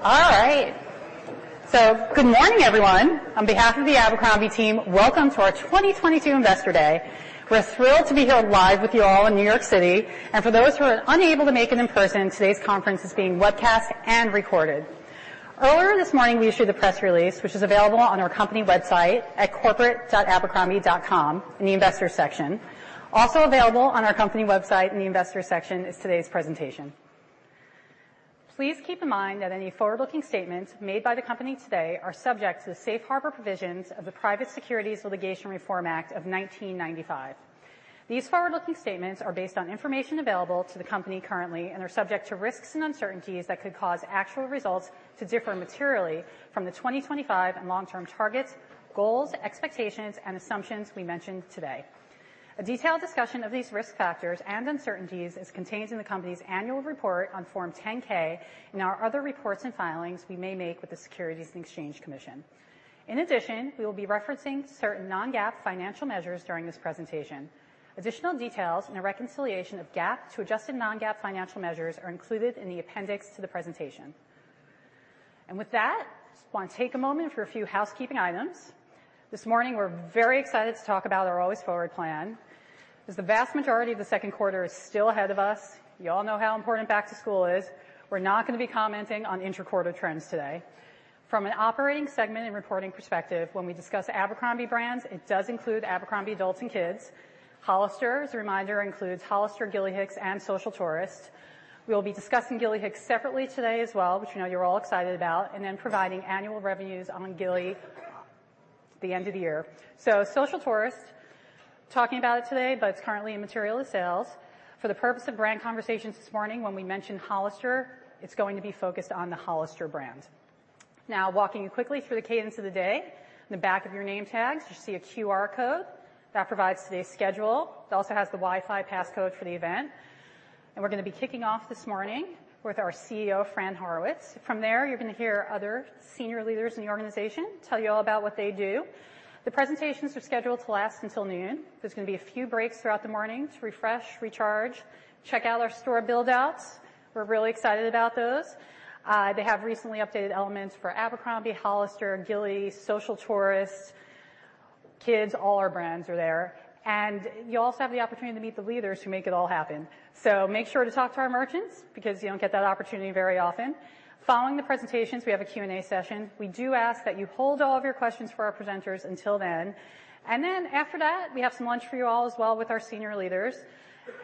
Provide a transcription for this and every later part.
All right. Good morning, everyone. On behalf of the Abercrombie team, welcome to our 2022 Investor Day. We're thrilled to be here live with you all in New York City. For those who are unable to make it in person, today's conference is being webcast and recorded. Earlier this morning, we issued a press release, which is available on our company website at corporate.abercrombie.com in the investor section. Also available on our company website in the investor section is today's presentation. Please keep in mind that any forward-looking statements made by the company today are subject to the safe harbor provisions of the Private Securities Litigation Reform Act of 1995. These forward-looking statements are based on information available to the company currently and are subject to risks and uncertainties that could cause actual results to differ materially from the 2025 and long-term targets, goals, expectations, and assumptions we mention today. A detailed discussion of these risk factors and uncertainties is contained in the company's annual report on Form 10-K and our other reports and filings we may make with the Securities and Exchange Commission. In addition, we will be referencing certain non-GAAP financial measures during this presentation. Additional details and a reconciliation of GAAP to adjusted non-GAAP financial measures are included in the appendix to the presentation. With that, just wanna take a moment for a few housekeeping items. This morning, we're very excited to talk about our Always Forward Plan. As the vast majority of the second quarter is still ahead of us, you all know how important back to school is, we're not gonna be commenting on intra-quarter trends today. From an operating segment and reporting perspective, when we discuss Abercrombie brands, it does include Abercrombie Adults and Kids. Hollister, as a reminder, includes Hollister, Gilly Hicks, and Social Tourist. We'll be discussing Gilly Hicks separately today as well, which I know you're all excited about, and then providing annual revenues on Gilly at the end of the year. Social Tourist, talking about it today, but it's currently immaterial to sales. For the purpose of brand conversations this morning, when we mention Hollister, it's going to be focused on the Hollister brand. Now, walking you quickly through the cadence of the day. In the back of your name tags, you see a QR code that provides today's schedule. It also has the Wi-Fi passcode for the event. We're gonna be kicking off this morning with our CEO, Fran Horowitz. From there, you're gonna hear other senior leaders in the organization tell you all about what they do. The presentations are scheduled to last until noon. There's gonna be a few breaks throughout the morning to refresh, recharge, check out our store build-outs. We're really excited about those. They have recently updated elements for Abercrombie, Hollister, Gilly, Social Tourist, kids, all our brands are there. You also have the opportunity to meet the leaders who make it all happen. Make sure to talk to our merchants because you don't get that opportunity very often. Following the presentations, we have a Q&A session. We do ask that you hold all of your questions for our presenters until then. Then after that, we have some lunch for you all as well with our senior leaders.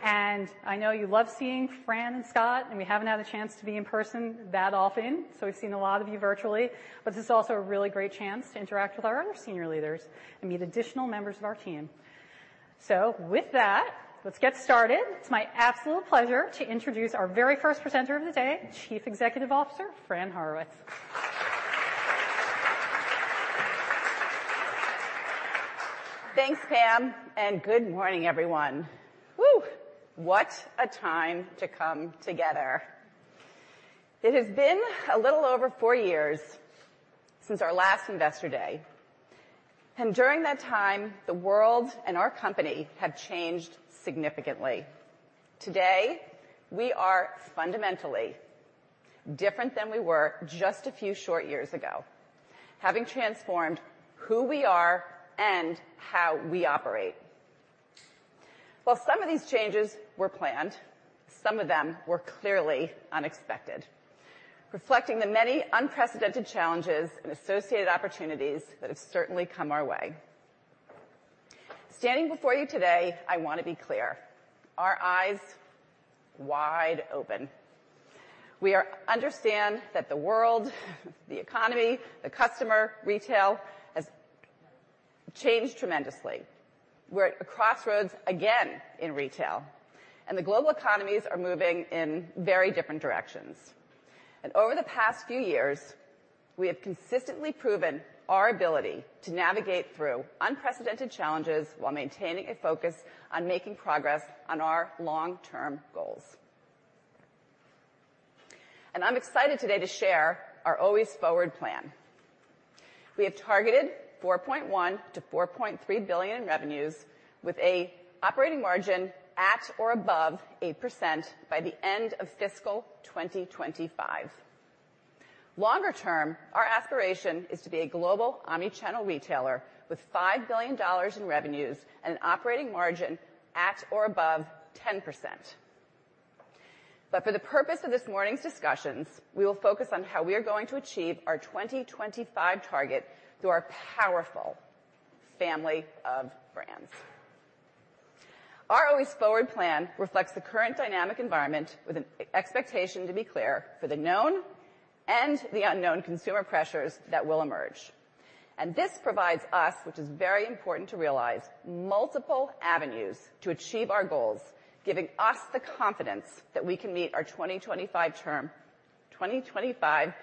I know you love seeing Fran and Scott, and we haven't had a chance to be in person that often, so we've seen a lot of you virtually. This is also a really great chance to interact with our other senior leaders and meet additional members of our team. With that, let's get started. It's my absolute pleasure to introduce our very first presenter of the day, Chief Executive Officer, Fran Horowitz. Thanks, Pam, and good morning, everyone. What a time to come together. It has been a little over four years since our last Investor Day, and during that time, the world and our company have changed significantly. Today, we are fundamentally different than we were just a few short years ago, having transformed who we are and how we operate. While some of these changes were planned, some of them were clearly unexpected, reflecting the many unprecedented challenges and associated opportunities that have certainly come our way. Standing before you today, I wanna be clear, our eyes wide open. We understand that the world, the economy, the customer, retail has changed tremendously. We're at a crossroads again in retail, and the global economies are moving in very different directions. Over the past few years, we have consistently proven our ability to navigate through unprecedented challenges while maintaining a focus on making progress on our long-term goals. I'm excited today to share our Always Forward Plan. We have targeted $4.1 billion to $4.3 billion in revenues with an operating margin at or above 8% by the end of fiscal 2025. Longer term, our aspiration is to be a global omnichannel retailer with $5 billion in revenues and an operating margin at or above 10%. For the purpose of this morning's discussions, we will focus on how we are going to achieve our 2025 target through our powerful family of brands. Our Always Forward Plan reflects the current dynamic environment with an expectation, to be clear, for the known and the unknown consumer pressures that will emerge. This provides us, which is very important to realize, multiple avenues to achieve our goals, giving us the confidence that we can meet our 2025 term—2025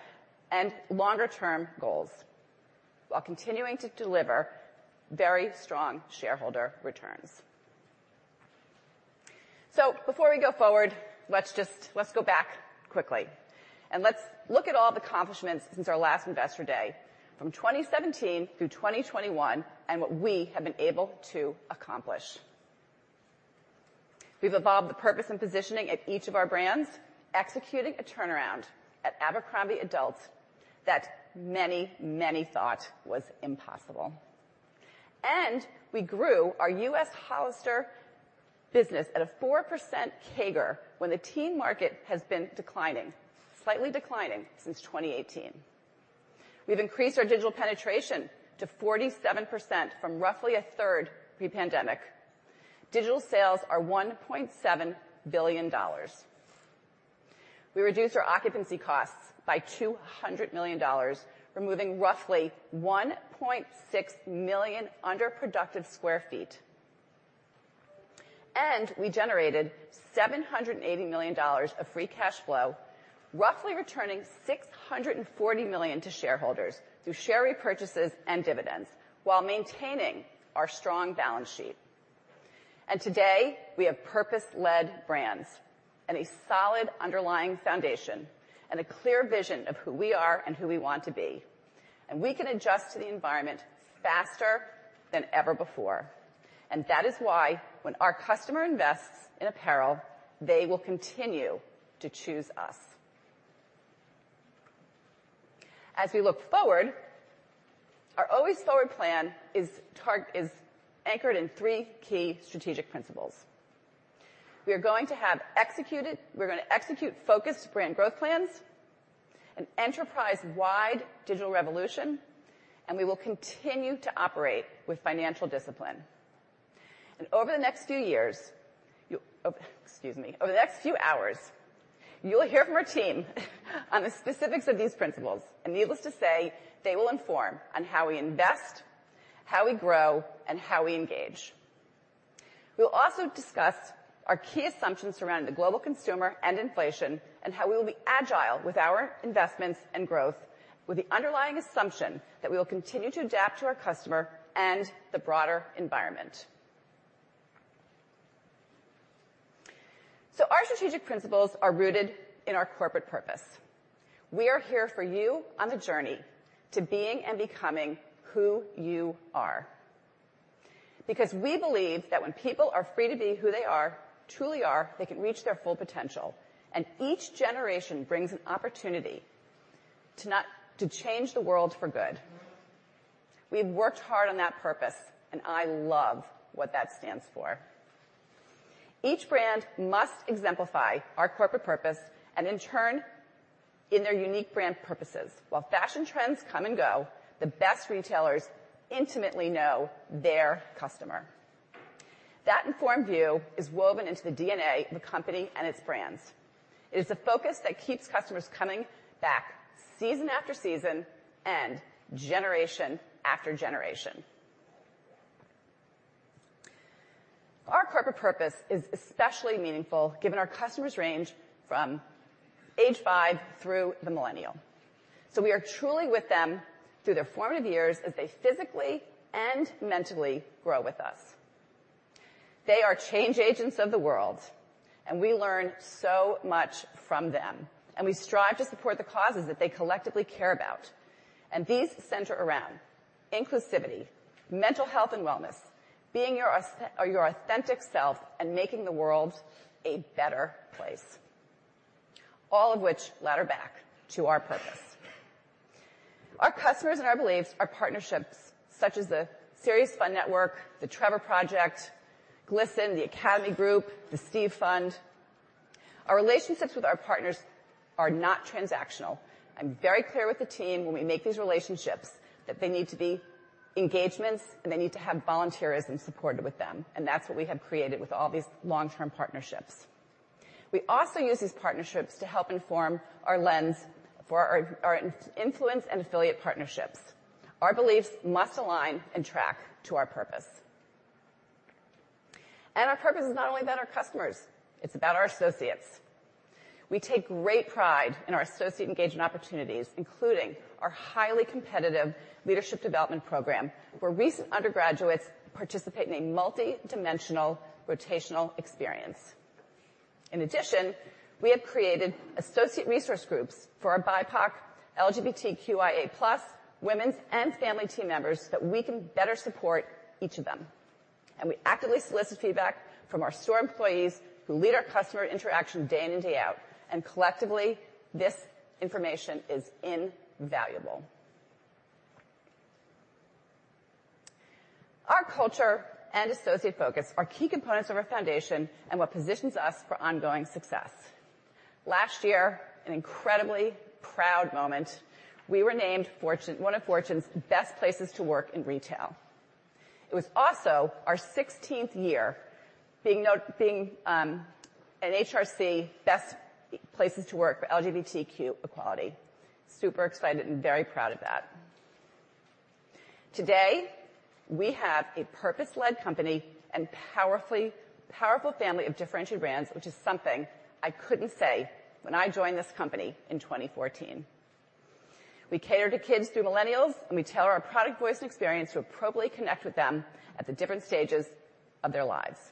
and longer term goals while continuing to deliver very strong shareholder returns. Before we go forward, let's go back quickly, and let's look at all the accomplishments since our last Investor Day, from 2017 through 2021, and what we have been able to accomplish. We've evolved the purpose and positioning at each of our brands, executing a turnaround at Abercrombie Adults that many, many thought was impossible. We grew our U.S. Hollister business at a 4% CAGR when the teen market has been declining, slightly declining since 2018. We've increased our digital penetration to 47% from roughly a third pre-pandemic. Digital sales are $1.7 billion. We reduced our occupancy costs by $200 million, removing roughly 1.6 million underproductive sq ft. We generated $780 million of free cash flow, roughly returning $640 million to shareholders through share repurchases and dividends while maintaining our strong balance sheet. Today, we have purpose-led brands and a solid underlying foundation and a clear vision of who we are and who we want to be. We can adjust to the environment faster than ever before. That is why when our customer invests in apparel, they will continue to choose us. As we look forward, our Always Forward Plan is targeted, is anchored in three key strategic principles. We're gonna execute focused brand growth plans, an enterprise-wide digital revolution, and we will continue to operate with financial discipline. Over the next few hours, you'll hear from our team on the specifics of these principles, and needless to say, they will inform on how we invest, how we grow, and how we engage. We'll also discuss our key assumptions around the global consumer and inflation and how we will be agile with our investments and growth with the underlying assumption that we will continue to adapt to our customer and the broader environment. Our strategic principles are rooted in our corporate purpose. We are here for you on the journey to being and becoming who you are. Because we believe that when people are free to be who they are, truly are, they can reach their full potential, and each generation brings an opportunity to change the world for good. We've worked hard on that purpose, and I love what that stands for. Each brand must exemplify our corporate purpose and in turn in their unique brand purposes. While fashion trends come and go, the best retailers intimately know their customer. That informed view is woven into the DNA of the company and its brands. It is the focus that keeps customers coming back season after season and generation after generation. Our corporate purpose is especially meaningful given our customers range from age five through the millennial. We are truly with them through their formative years as they physically and mentally grow with us. They are change agents of the world, and we learn so much from them, and we strive to support the causes that they collectively care about. These center around inclusivity, mental health and wellness, being your authentic self, and making the world a better place, all of which ladder back to our purpose. Our customers and our beliefs are partnerships such as the SeriousFun Children's Network, The Trevor Project, GLSEN, The Academy Group, The Steve Fund. Our relationships with our partners are not transactional. I'm very clear with the team when we make these relationships that they need to be engagements, and they need to have volunteerism supported with them, and that's what we have created with all these long-term partnerships. We also use these partnerships to help inform our lens for our influence and affiliate partnerships. Our beliefs must align and track to our purpose. Our purpose is not only about our customers, it's about our associates. We take great pride in our associate engagement opportunities, including our highly competitive leadership development program, where recent undergraduates participate in a multidimensional rotational experience. In addition, we have created associate resource groups for our BIPOC, LGBTQIA+, women's and family team members so that we can better support each of them. We actively solicit feedback from our store employees who lead our customer interaction day in and day out, and collectively, this information is invaluable. Our culture and associate focus are key components of our foundation and what positions us for ongoing success. Last year, an incredibly proud moment, we were named Fortune one of Fortune's best places to work in retail. It was also our 16th year being an HRC Best Places to Work for LGBTQ+ Equality. Super excited and very proud of that. Today, we have a purpose-led company and powerful family of differentiated brands, which is something I couldn't say when I joined this company in 2014. We cater to kids through millennials, and we tailor our product voice and experience to appropriately connect with them at the different stages of their lives.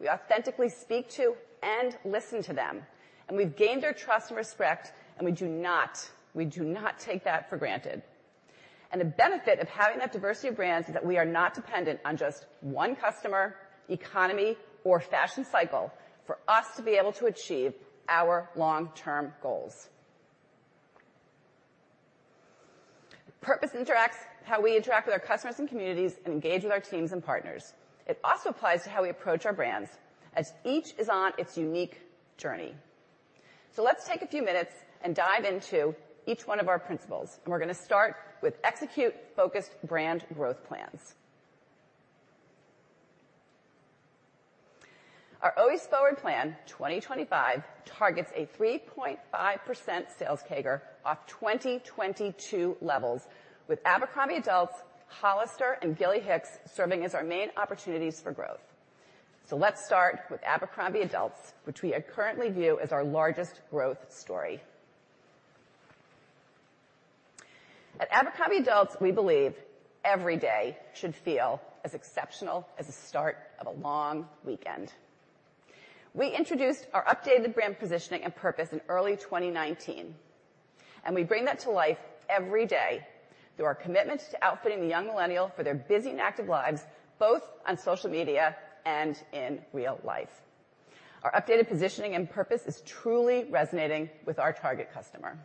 We authentically speak to and listen to them, and we've gained their trust and respect, and we do not take that for granted. The benefit of having that diversity of brands is that we are not dependent on just one customer, economy, or fashion cycle for us to be able to achieve our long-term goals. Purpose interacts how we interact with our customers and communities and engage with our teams and partners. It also applies to how we approach our brands as each is on its unique journey. Let's take a few minutes and dive into each one of our principles, and we're gonna start with execute focused brand growth plans. Our Always Forward Plan 2025 targets a 3.5% sales CAGR off 2022 levels, with Abercrombie Adults, Hollister, and Gilly Hicks serving as our main opportunities for growth. Let's start with Abercrombie Adults, which we currently view as our largest growth story. At Abercrombie Adults, we believe every day should feel as exceptional as the start of a long weekend. We introduced our updated brand positioning and purpose in early 2019, and we bring that to life every day through our commitment to outfitting the young millennial for their busy and active lives, both on social media and in real life. Our updated positioning and purpose is truly resonating with our target customer.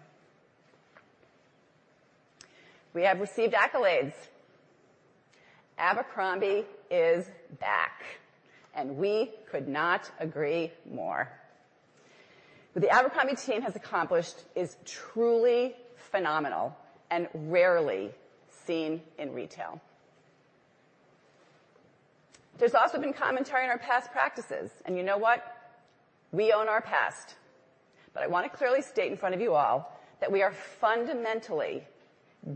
We have received accolades. Abercrombie is back, and we could not agree more. What the Abercrombie team has accomplished is truly phenomenal and rarely seen in retail. There's also been commentary on our past practices, and you know what? We own our past, but I wanna clearly state in front of you all that we are fundamentally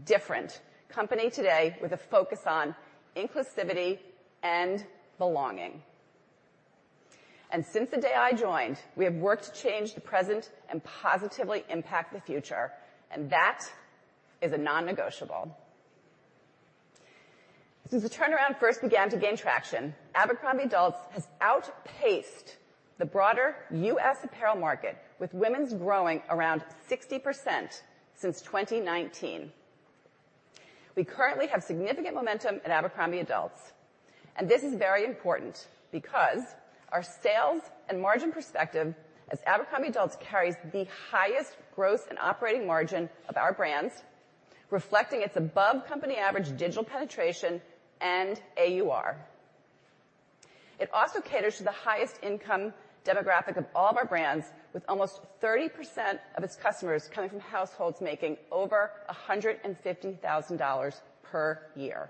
different company today with a focus on inclusivity and belonging. Since the day I joined, we have worked to change the present and positively impact the future, and that is a non-negotiable. Since the turnaround first began to gain traction, Abercrombie Adults has outpaced the broader U.S. apparel market, with women's growing around 60% since 2019. We currently have significant momentum at Abercrombie Adults, and this is very important because our sales and margin perspective as Abercrombie Adults carries the highest growth and operating margin of our brands, reflecting its above company average digital penetration and AUR. It also caters to the highest income demographic of all of our brands, with almost 30% of its customers coming from households making over $150,000 per year.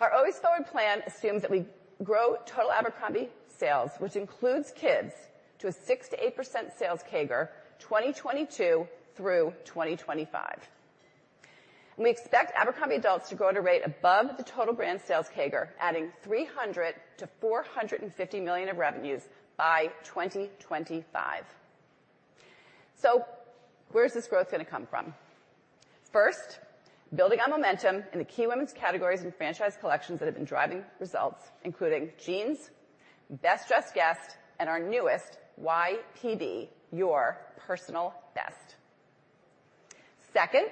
Our Always Forward Plan assumes that we grow total Abercrombie sales, which includes kids, to a 6% to 8% sales CAGR, 2022 through 2025. We expect Abercrombie Adults to grow at a rate above the total brand sales CAGR, adding $300 million to $450 million of revenues by 2025. Where is this growth gonna come from? First, building on momentum in the key women's categories and franchise collections that have been driving results, including jeans, Best Dressed Guest, and our newest, YPB, Your Personal Best. Second,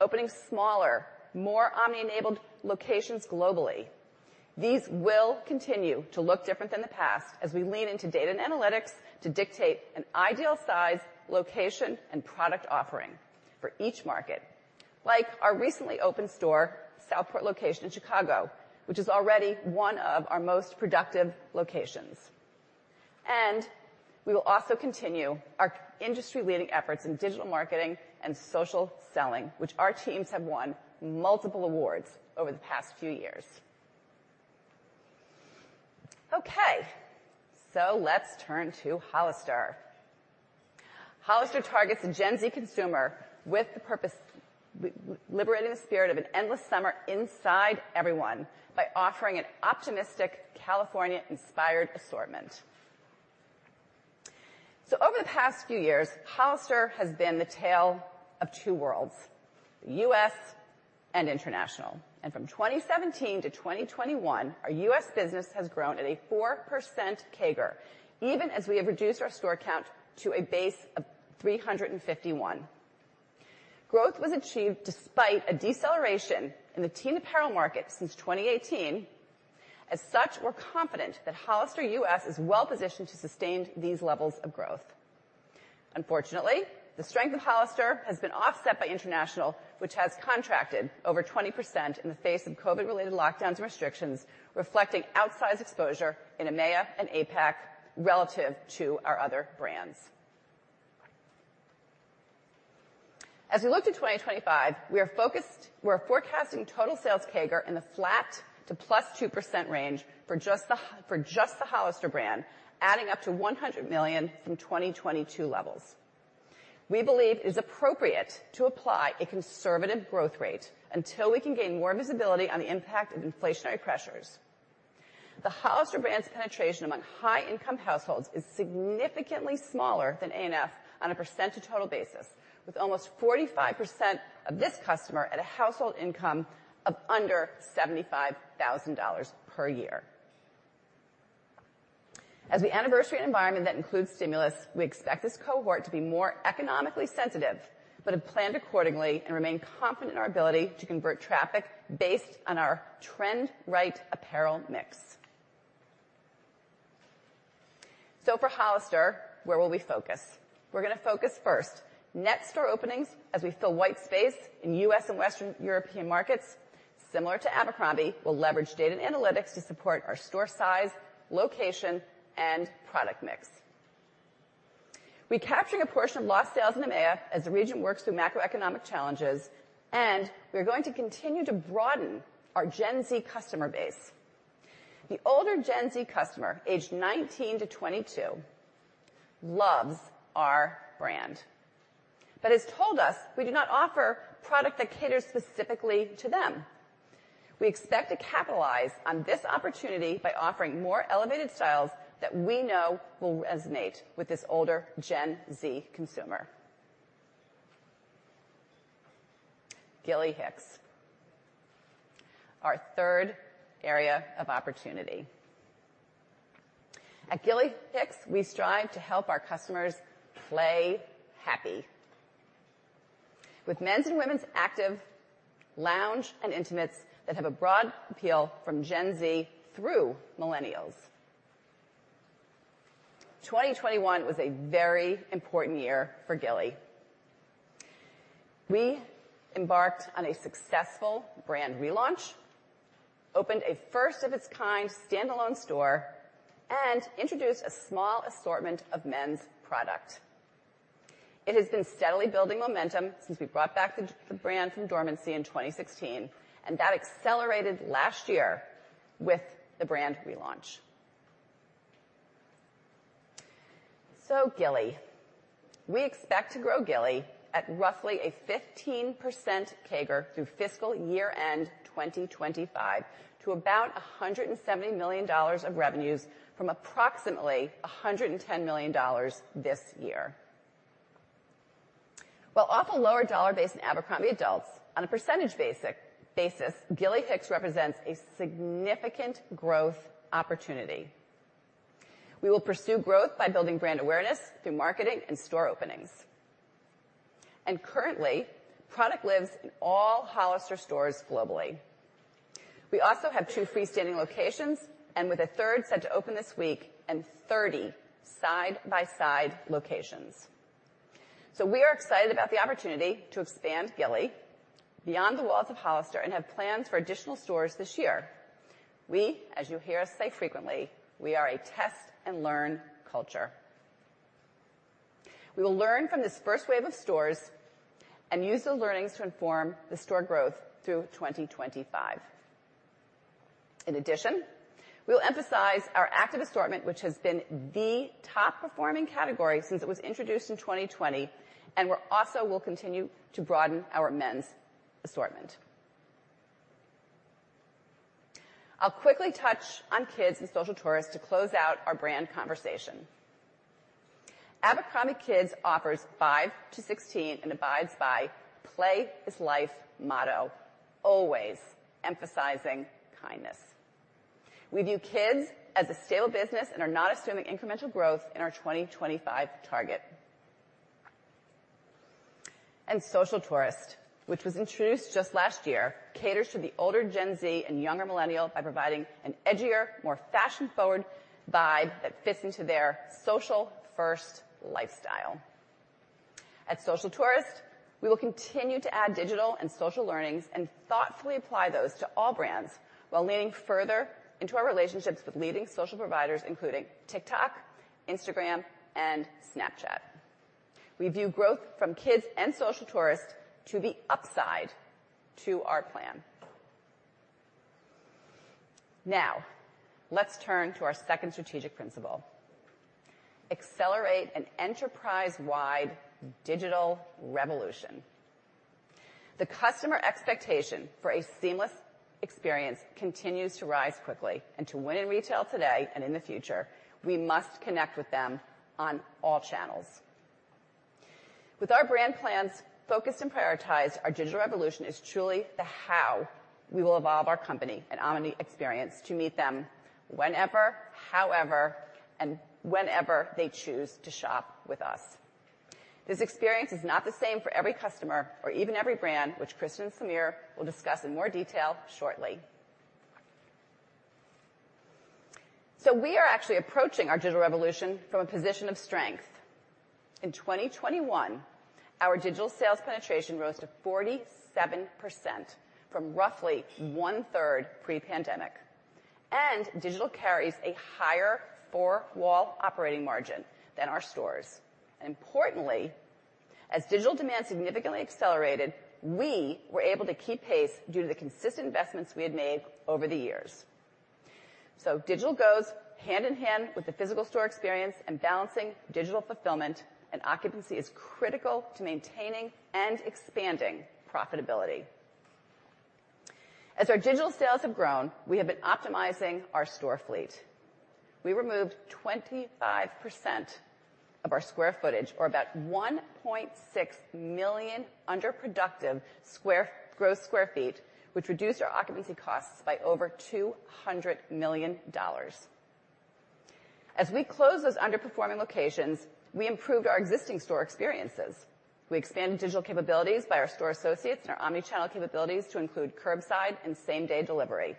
opening smaller, more omni-enabled locations globally. These will continue to look different than the past as we lean into data and analytics to dictate an ideal size, location, and product offering for each market. Like our recently opened store, Southport location in Chicago, which is already one of our most productive locations. We will also continue our industry-leading efforts in digital marketing and social selling, which our teams have won multiple awards over the past few years. Okay, let's turn to Hollister. Hollister targets the Gen Z consumer with the purpose liberating the spirit of an endless summer inside everyone by offering an optimistic California-inspired assortment. Over the past few years, Hollister has been the tale of two worlds, U.S. and international. From 2017 to 2021, our U.S. business has grown at a 4% CAGR, even as we have reduced our store count to a base of 351. Growth was achieved despite a deceleration in the teen apparel market since 2018. As such, we're confident that Hollister U.S. is well-positioned to sustain these levels of growth. Unfortunately, the strength of Hollister has been offset by international, which has contracted over 20% in the face of COVID-related lockdowns and restrictions, reflecting outsized exposure in EMEA and APAC relative to our other brands. As we look to 2025, we're forecasting total sales CAGR in the flat to +2% range for just the Hollister brand, adding up to $100 million from 2022 levels. We believe it is appropriate to apply a conservative growth rate until we can gain more visibility on the impact of inflationary pressures. The Hollister brand's penetration among high-income households is significantly smaller than ANF on a percent to total basis, with almost 45% of this customer at a household income of under $75,000 per year. As we anniversary an environment that includes stimulus, we expect this cohort to be more economically sensitive, but have planned accordingly and remain confident in our ability to convert traffic based on our trend right apparel mix. For Hollister, where will we focus? We're gonna focus first, net store openings as we fill white space in U.S. and Western European markets. Similar to Abercrombie, we'll leverage data and analytics to support our store size, location, and product mix. We're capturing a portion of lost sales in EMEA as the region works through macroeconomic challenges, and we're going to continue to broaden our Gen Z customer base. The older Gen Z customer, aged 19 to 22, loves our brand, but has told us we do not offer product that caters specifically to them. We expect to capitalize on this opportunity by offering more elevated styles that we know will resonate with this older Gen Z consumer. Gilly Hicks, our third area of opportunity. At Gilly Hicks, we strive to help our customers play happy with men's and women's active, lounge, and intimates that have a broad appeal from Gen Z through millennials. 2021 was a very important year for Gilly. We embarked on a successful brand relaunch, opened a first of its kind standalone store, and introduced a small assortment of men's product. It has been steadily building momentum since we brought back the brand from dormancy in 2016, and that accelerated last year with the brand relaunch. Gilly, we expect to grow Gilly at roughly a 15% CAGR through fiscal year-end 2025 to about $170 million of revenues from approximately $110 million this year. While off a lower dollar base in Abercrombie adults on a percentage basis, Gilly Hicks represents a significant growth opportunity. We will pursue growth by building brand awareness through marketing and store openings. Currently, product lives in all Hollister stores globally. We also have two freestanding locations, and with a third set to open this week and 30 side-by-side locations. We are excited about the opportunity to expand Gilly Hicks beyond the walls of Hollister and have plans for additional stores this year. We, as you hear us say frequently, we are a test and learn culture. We will learn from this first wave of stores and use those learnings to inform the store growth through 2025. In addition, we'll emphasize our active assortment, which has been the top performing category since it was introduced in 2020, and we'll also continue to broaden our men's assortment. I'll quickly touch on Kids and Social Tourist to close out our brand conversation. abercrombie kids offers 5 to 16 and abides by play is life motto, always emphasizing kindness. We view Kids as a stable business and are not assuming incremental growth in our 2025 target. Social Tourist, which was introduced just last year, caters to the older Gen Z and younger millennial by providing an edgier, more fashion-forward vibe that fits into their social-first lifestyle. At Social Tourist, we will continue to add digital and social learnings and thoughtfully apply those to all brands while leaning further into our relationships with leading social providers, including TikTok, Instagram, and Snapchat. We view growth from Kids and Social Tourist to be upside to our plan. Now, let's turn to our second strategic principle, accelerate an enterprise-wide digital revolution. The customer expectation for a seamless experience continues to rise quickly. To win in retail today and in the future, we must connect with them on all channels. With our brand plans focused and prioritized, our digital revolution is truly the how we will evolve our company and omni experience to meet them whenever, however, and wherever they choose to shop with us. This experience is not the same for every customer or even every brand, which Kristin and Samir will discuss in more detail shortly. We are actually approaching our digital revolution from a position of strength. In 2021, our digital sales penetration rose to 47% from roughly 1/3 pre-pandemic, and digital carries a higher four-wall operating margin than our stores. Importantly, as digital demand significantly accelerated, we were able to keep pace due to the consistent investments we had made over the years. Digital goes hand in hand with the physical store experience, and balancing digital fulfillment and occupancy is critical to maintaining and expanding profitability. As our digital sales have grown, we have been optimizing our store fleet. We removed 25% of our square footage or about 1.6 million underproductive square footage, which reduced our occupancy costs by over $200 million. As we close those underperforming locations, we improved our existing store experiences. We expanded digital capabilities by our store associates and our omni-channel capabilities to include curbside and same-day delivery.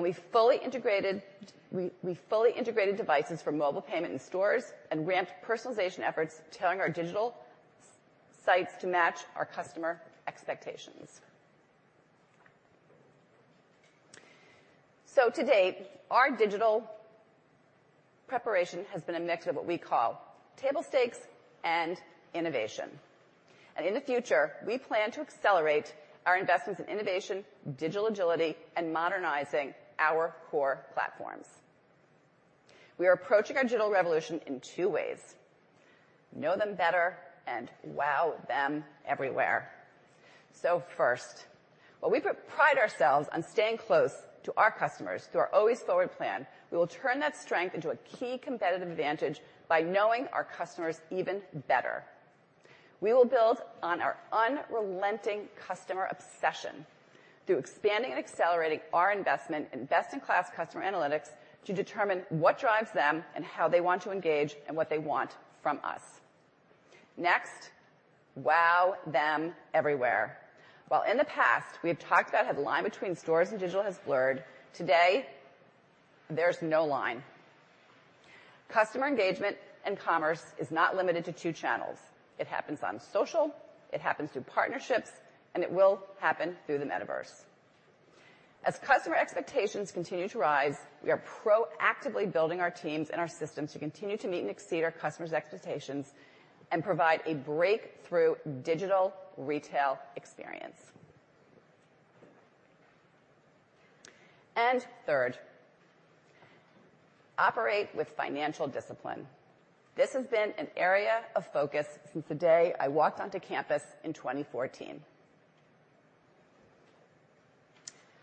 We fully integrated devices for mobile payment in stores and ramped personalization efforts, telling our digital sites to match our customer expectations. To date, our digital preparation has been a mix of what we call table stakes and innovation. In the future, we plan to accelerate our investments in innovation, digital agility, and modernizing our core platforms. We are approaching our digital revolution in two ways. Know them better and wow them everywhere. First, while we pride ourselves on staying close to our customers through our Always Forward Plan, we will turn that strength into a key competitive advantage by knowing our customers even better. We will build on our unrelenting customer obsession through expanding and accelerating our investment in best-in-class customer analytics to determine what drives them and how they want to engage and what they want from us. Next, wow them everywhere. While in the past, we have talked about how the line between stores and digital has blurred, today there's no line. Customer engagement and commerce is not limited to two channels. It happens on social, it happens through partnerships, and it will happen through the metaverse. As customer expectations continue to rise, we are proactively building our teams and our systems to continue to meet and exceed our customers' expectations and provide a breakthrough digital retail experience. Third, operate with financial discipline. This has been an area of focus since the day I walked onto campus in 2014.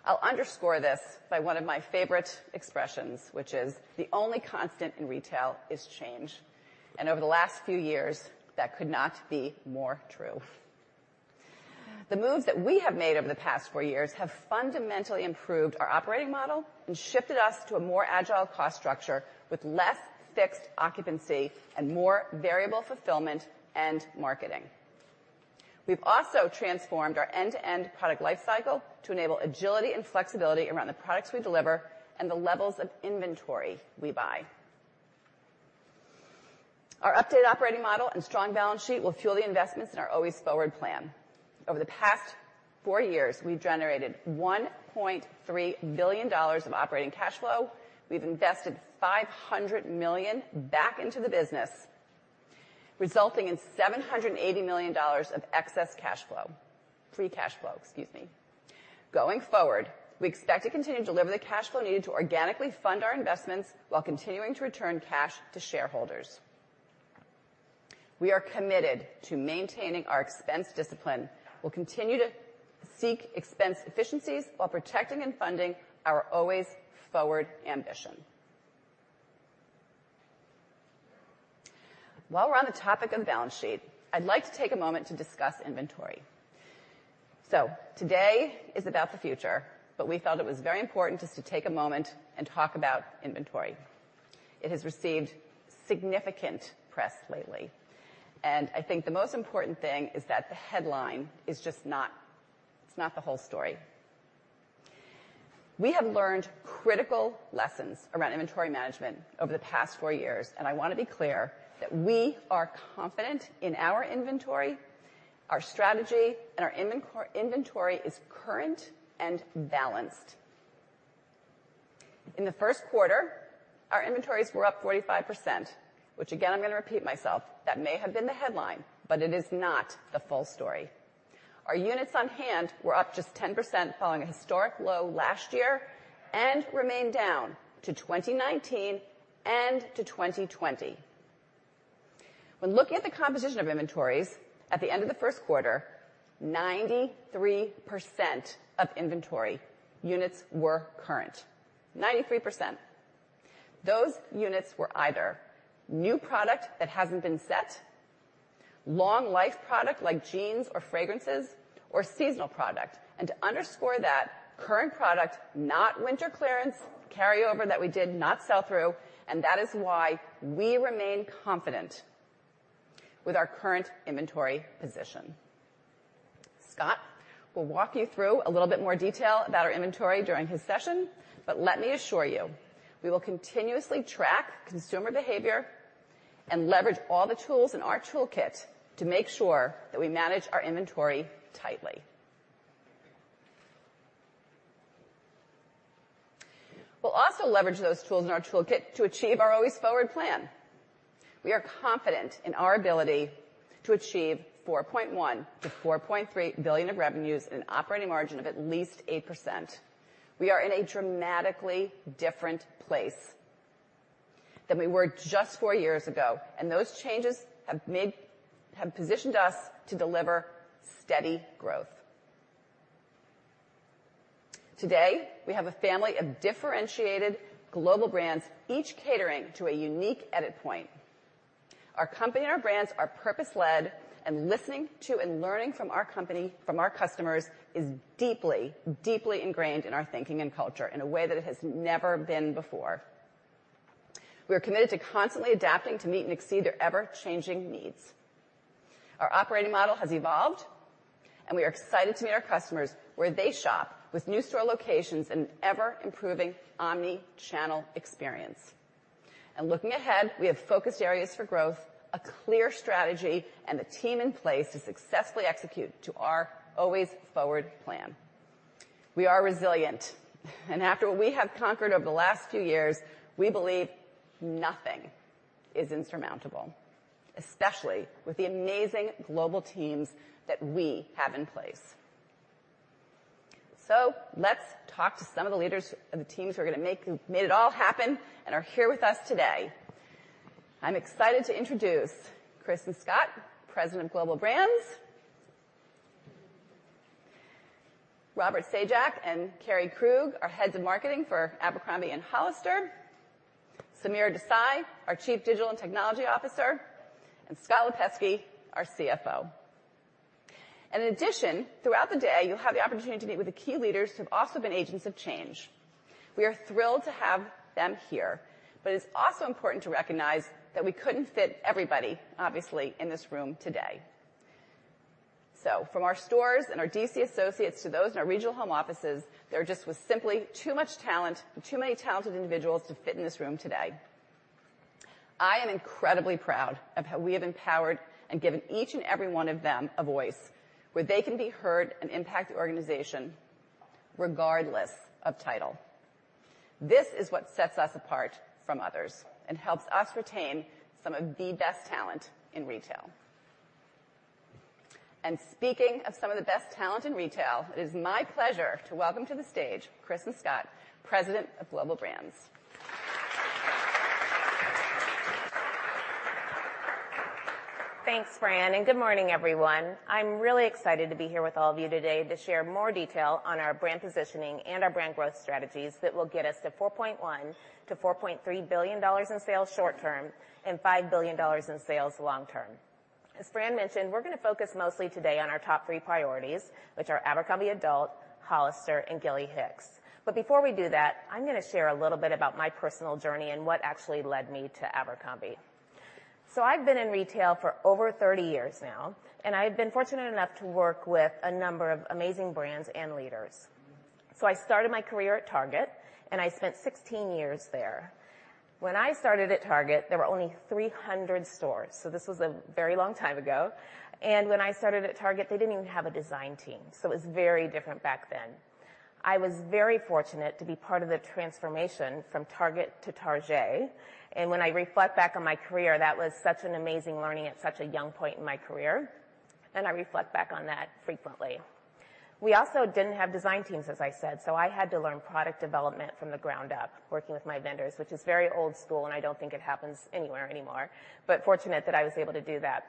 I'll underscore this by one of my favorite expressions, which is, "The only constant in retail is change." Over the last few years, that could not be more true. The moves that we have made over the past four years have fundamentally improved our operating model and shifted us to a more agile cost structure with less fixed occupancy and more variable fulfillment and marketing. We've also transformed our end-to-end product life cycle to enable agility and flexibility around the products we deliver and the levels of inventory we buy. Our updated operating model and strong balance sheet will fuel the investments in our Always Forward Plan. Over the past four years, we've generated $1.3 billion of operating cash flow. We've invested $500 million back into the business, resulting in $780 million of excess cash flow. Free cash flow, excuse me. Going forward, we expect to continue to deliver the cash flow needed to organically fund our investments while continuing to return cash to shareholders. We are committed to maintaining our expense discipline. We'll continue to seek expense efficiencies while protecting and funding our Always Forward ambition. While we're on the topic of balance sheet, I'd like to take a moment to discuss inventory. Today is about the future, but we felt it was very important just to take a moment and talk about inventory. It has received significant press lately, and I think the most important thing is that the headline is not the whole story. We have learned critical lessons around inventory management over the past four years, and I want to be clear that we are confident in our inventory, our strategy, and our inventory is current and balanced. In the first quarter, our inventories were up 45%, which again, I'm gonna repeat myself, that may have been the headline, but it is not the full story. Our units on hand were up just 10% following a historic low last year and remain down to 2019 and to 2020. When looking at the composition of inventories at the end of the first quarter, 93% of inventory units were current. 93%. Those units were either new product that hasn't been set, long life product like jeans or fragrances or seasonal product. To underscore that, current product, not winter clearance, carryover that we did not sell through, and that is why we remain confident with our current inventory position. Scott will walk you through a little bit more detail about our inventory during his session, but let me assure you, we will continuously track consumer behavior and leverage all the tools in our toolkit to make sure that we manage our inventory tightly. We'll also leverage those tools in our toolkit to achieve our Always Forward Plan. We are confident in our ability to achieve $4.1 billion to $4.3 billion of revenues and an operating margin of at least 8%. We are in a dramatically different place than we were just four years ago, and those changes have positioned us to deliver steady growth. Today, we have a family of differentiated global brands, each catering to a unique edit point. Our company and our brands are purpose-led and listening to and learning from our company, from our customers is deeply ingrained in our thinking and culture in a way that it has never been before. We are committed to constantly adapting to meet and exceed their ever-changing needs. Our operating model has evolved, and we are excited to meet our customers where they shop with new store locations and ever-improving omni-channel experience. Looking ahead, we have focused areas for growth, a clear strategy, and a team in place to successfully execute to our Always Forward Plan. We are resilient, and after what we have conquered over the last few years, we believe nothing is insurmountable, especially with the amazing global teams that we have in place. Let's talk to some of the leaders of the teams who made it all happen and are here with us today. I'm excited to introduce Kristin Scott, President of Global Brands. Robert Zajac and Carey Krug, our Heads of Marketing for Abercrombie and Hollister. Samir Desai, our Chief Digital and Technology Officer, and Scott Lipesky, our CFO. In addition, throughout the day, you'll have the opportunity to meet with the key leaders who have also been agents of change. We are thrilled to have them here, but it's also important to recognize that we couldn't fit everybody, obviously, in this room today. From our stores and our DC associates to those in our regional home offices, there just was simply too much talent and too many talented individuals to fit in this room today. I am incredibly proud of how we have empowered and given each and every one of them a voice where they can be heard and impact the organization regardless of title. This is what sets us apart from others and helps us retain some of the best talent in retail. Speaking of some of the best talent in retail, it is my pleasure to welcome to the stage Kristin Scott, President of Global Brands. Thanks, Fran, and good morning, everyone. I'm really excited to be here with all of you today to share more detail on our brand positioning and our brand growth strategies that will get us to $4.1 billion to $4.3 billion in sales short term and $5 billion in sales long term. As Fran mentioned, we're gonna focus mostly today on our top three priorities, which are Abercrombie adults, Hollister, and Gilly Hicks. Before we do that, I'm gonna share a little bit about my personal journey and what actually led me to Abercrombie. I've been in retail for over 30 years now, and I've been fortunate enough to work with a number of amazing brands and leaders. I started my career at Target, and I spent 16 years there. When I started at Target, there were only 300 stores, so this was a very long time ago. When I started at Target, they didn't even have a design team, so it was very different back then. I was very fortunate to be part of the transformation from Target to Target. When I reflect back on my career, that was such an amazing learning at such a young point in my career, and I reflect back on that frequently. We also didn't have design teams, as I said, so I had to learn product development from the ground up working with my vendors, which is very old school, and I don't think it happens anywhere anymore, but fortunate that I was able to do that.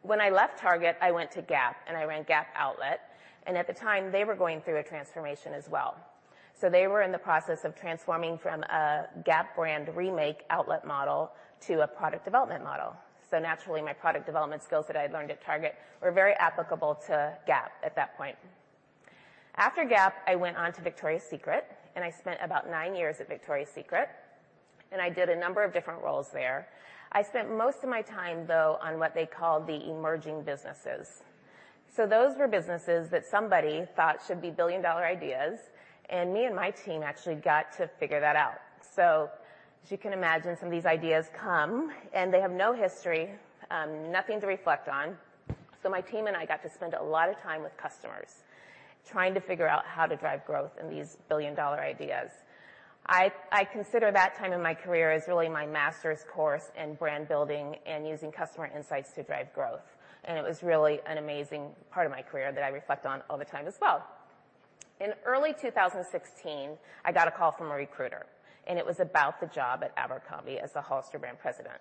When I left Target, I went to Gap, and I ran Gap Outlet, and at the time, they were going through a transformation as well. They were in the process of transforming from a Gap brand remake outlet model to a product development model. Naturally, my product development skills that I had learned at Target were very applicable to Gap at that point. After Gap, I went on to Victoria's Secret, and I spent about nine years at Victoria's Secret, and I did a number of different roles there. I spent most of my time, though, on what they called the emerging businesses. Those were businesses that somebody thought should be billion-dollar ideas, and me and my team actually got to figure that out. As you can imagine, some of these ideas come, and they have no history, nothing to reflect on. My team and I got to spend a lot of time with customers trying to figure out how to drive growth in these billion-dollar ideas. I consider that time in my career as really my master's course in brand building and using customer insights to drive growth, and it was really an amazing part of my career that I reflect on all the time as well. In early 2016, I got a call from a recruiter, and it was about the job at Abercrombie as the Hollister brand president.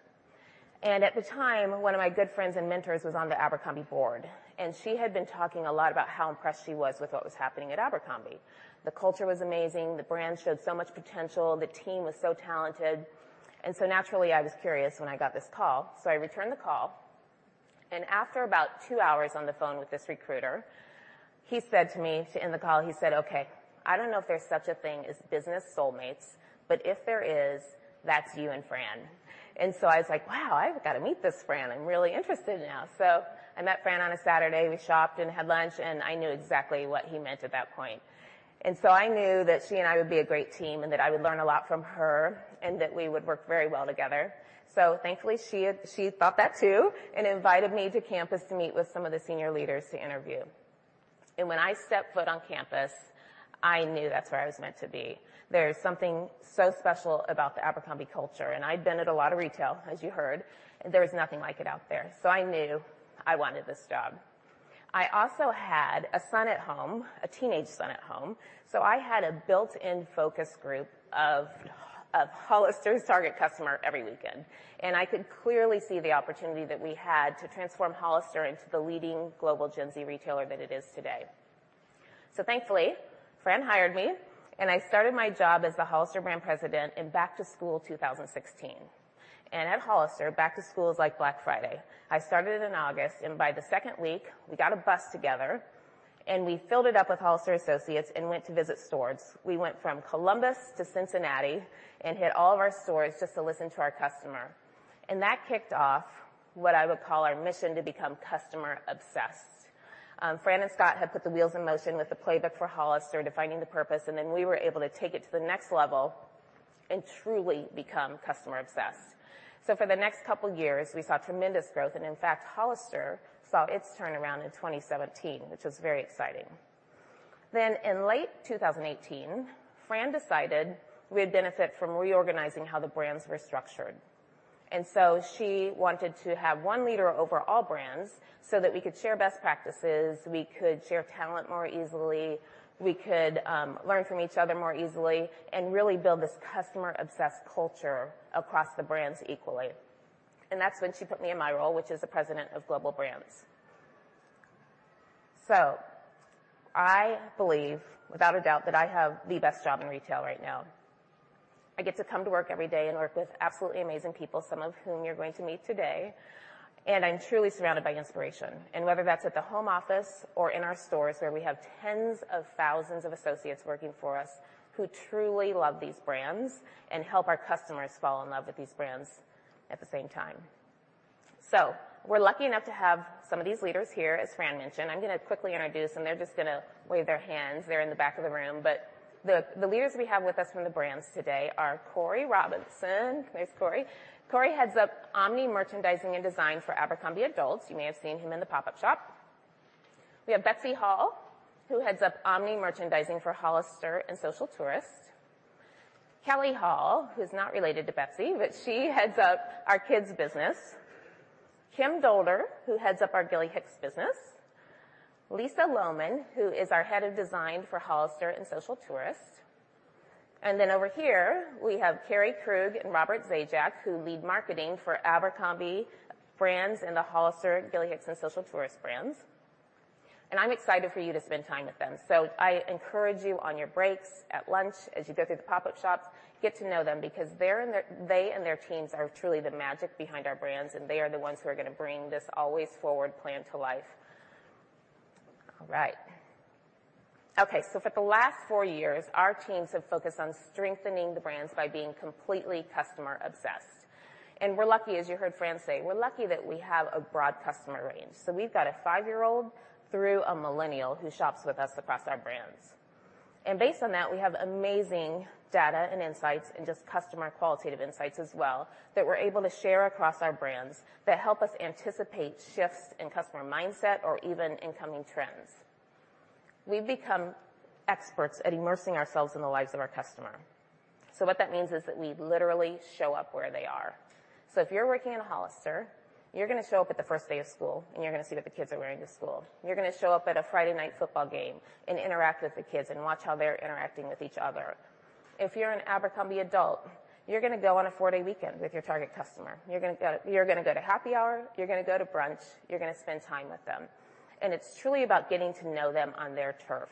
At the time, one of my good friends and mentors was on the Abercrombie board, and she had been talking a lot about how impressed she was with what was happening at Abercrombie. The culture was amazing. The brand showed so much potential. The team was so talented. Naturally, I was curious when I got this call. I returned the call, and after about two hours on the phone with this recruiter, he said to me, to end the call, he said, "Okay, I don't know if there's such a thing as business soulmates, but if there is, that's you and Fran." I was like, "Wow, I've got to meet this Fran. I'm really interested now." I met Fran on a Saturday. We shopped and had lunch, and I knew exactly what he meant at that point. I knew that she and I would be a great team and that I would learn a lot from her and that we would work very well together. Thankfully, she thought that too and invited me to campus to meet with some of the senior leaders to interview. When I stepped foot on campus, I knew that's where I was meant to be. There is something so special about the Abercrombie culture, and I'd been at a lot of retail, as you heard, and there was nothing like it out there. I knew I wanted this job. I also had a son at home, a teenage son at home, so I had a built-in focus group of Hollister's target customer every weekend, and I could clearly see the opportunity that we had to transform Hollister into the leading global Gen Z retailer that it is today. Thankfully, Fran hired me, and I started my job as the Hollister brand president in back-to-school 2016. At Hollister, back-to-school is like Black Friday. I started in August, and by the second week we got a bus together, and we filled it up with Hollister associates and went to visit stores. We went from Columbus to Cincinnati and hit all of our stores just to listen to our customer. That kicked off what I would call our mission to become customer-obsessed. Fran and Scott had put the wheels in motion with the playbook for Hollister defining the purpose, and then we were able to take it to the next level and truly become customer-obsessed. For the next couple years, we saw tremendous growth, and in fact, Hollister saw its turnaround in 2017, which was very exciting. In late 2018, Fran decided we'd benefit from reorganizing how the brands were structured. She wanted to have one leader over all brands so that we could share best practices, we could share talent more easily, we could learn from each other more easily, and really build this customer-obsessed culture across the brands equally. That's when she put me in my role, which is the President of Global Brands. I believe, without a doubt, that I have the best job in retail right now. I get to come to work every day and work with absolutely amazing people, some of whom you're going to meet today, and I'm truly surrounded by inspiration. Whether that's at the home office or in our stores, where we have tens of thousands of associates working for us who truly love these brands and help our customers fall in love with these brands at the same time. We're lucky enough to have some of these leaders here, as Fran mentioned. I'm gonna quickly introduce them. They're just gonna wave their hands. They're in the back of the room. The leaders we have with us from the brands today are Corey Robinson. There's Corey. Corey heads up omni merchandising and design for Abercrombie Adults. You may have seen him in the pop-up shop. We have Betsy Hall, who heads up omni merchandising for Hollister and Social Tourist. Kelly Hall, who's not related to Betsy, but she heads up our kids business. Kim Dolder, who heads up our Gilly Hicks business. Lisa Lohman, who is our head of design for Hollister and Social Tourist. Over here we have Carey Krug and Robert Zajac, who lead marketing for Abercrombie brands and the Hollister, Gilly Hicks and Social Tourist brands. I'm excited for you to spend time with them. I encourage you on your breaks, at lunch, as you go through the pop-up shops, get to know them because they and their teams are truly the magic behind our brands, and they are the ones who are gonna bring this Always Forward Plan to life. All right. Okay, for the last four years, our teams have focused on strengthening the brands by being completely customer-obsessed. We're lucky, as you heard Fran say, that we have a broad customer range. We've got a five-year-old through a millennial who shops with us across our brands. Based on that, we have amazing data and insights and just customer qualitative insights as well that we're able to share across our brands that help us anticipate shifts in customer mindset or even incoming trends. We've become experts at immersing ourselves in the lives of our customer. What that means is that we literally show up where they are. If you're working in a Hollister, you're gonna show up at the first day of school, and you're gonna see what the kids are wearing to school. You're gonna show up at a Friday night football game and interact with the kids and watch how they're interacting with each other. If you're in Abercrombie Adults, you're gonna go on a four-day weekend with your target customer. You're gonna go, you're gonna go to happy hour, you're gonna go to brunch, you're gonna spend time with them. It's truly about getting to know them on their turf.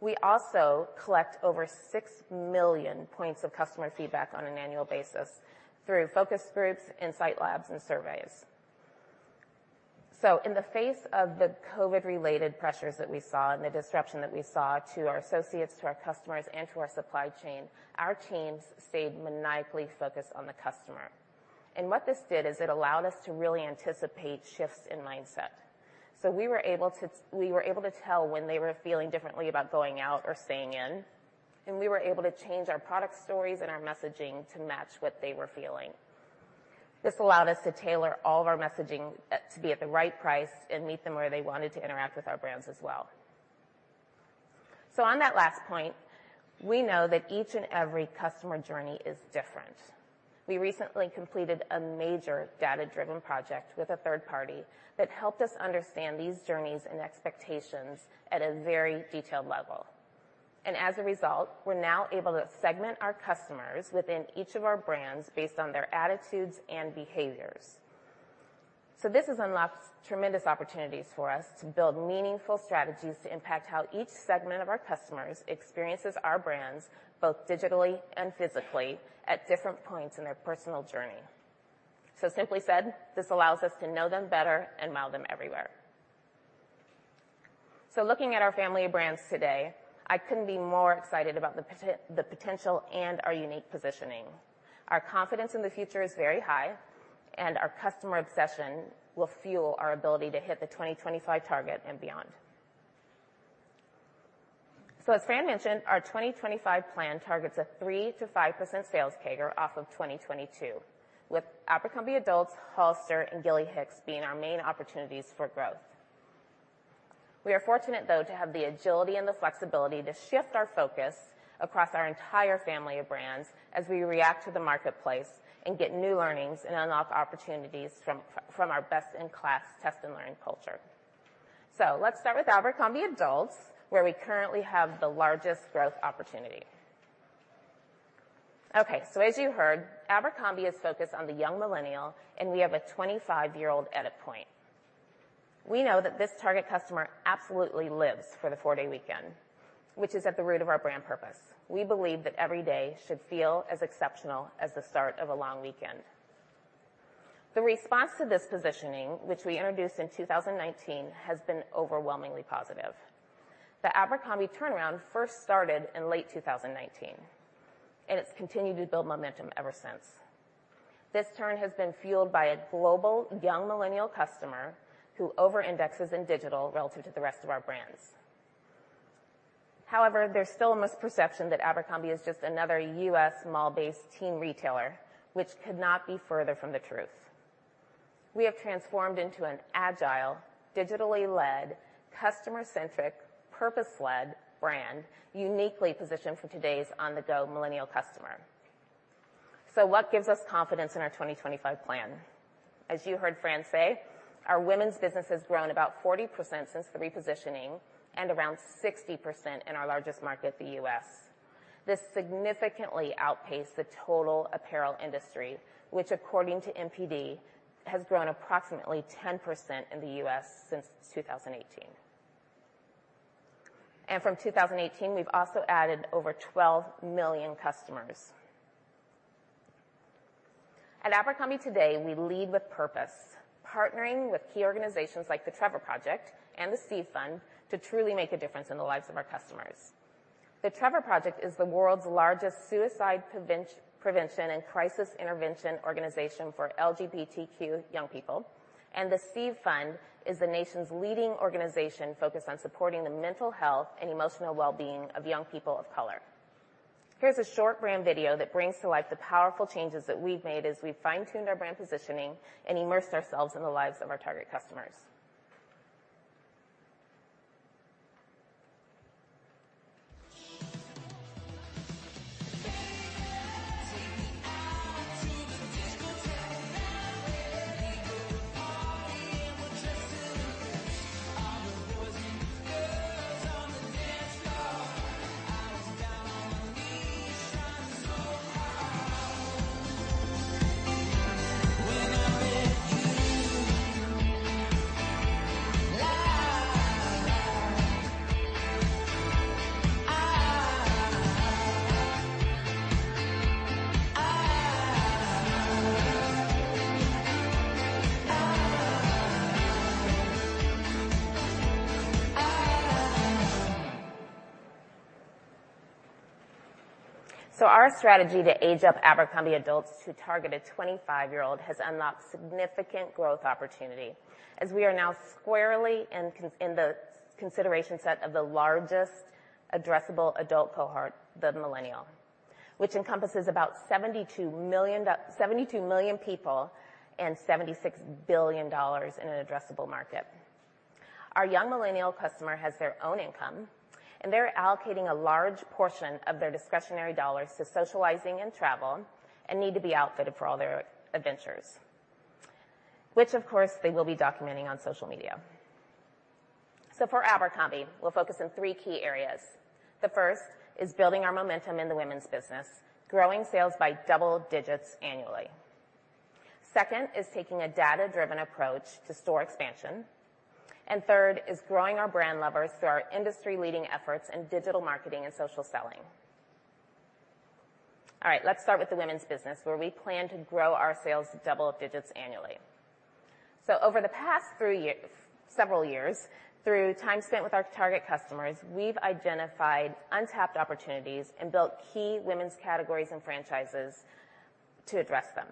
We also collect over 6 million points of customer feedback on an annual basis through focus groups, insight labs, and surveys. In the face of the COVID-related pressures that we saw and the disruption that we saw to our associates, to our customers, and to our supply chain, our teams stayed maniacally focused on the customer. What this did is it allowed us to really anticipate shifts in mindset. We were able to tell when they were feeling differently about going out or staying in, and we were able to change our product stories and our messaging to match what they were feeling. This allowed us to tailor all of our messaging to be at the right price and meet them where they wanted to interact with our brands as well. On that last point, we know that each and every customer journey is different. We recently completed a major data-driven project with a third party that helped us understand these journeys and expectations at a very detailed level. As a result, we're now able to segment our customers within each of our brands based on their attitudes and behaviors. This has unlocked tremendous opportunities for us to build meaningful strategies to impact how each segment of our customers experiences our brands, both digitally and physically, at different points in their personal journey. Simply said, this allows us to know them better and wow them everywhere. Looking at our family of brands today, I couldn't be more excited about the potential and our unique positioning. Our confidence in the future is very high, and our customer obsession will fuel our ability to hit the 2025 target and beyond. As Fran mentioned, our 2025 plan targets a 3% to 5% sales CAGR off of 2022, with Abercrombie Adults, Hollister, and Gilly Hicks being our main opportunities for growth. We are fortunate, though, to have the agility and the flexibility to shift our focus across our entire family of brands as we react to the marketplace and get new learnings and unlock opportunities from our best-in-class test and learn culture. Let's start with Abercrombie Adults, where we currently have the largest growth opportunity. As you heard, Abercrombie is focused on the young millennial, and we have a 25-year-old edit point. We know that this target customer absolutely lives for the four-day weekend, which is at the root of our brand purpose. We believe that every day should feel as exceptional as the start of a long weekend. The response to this positioning, which we introduced in 2019, has been overwhelmingly positive. The Abercrombie turnaround first started in late 2019, and it's continued to build momentum ever since. This turn has been fueled by a global young millennial customer who overindexes in digital relative to the rest of our brands. However, there's still a misperception that Abercrombie is just another U.S. mall-based teen retailer, which could not be further from the truth. We have transformed into an agile, digitally led, customer-centric, purpose-led brand uniquely positioned for today's on-the-go millennial customer. What gives us confidence in our 2025 plan? As you heard Fran say, our women's business has grown about 40% since the repositioning and around 60% in our largest market, the U.S. This significantly outpaced the total apparel industry, which according to NPD, has grown approximately 10% in the U.S. since 2018. From 2018, we've also added over 12 million customers. At Abercrombie today, we lead with purpose, partnering with key organizations like The Trevor Project and The Steve Fund to truly make a difference in the lives of our customers. The Trevor Project is the world's largest suicide prevention and crisis intervention organization for LGBTQ young people, and The Steve Fund is the nation's leading organization focused on supporting the mental health and emotional well-being of young people of color. Here's a short brand video that brings to life the powerful changes that we've made as we fine-tuned our brand positioning and immersed ourselves in the lives of our target customers. Our strategy to age up Abercrombie Adults to target a 25-year-old has unlocked significant growth opportunity, as we are now squarely in the consideration set of the largest addressable adult cohort, the millennial, which encompasses about 72 million people and $76 billion in an addressable market. Our young millennial customer has their own income, and they're allocating a large portion of their discretionary dollars to socializing and travel and need to be outfitted for all their adventures, which, of course, they will be documenting on social media. For Abercrombie, we'll focus on three key areas. The first is building our momentum in the women's business, growing sales by double digits annually. Second is taking a data-driven approach to store expansion. And third is growing our brand levers through our industry-leading efforts in digital marketing and social selling. All right, let's start with the women's business, where we plan to grow our sales double digits annually. Over the past several years, through time spent with our target customers, we've identified untapped opportunities and built key women's categories and franchises to address them.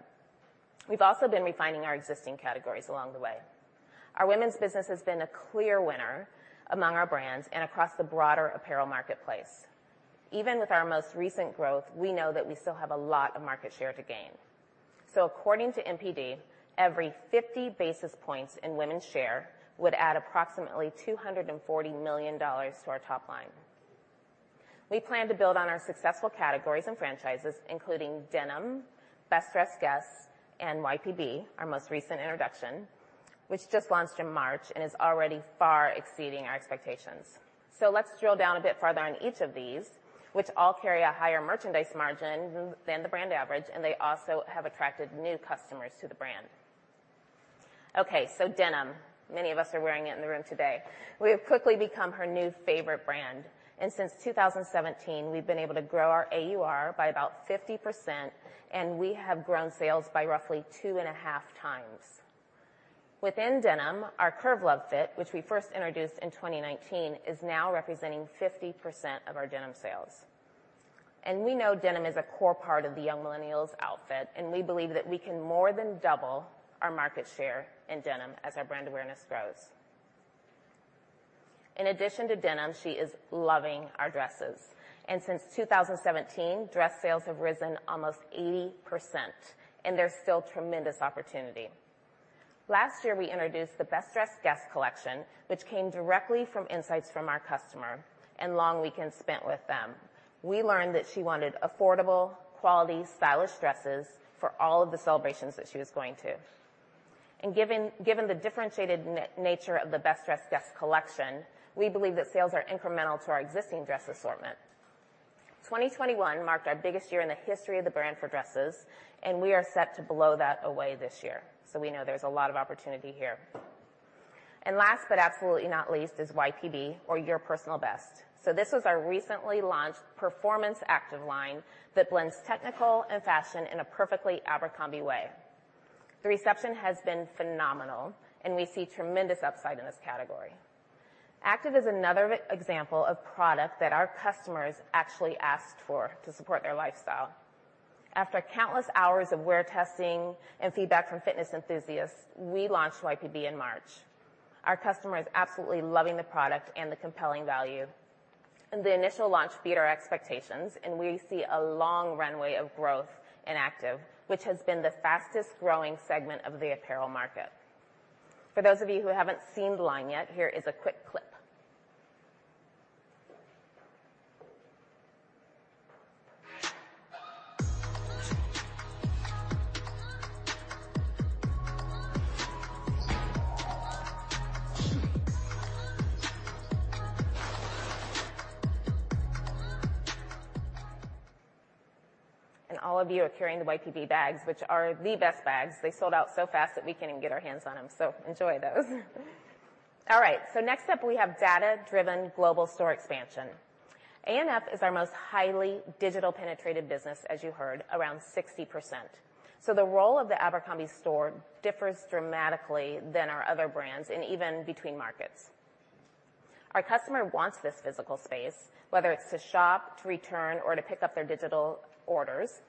We've also been refining our existing categories along the way. Our women's business has been a clear winner among our brands and across the broader apparel marketplace. Even with our most recent growth, we know that we still have a lot of market share to gain. According to NPD, every 50 basis points in women's share would add approximately $240 million to our top line. We plan to build on our successful categories and franchises, including denim, Best Dressed Guest, and YPB, our most recent introduction, which just launched in March and is already far exceeding our expectations. Let's drill down a bit farther on each of these, which all carry a higher merchandise margin than the brand average, and they also have attracted new customers to the brand. Okay, denim, many of us are wearing it in the room today. We have quickly become her new favorite brand, and since 2017, we've been able to grow our AUR by about 50%, and we have grown sales by roughly 2.5 times. Within denim, our Curve Love fit, which we first introduced in 2019, is now representing 50% of our denim sales. We know denim is a core part of the young millennial's outfit, and we believe that we can more than double our market share in denim as our brand awareness grows. In addition to denim, she is loving our dresses, and since 2017, dress sales have risen almost 80%, and there's still tremendous opportunity. Last year, we introduced the Best Dressed Guest collection, which came directly from insights from our customer and long weekends spent with them. We learned that she wanted affordable, quality, stylish dresses for all of the celebrations that she was going to. Given the differentiated nature of the Best Dressed Guest collection, we believe that sales are incremental to our existing dress assortment. 2021 marked our biggest year in the history of the brand for dresses, and we are set to blow that away this year. We know there's a lot of opportunity here. Last, but absolutely not least, is YPB or Your Personal Best. This was our recently launched performance active line that blends technical and fashion in a perfectly Abercrombie way. The reception has been phenomenal and we see tremendous upside in this category. Active is another example of product that our customers actually asked for to support their lifestyle. After countless hours of wear testing and feedback from fitness enthusiasts, we launched YPB in March. Our customers are absolutely loving the product and the compelling value. The initial launch beat our expectations, and we see a long runway of growth in active, which has been the fastest growing segment of the apparel market. For those of you who haven't seen the line yet, here is a quick clip. All of you are carrying the YPB bags, which are the best bags. They sold out so fast that we couldn't even get our hands on them, so enjoy those. All right, next up, we have data-driven global store expansion. ANF is our most highly digitally penetrated business, as you heard, around 60%. The role of the Abercrombie store differs dramatically than our other brands and even between markets. Our customer wants this physical space, whether it's to shop, to return, or to pick up their digital orders, and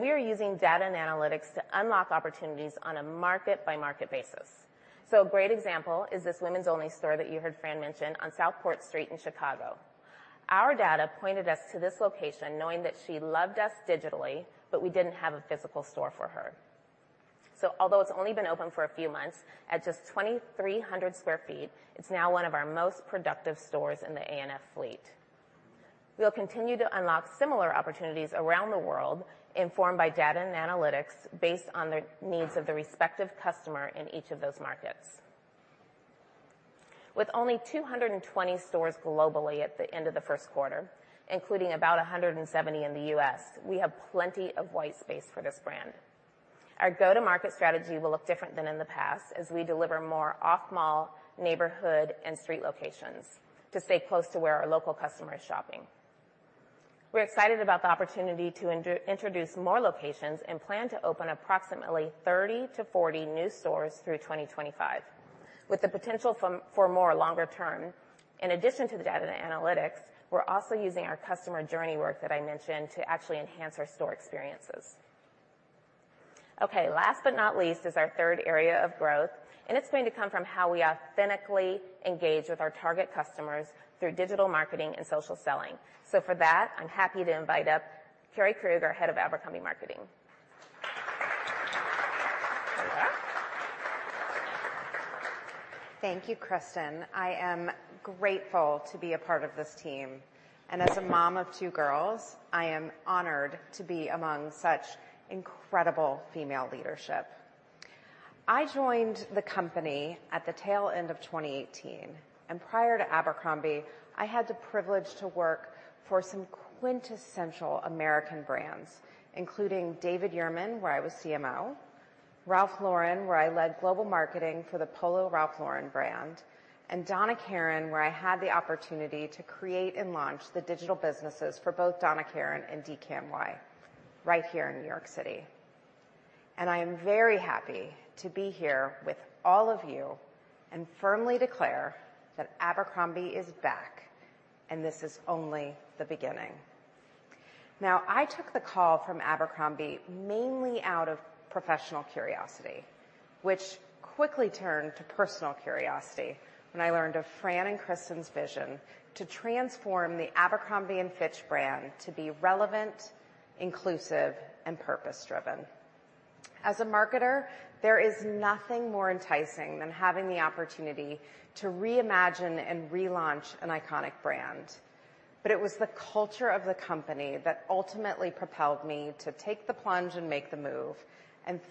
we are using data and analytics to unlock opportunities on a market-by-market basis. A great example is this women's only store that you heard Fran mention on Southport Street in Chicago. Our data pointed us to this location knowing that she loved us digitally, but we didn't have a physical store for her. Although it's only been open for a few months at just 2,300 sq ft, it's now one of our most productive stores in the ANF fleet. We'll continue to unlock similar opportunities around the world, informed by data and analytics based on the needs of the respective customer in each of those markets. With only 220 stores globally at the end of the first quarter, including about 170 in the U.S., we have plenty of white space for this brand. Our go-to-market strategy will look different than in the past as we deliver more off-mall, neighborhood, and street locations to stay close to where our local customer is shopping. We're excited about the opportunity to introduce more locations and plan to open approximately 30 to 40 new stores through 2025, with the potential for more longer term. In addition to the data and analytics, we're also using our customer journey work that I mentioned to actually enhance our store experiences. Okay, last but not least is our third area of growth, and it's going to come from how we authentically engage with our target customers through digital marketing and social selling. I'm happy to invite up Carey Krug, Head of Abercrombie Marketing. Thank you, Kristin. I am grateful to be a part of this team, and as a mom of two girls, I am honored to be among such incredible female leadership. I joined the company at the tail end of 2018, and prior to Abercrombie, I had the privilege to work for some quintessential American brands, including David Yurman, where I was CMO, Ralph Lauren, where I led global marketing for the Polo Ralph Lauren brand, and Donna Karan, where I had the opportunity to create and launch the digital businesses for both Donna Karan and DKNY right here in New York City. I am very happy to be here with all of you and firmly declare that Abercrombie is back, and this is only the beginning. Now, I took the call from Abercrombie mainly out of professional curiosity, which quickly turned to personal curiosity when I learned of Fran and Kristin's vision to transform the Abercrombie & Fitch brand to be relevant, inclusive, and purpose-driven. As a marketer, there is nothing more enticing than having the opportunity to reimagine and relaunch an iconic brand. It was the culture of the company that ultimately propelled me to take the plunge and make the move.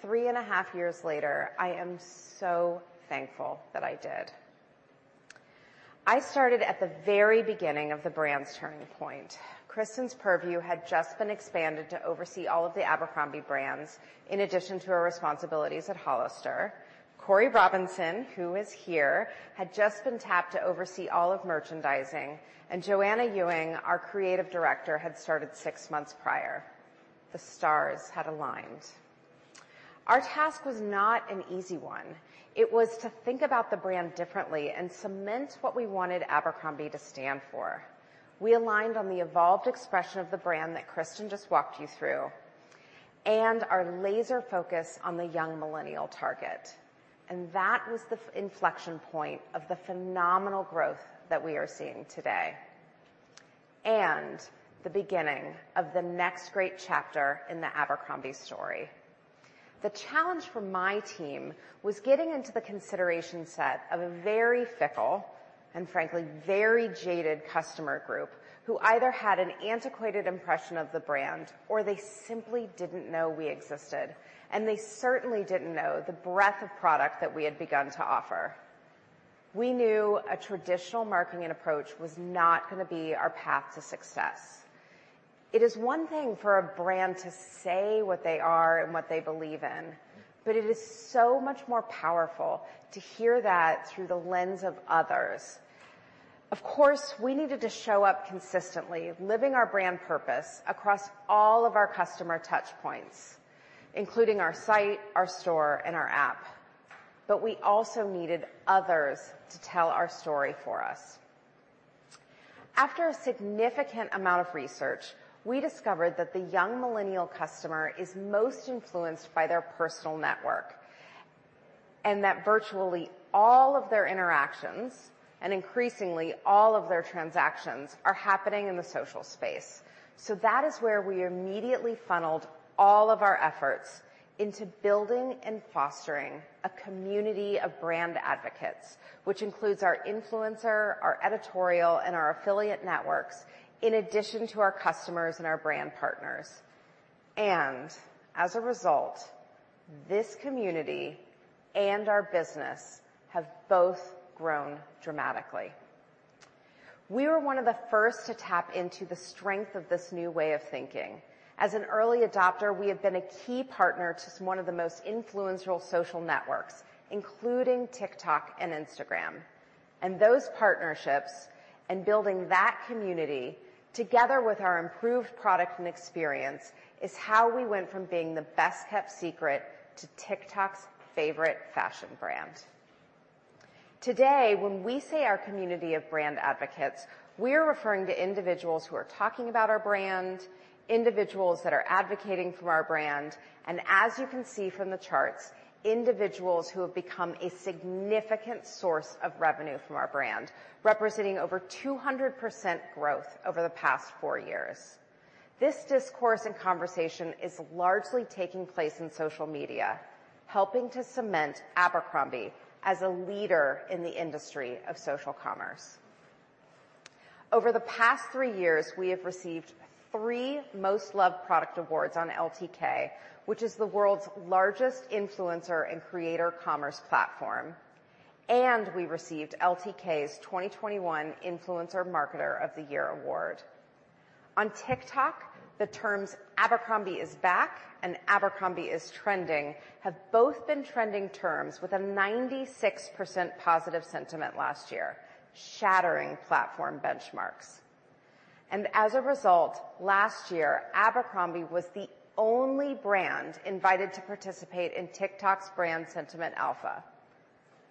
Three and a half years later, I am so thankful that I did. I started at the very beginning of the brand's turning point. Kristin's purview had just been expanded to oversee all of the Abercrombie brands, in addition to her responsibilities at Hollister. Corey Robinson, who is here, had just been tapped to oversee all of merchandising, and Joanna Ewing, our creative director, had started six months prior. The stars had aligned. Our task was not an easy one. It was to think about the brand differently and cement what we wanted Abercrombie to stand for. We aligned on the evolved expression of the brand that Kristin just walked you through and our laser focus on the young millennial target. That was the inflection point of the phenomenal growth that we are seeing today and the beginning of the next great chapter in the Abercrombie story. The challenge for my team was getting into the consideration set of a very fickle and, frankly, very jaded customer group who either had an antiquated impression of the brand or they simply didn't know we existed. They certainly didn't know the breadth of product that we had begun to offer. We knew a traditional marketing approach was not gonna be our path to success. It is one thing for a brand to say what they are and what they believe in, but it is so much more powerful to hear that through the lens of others. Of course, we needed to show up consistently living our brand purpose across all of our customer touch points, including our site, our store, and our app. We also needed others to tell our story for us. After a significant amount of research, we discovered that the young millennial customer is most influenced by their personal network, and that virtually all of their interactions and increasingly all of their transactions are happening in the social space. That is where we immediately funneled all of our efforts into building and fostering a community of brand advocates, which includes our influencer, our editorial, and our affiliate networks, in addition to our customers and our brand partners. As a result, this community and our business have both grown dramatically. We were one of the first to tap into the strength of this new way of thinking. As an early adopter, we have been a key partner to one of the most influential social networks, including TikTok and Instagram. Those partnerships and building that community together with our improved product and experience is how we went from being the best-kept secret to TikTok's favorite fashion brand. Today, when we say our community of brand advocates, we are referring to individuals who are talking about our brand, individuals that are advocating for our brand, and as you can see from the charts, individuals who have become a significant source of revenue from our brand, representing over 200% growth over the past four years. This discourse and conversation is largely taking place in social media, helping to cement Abercrombie as a leader in the industry of social commerce. Over the past three years, we have received three Most Loved Product awards on LTK, which is the world's largest influencer and creator commerce platform. We received LTK's 2021 Influencer Marketer of the Year award. On TikTok, the terms Abercrombie is back and Abercrombie is trending have both been trending terms with a 96% positive sentiment last year, shattering platform benchmarks. As a result, last year, Abercrombie was the only brand invited to participate in TikTok's brand sentiment alpha.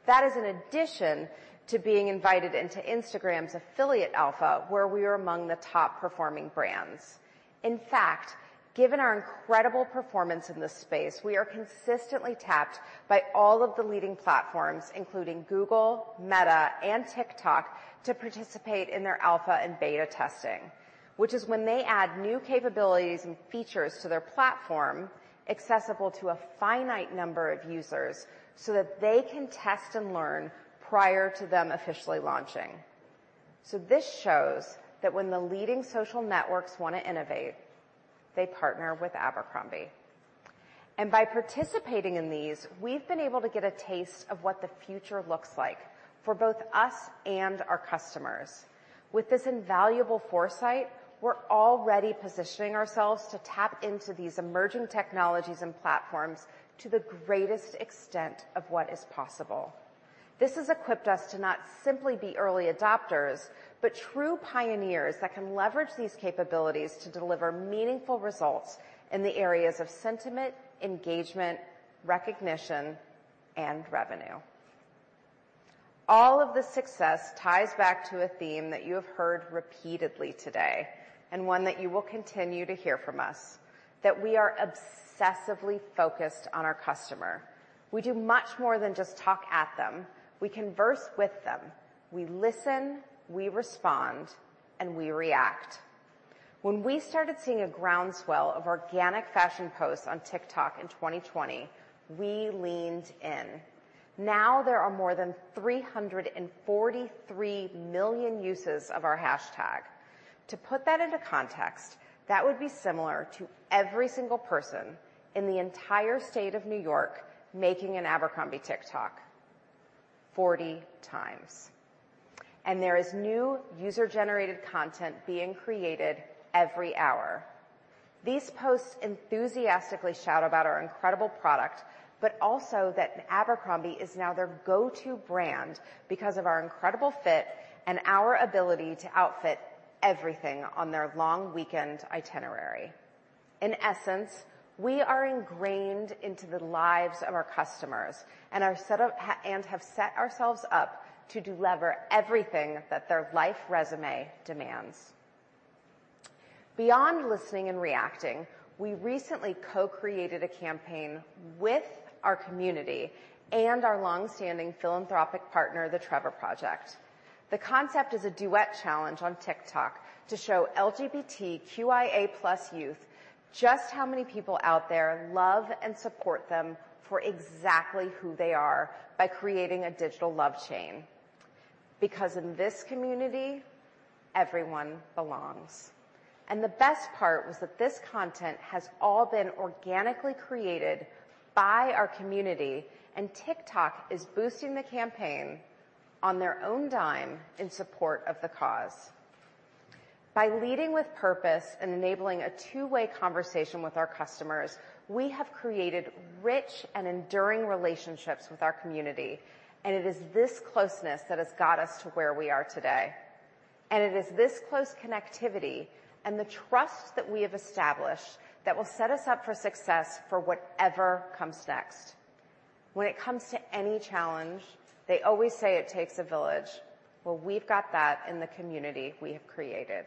That is in addition to being invited into Instagram's affiliate alpha, where we are among the top-performing brands. In fact, given our incredible performance in this space, we are consistently tapped by all of the leading platforms, including Google, Meta, and TikTok, to participate in their alpha and beta testing, which is when they add new capabilities and features to their platform accessible to a finite number of users, so that they can test and learn prior to them officially launching. This shows that when the leading social networks wanna innovate, they partner with Abercrombie. By participating in these, we've been able to get a taste of what the future looks like for both us and our customers. With this invaluable foresight, we're already positioning ourselves to tap into these emerging technologies and platforms to the greatest extent of what is possible. This has equipped us to not simply be early adopters, but true pioneers that can leverage these capabilities to deliver meaningful results in the areas of sentiment, engagement, recognition, and revenue. All of the success ties back to a theme that you have heard repeatedly today, and one that you will continue to hear from us, that we are obsessively focused on our customer. We do much more than just talk at them. We converse with them. We listen, we respond, and we react. When we started seeing a groundswell of organic fashion posts on TikTok in 2020, we leaned in. Now there are more than 343 million uses of our hashtag. To put that into context, that would be similar to every single person in the entire state of New York making an Abercrombie TikTok 40 times. There is new user-generated content being created every hour. These posts enthusiastically shout about our incredible product, but also that Abercrombie is now their go-to brand because of our incredible fit and our ability to outfit everything on their long weekend itinerary. In essence, we are ingrained into the lives of our customers and have set ourselves up to deliver everything that their life resume demands. Beyond listening and reacting, we recently co-created a campaign with our community and our long-standing philanthropic partner, The Trevor Project. The concept is a duet challenge on TikTok to show LGBTQIA+ youth just how many people out there love and support them for exactly who they are by creating a digital love chain. Because in this community, everyone belongs. The best part was that this content has all been organically created by our community, and TikTok is boosting the campaign on their own dime in support of the cause. By leading with purpose and enabling a two-way conversation with our customers, we have created rich and enduring relationships with our community, and it is this closeness that has got us to where we are today. It is this close connectivity and the trust that we have established that will set us up for success for whatever comes next. When it comes to any challenge, they always say it takes a village. Well, we've got that in the community we have created.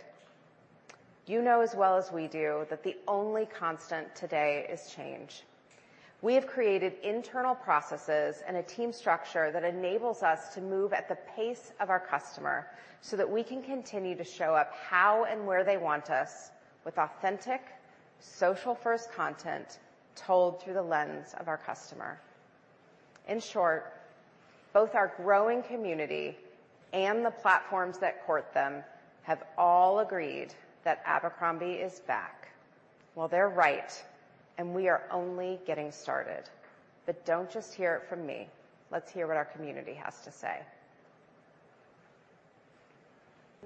You know as well as we do that the only constant today is change. We have created internal processes and a team structure that enables us to move at the pace of our customer so that we can continue to show up how and where they want us with authentic social-first content told through the lens of our customer. In short, both our growing community and the platforms that court them have all agreed that Abercrombie is back. Well, they're right, and we are only getting started. Don't just hear it from me. Let's hear what our community has to say.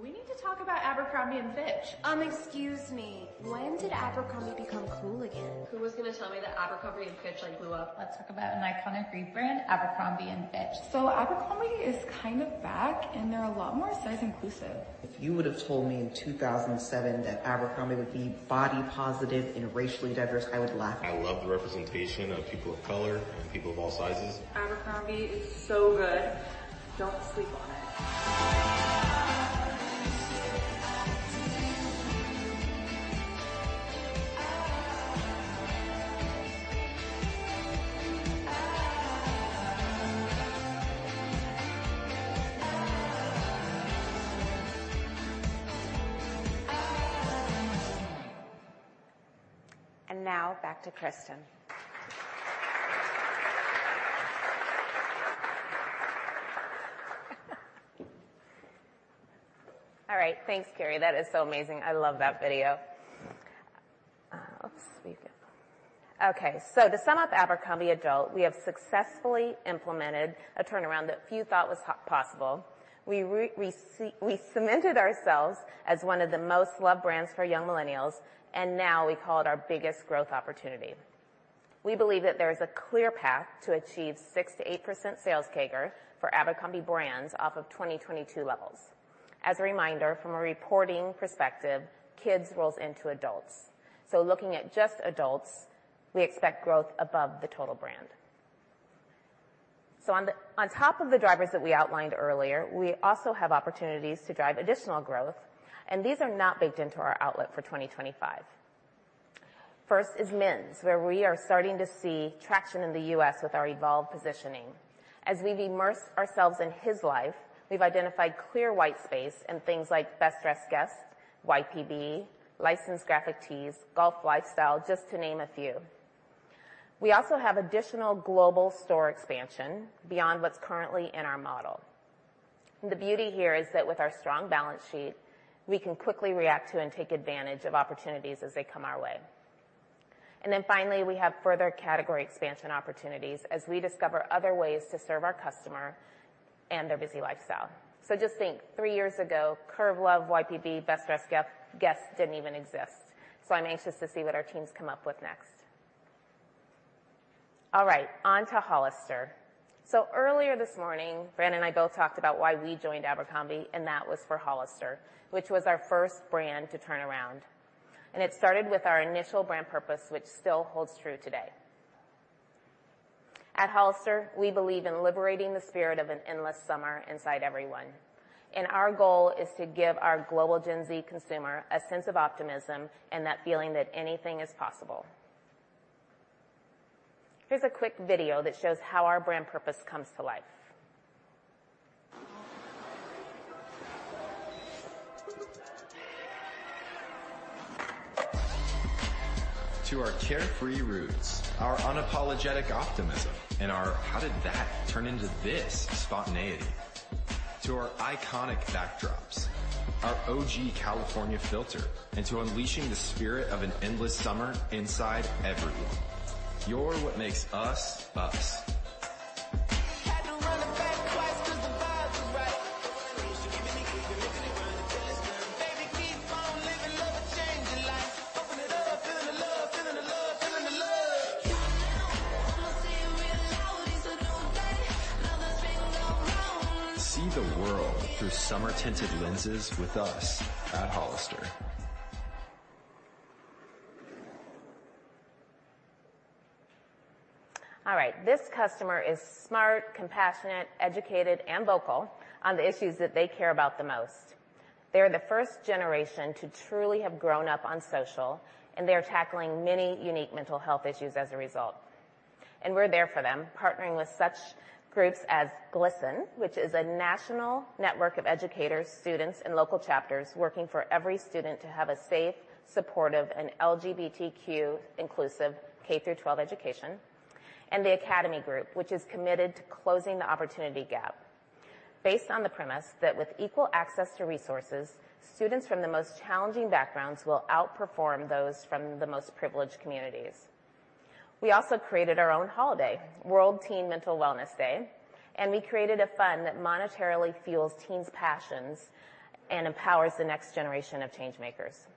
We need to talk about Abercrombie & Fitch. Excuse me, when did Abercrombie become cool again? Who was gonna tell me that Abercrombie & Fitch, like, blew up? Let's talk about an iconic brand, Abercrombie & Fitch. Abercrombie is kind of back, and they're a lot more size inclusive. If you would have told me in 2007 that Abercrombie would be body positive and racially diverse, I would laugh. I love the representation of people of color and people of all sizes. Abercrombie is so good. Don't sleep on it. Now back to Kristin. All right. Thanks, Carey. That is so amazing. I love that video. Let's see. Okay. To sum up Abercrombie Adults, we have successfully implemented a turnaround that few thought was possible. We cemented ourselves as one of the most loved brands for young millennials, and now we call it our biggest growth opportunity. We believe that there is a clear path to achieve 6% to 8% sales CAGR for Abercrombie Brands off of 2022 levels. As a reminder, from a reporting perspective, kids rolls into adults. Looking at just adults, we expect growth above the total brand. On top of the drivers that we outlined earlier, we also have opportunities to drive additional growth, and these are not baked into our outlook for 2025. First is men's, where we are starting to see traction in the U.S. with our evolved positioning. As we've immersed ourselves in his life, we've identified clear white space in things like Best Dressed Guest, YPB, licensed graphic tees, golf lifestyle, just to name a few. We also have additional global store expansion beyond what's currently in our model. The beauty here is that with our strong balance sheet, we can quickly react to and take advantage of opportunities as they come our way. Finally, we have further category expansion opportunities as we discover other ways to serve our customer and their busy lifestyle. Just think, three years ago, Curve Love, YPB, Best Dressed Guest didn't even exist. I'm anxious to see what our teams come up with next. All right, on to Hollister. Earlier this morning, Fran and I both talked about why we joined Abercrombie & Fitch, and that was for Hollister, which was our first brand to turn around, and it started with our initial brand purpose, which still holds true today. At Hollister, we believe in liberating the spirit of an endless summer inside everyone, and our goal is to give our global Gen Z consumer a sense of optimism and that feeling that anything is possible. Here's a quick video that shows how our brand purpose comes to life. To our carefree roots, our unapologetic optimism, and our how did that turn into this spontaneity. To our iconic backdrops, our OG California filter, and to unleashing the spirit of an endless summer inside everyone. You're what makes us. Had to run it back twice 'cause the vibes were right. Do what I need to, keepin' it real, keepin' it real, till it's done. Baby, keep on living, love will change your life. Open it up, feeling the love, feeling the love, feeling the love. Come now, I'ma say it real loud. It's a new day, another swing around. See the world through summer-tinted lenses with us at Hollister. All right. This customer is smart, compassionate, educated, and vocal on the issues that they care about the most. They're the first generation to truly have grown up on social, and they are tackling many unique mental health issues as a result. We're there for them, partnering with such groups as GLSEN, which is a national network of educators, students, and local chapters working for every student to have a safe, supportive, and LGBTQ-inclusive K through twelve education. The Academy Group, which is committed to closing the opportunity gap based on the premise that with equal access to resources, students from the most challenging backgrounds will outperform those from the most privileged communities. We also created our own holiday, World Teen Mental Wellness Day, and we created a fund that monetarily fuels teens' passions and empowers the next generation of change-makers.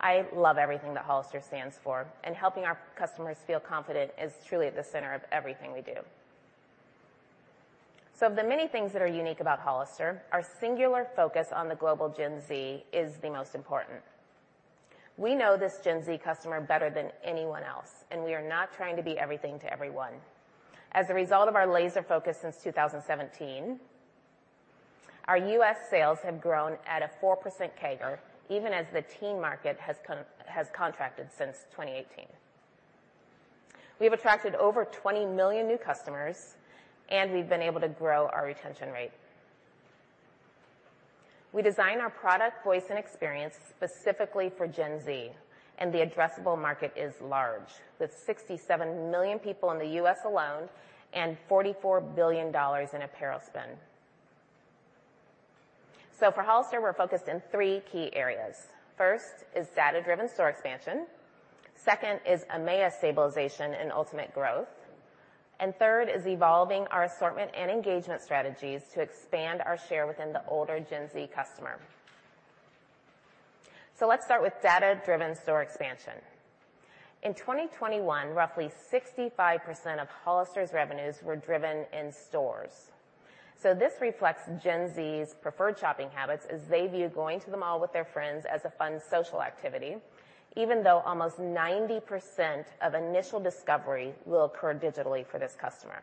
I love everything that Hollister stands for, and helping our customers feel confident is truly at the center of everything we do. Of the many things that are unique about Hollister, our singular focus on the global Gen Z is the most important. We know this Gen Z customer better than anyone else, and we are not trying to be everything to everyone. As a result of our laser focus since 2017, our U.S. sales have grown at a 4% CAGR, even as the teen market has contracted since 2018. We have attracted over 20 million new customers, and we've been able to grow our retention rate. We design our product, voice, and experience specifically for Gen Z, and the addressable market is large, with 67 million people in the U.S. alone and $44 billion in apparel spend. For Hollister, we're focused in three key areas. First is data-driven store expansion. Second is EMEA stabilization and ultimate growth. Third is evolving our assortment and engagement strategies to expand our share within the older Gen Z customer. Let's start with data-driven store expansion. In 2021, roughly 65% of Hollister's revenues were driven in stores. This reflects Gen Z's preferred shopping habits as they view going to the mall with their friends as a fun social activity, even though almost 90% of initial discovery will occur digitally for this customer.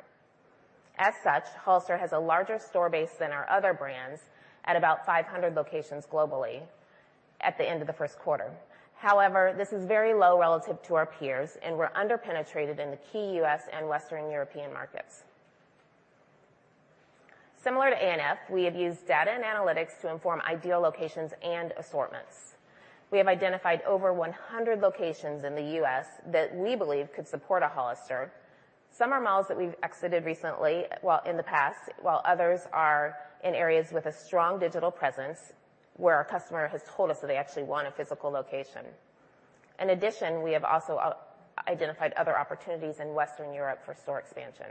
As such, Hollister has a larger store base than our other brands at about 500 locations globally at the end of the first quarter. However, this is very low relative to our peers, and we're under-penetrated in the key U.S. and Western European markets. Similar to ANF, we have used data and analytics to inform ideal locations and assortments. We have identified over 100 locations in the U.S. that we believe could support a Hollister. Some are malls that we've exited recently, well, in the past, while others are in areas with a strong digital presence where our customer has told us that they actually want a physical location. In addition, we have also identified other opportunities in Western Europe for store expansion.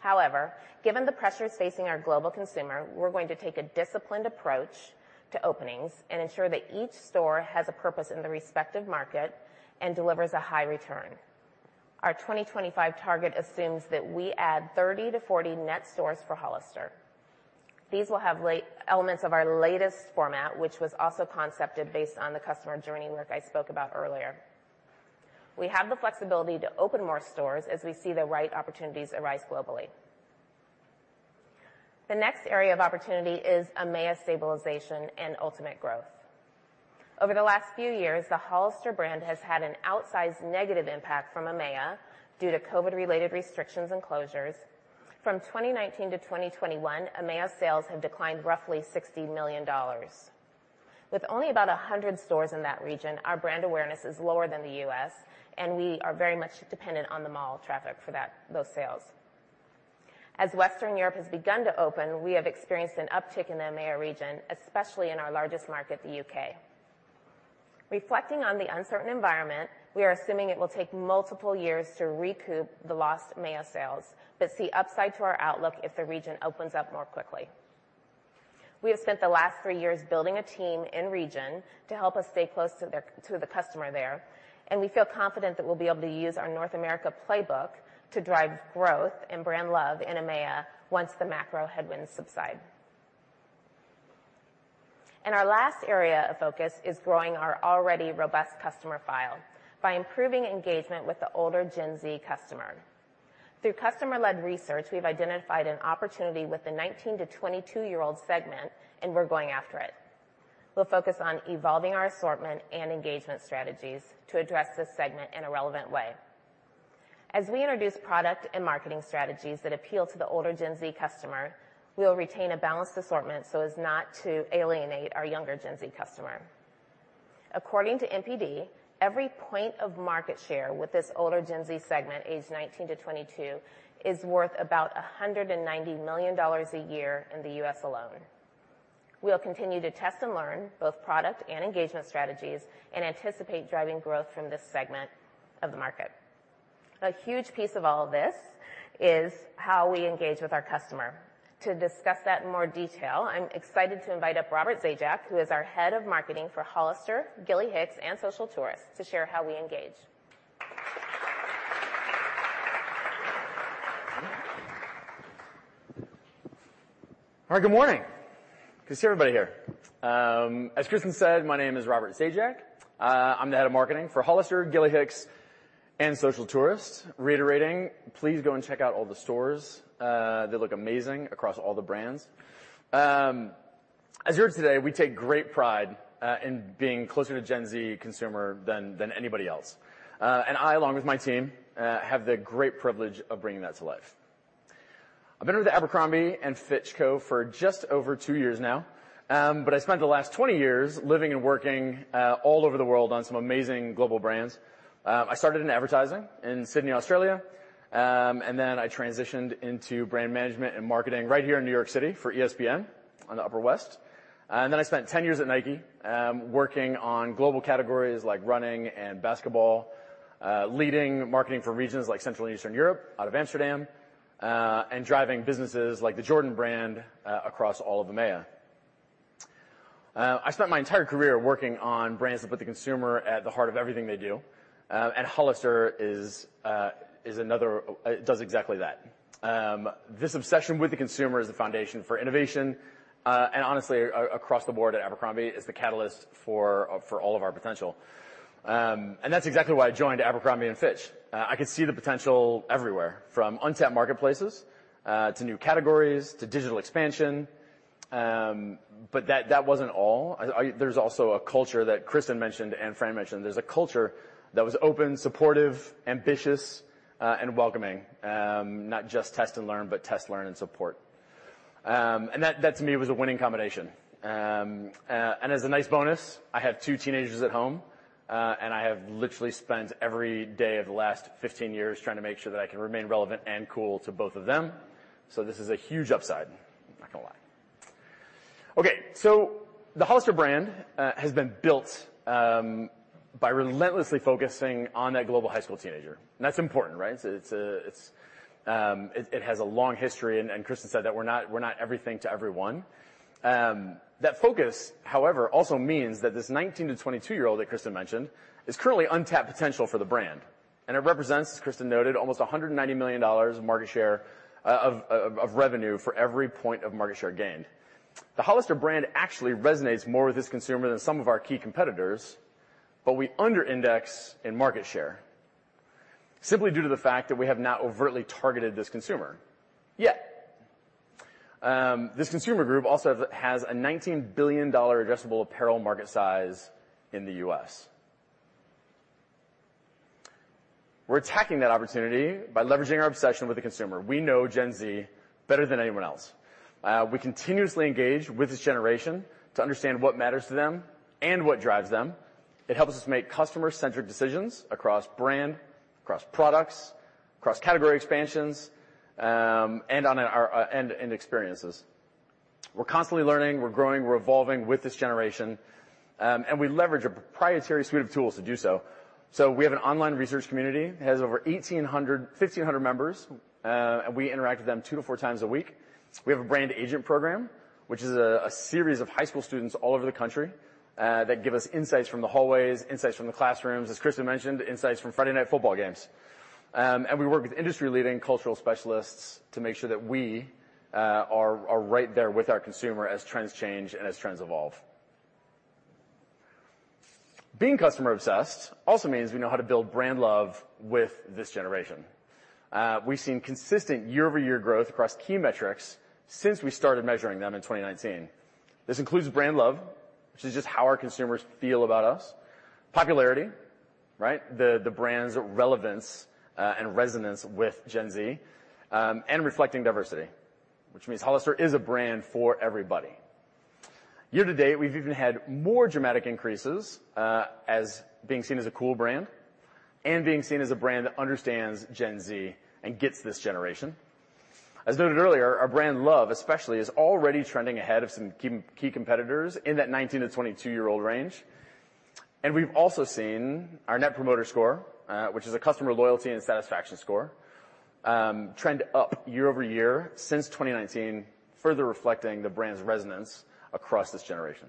However, given the pressures facing our global consumer, we're going to take a disciplined approach to openings and ensure that each store has a purpose in the respective market and delivers a high return. Our 2025 target assumes that we add 30-40 net stores for Hollister. These will have last elements of our latest format, which was also concepted based on the customer journey work I spoke about earlier. We have the flexibility to open more stores as we see the right opportunities arise globally. The next area of opportunity is EMEA stabilization and ultimate growth. Over the last few years, the Hollister brand has had an outsized negative impact from EMEA due to COVID-related restrictions and closures. From 2019 to 2021, EMEA sales have declined roughly $60 million. With only about 100 stores in that region, our brand awareness is lower than the U.S., and we are very much dependent on the mall traffic for those sales. As Western Europe has begun to open, we have experienced an uptick in the EMEA region, especially in our largest market, the U.K. Reflecting on the uncertain environment, we are assuming it will take multiple years to recoup the lost EMEA sales but see upside to our outlook if the region opens up more quickly. We have spent the last three years building a team in region to help us stay close to the customer there, and we feel confident that we'll be able to use our North America playbook to drive growth and brand love in EMEA once the macro headwinds subside. Our last area of focus is growing our already robust customer file by improving engagement with the older Gen Z customer. Through customer-led research, we've identified an opportunity with the 19 to 22-year-old segment, and we're going after it. We'll focus on evolving our assortment and engagement strategies to address this segment in a relevant way. As we introduce product and marketing strategies that appeal to the older Gen Z customer, we will retain a balanced assortment so as not to alienate our younger Gen Z customer. According to NPD, every point of market share with this older Gen Z segment, aged 19 to 22, is worth about $190 million a year in the U.S. alone. We will continue to test and learn both product and engagement strategies and anticipate driving growth from this segment of the market. A huge piece of all of this is how we engage with our customer. To discuss that in more detail, I'm excited to invite up Robert Zajac, who is our head of marketing for Hollister, Gilly Hicks, and Social Tourist, to share how we engage. All right. Good morning. Good to see everybody here. As Kristin said, my name is Robert Zajac. I'm the Head of Marketing for Hollister, Gilly Hicks, and Social Tourist. Reiterating, please go and check out all the stores. They look amazing across all the brands. As you heard today, we take great pride in being closer to Gen Z consumer than anybody else. I, along with my team, have the great privilege of bringing that to life. I've been with the Abercrombie & Fitch Co. for just over two years now. I spent the last 20 years living and working all over the world on some amazing global brands. I started in advertising in Sydney, Australia, and then I transitioned into brand management and marketing right here in New York City for ESPN on the Upper West Side. I spent 10 years at Nike, working on global categories like running and basketball, leading marketing for regions like Central and Eastern Europe, out of Amsterdam, and driving businesses like the Jordan Brand across all of EMEA. I spent my entire career working on brands that put the consumer at the heart of everything they do, and Hollister does exactly that. This obsession with the consumer is the foundation for innovation, and honestly, across the board at Abercrombie is the catalyst for all of our potential. That's exactly why I joined Abercrombie & Fitch. I could see the potential everywhere from untapped marketplaces to new categories to digital expansion. That wasn't all. There's also a culture that Kristin mentioned and Fran mentioned. There's a culture that was open, supportive, ambitious, and welcoming, not just test and learn, but test, learn, and support. That to me was a winning combination. As a nice bonus, I have two teenagers at home, and I have literally spent every day of the last 15 years trying to make sure that I can remain relevant and cool to both of them. So this is a huge upside. I'm not gonna lie. Okay, so the Hollister brand has been built by relentlessly focusing on that global high school teenager. That's important, right? It has a long history, and Kristin said that we're not everything to everyone. That focus, however, also means that this 19- to 22-year-old that Kristin mentioned is currently untapped potential for the brand, and it represents, as Kristin noted, almost $190 million of market share, of revenue for every point of market share gained. The Hollister brand actually resonates more with this consumer than some of our key competitors, but we under index in market share simply due to the fact that we have not overtly targeted this consumer yet. This consumer group also has a $19 billion addressable apparel market size in the U.S. We're attacking that opportunity by leveraging our obsession with the consumer. We know Gen Z better than anyone else. We continuously engage with this generation to understand what matters to them and what drives them. It helps us make customer-centric decisions across brand, across products, across category expansions, and on our experiences. We're constantly learning. We're growing, we're evolving with this generation. We leverage a proprietary suite of tools to do so. We have an online research community, has over 1,500 members, and we interact with them two to four times a week. We have a brand agent program, which is a series of high school students all over the country, that give us insights from the hallways, insights from the classrooms, as Kristin mentioned, insights from Friday night football games. We work with industry-leading cultural specialists to make sure that we are right there with our consumer as trends change and as trends evolve. Being customer obsessed also means we know how to build brand love with this generation. We've seen consistent year-over-year growth across key metrics since we started measuring them in 2019. This includes brand love, which is just how our consumers feel about us. Popularity, right? The brand's relevance and resonance with Gen Z and reflecting diversity, which means Hollister is a brand for everybody. Year to date, we've even had more dramatic increases as being seen as a cool brand and being seen as a brand that understands Gen Z and gets this generation. As noted earlier, our brand love especially is already trending ahead of some key competitors in that 19- to 22-year-old range. We've also seen our Net Promoter Score, which is a customer loyalty and satisfaction score, trend up year-over-year since 2019, further reflecting the brand's resonance across this generation.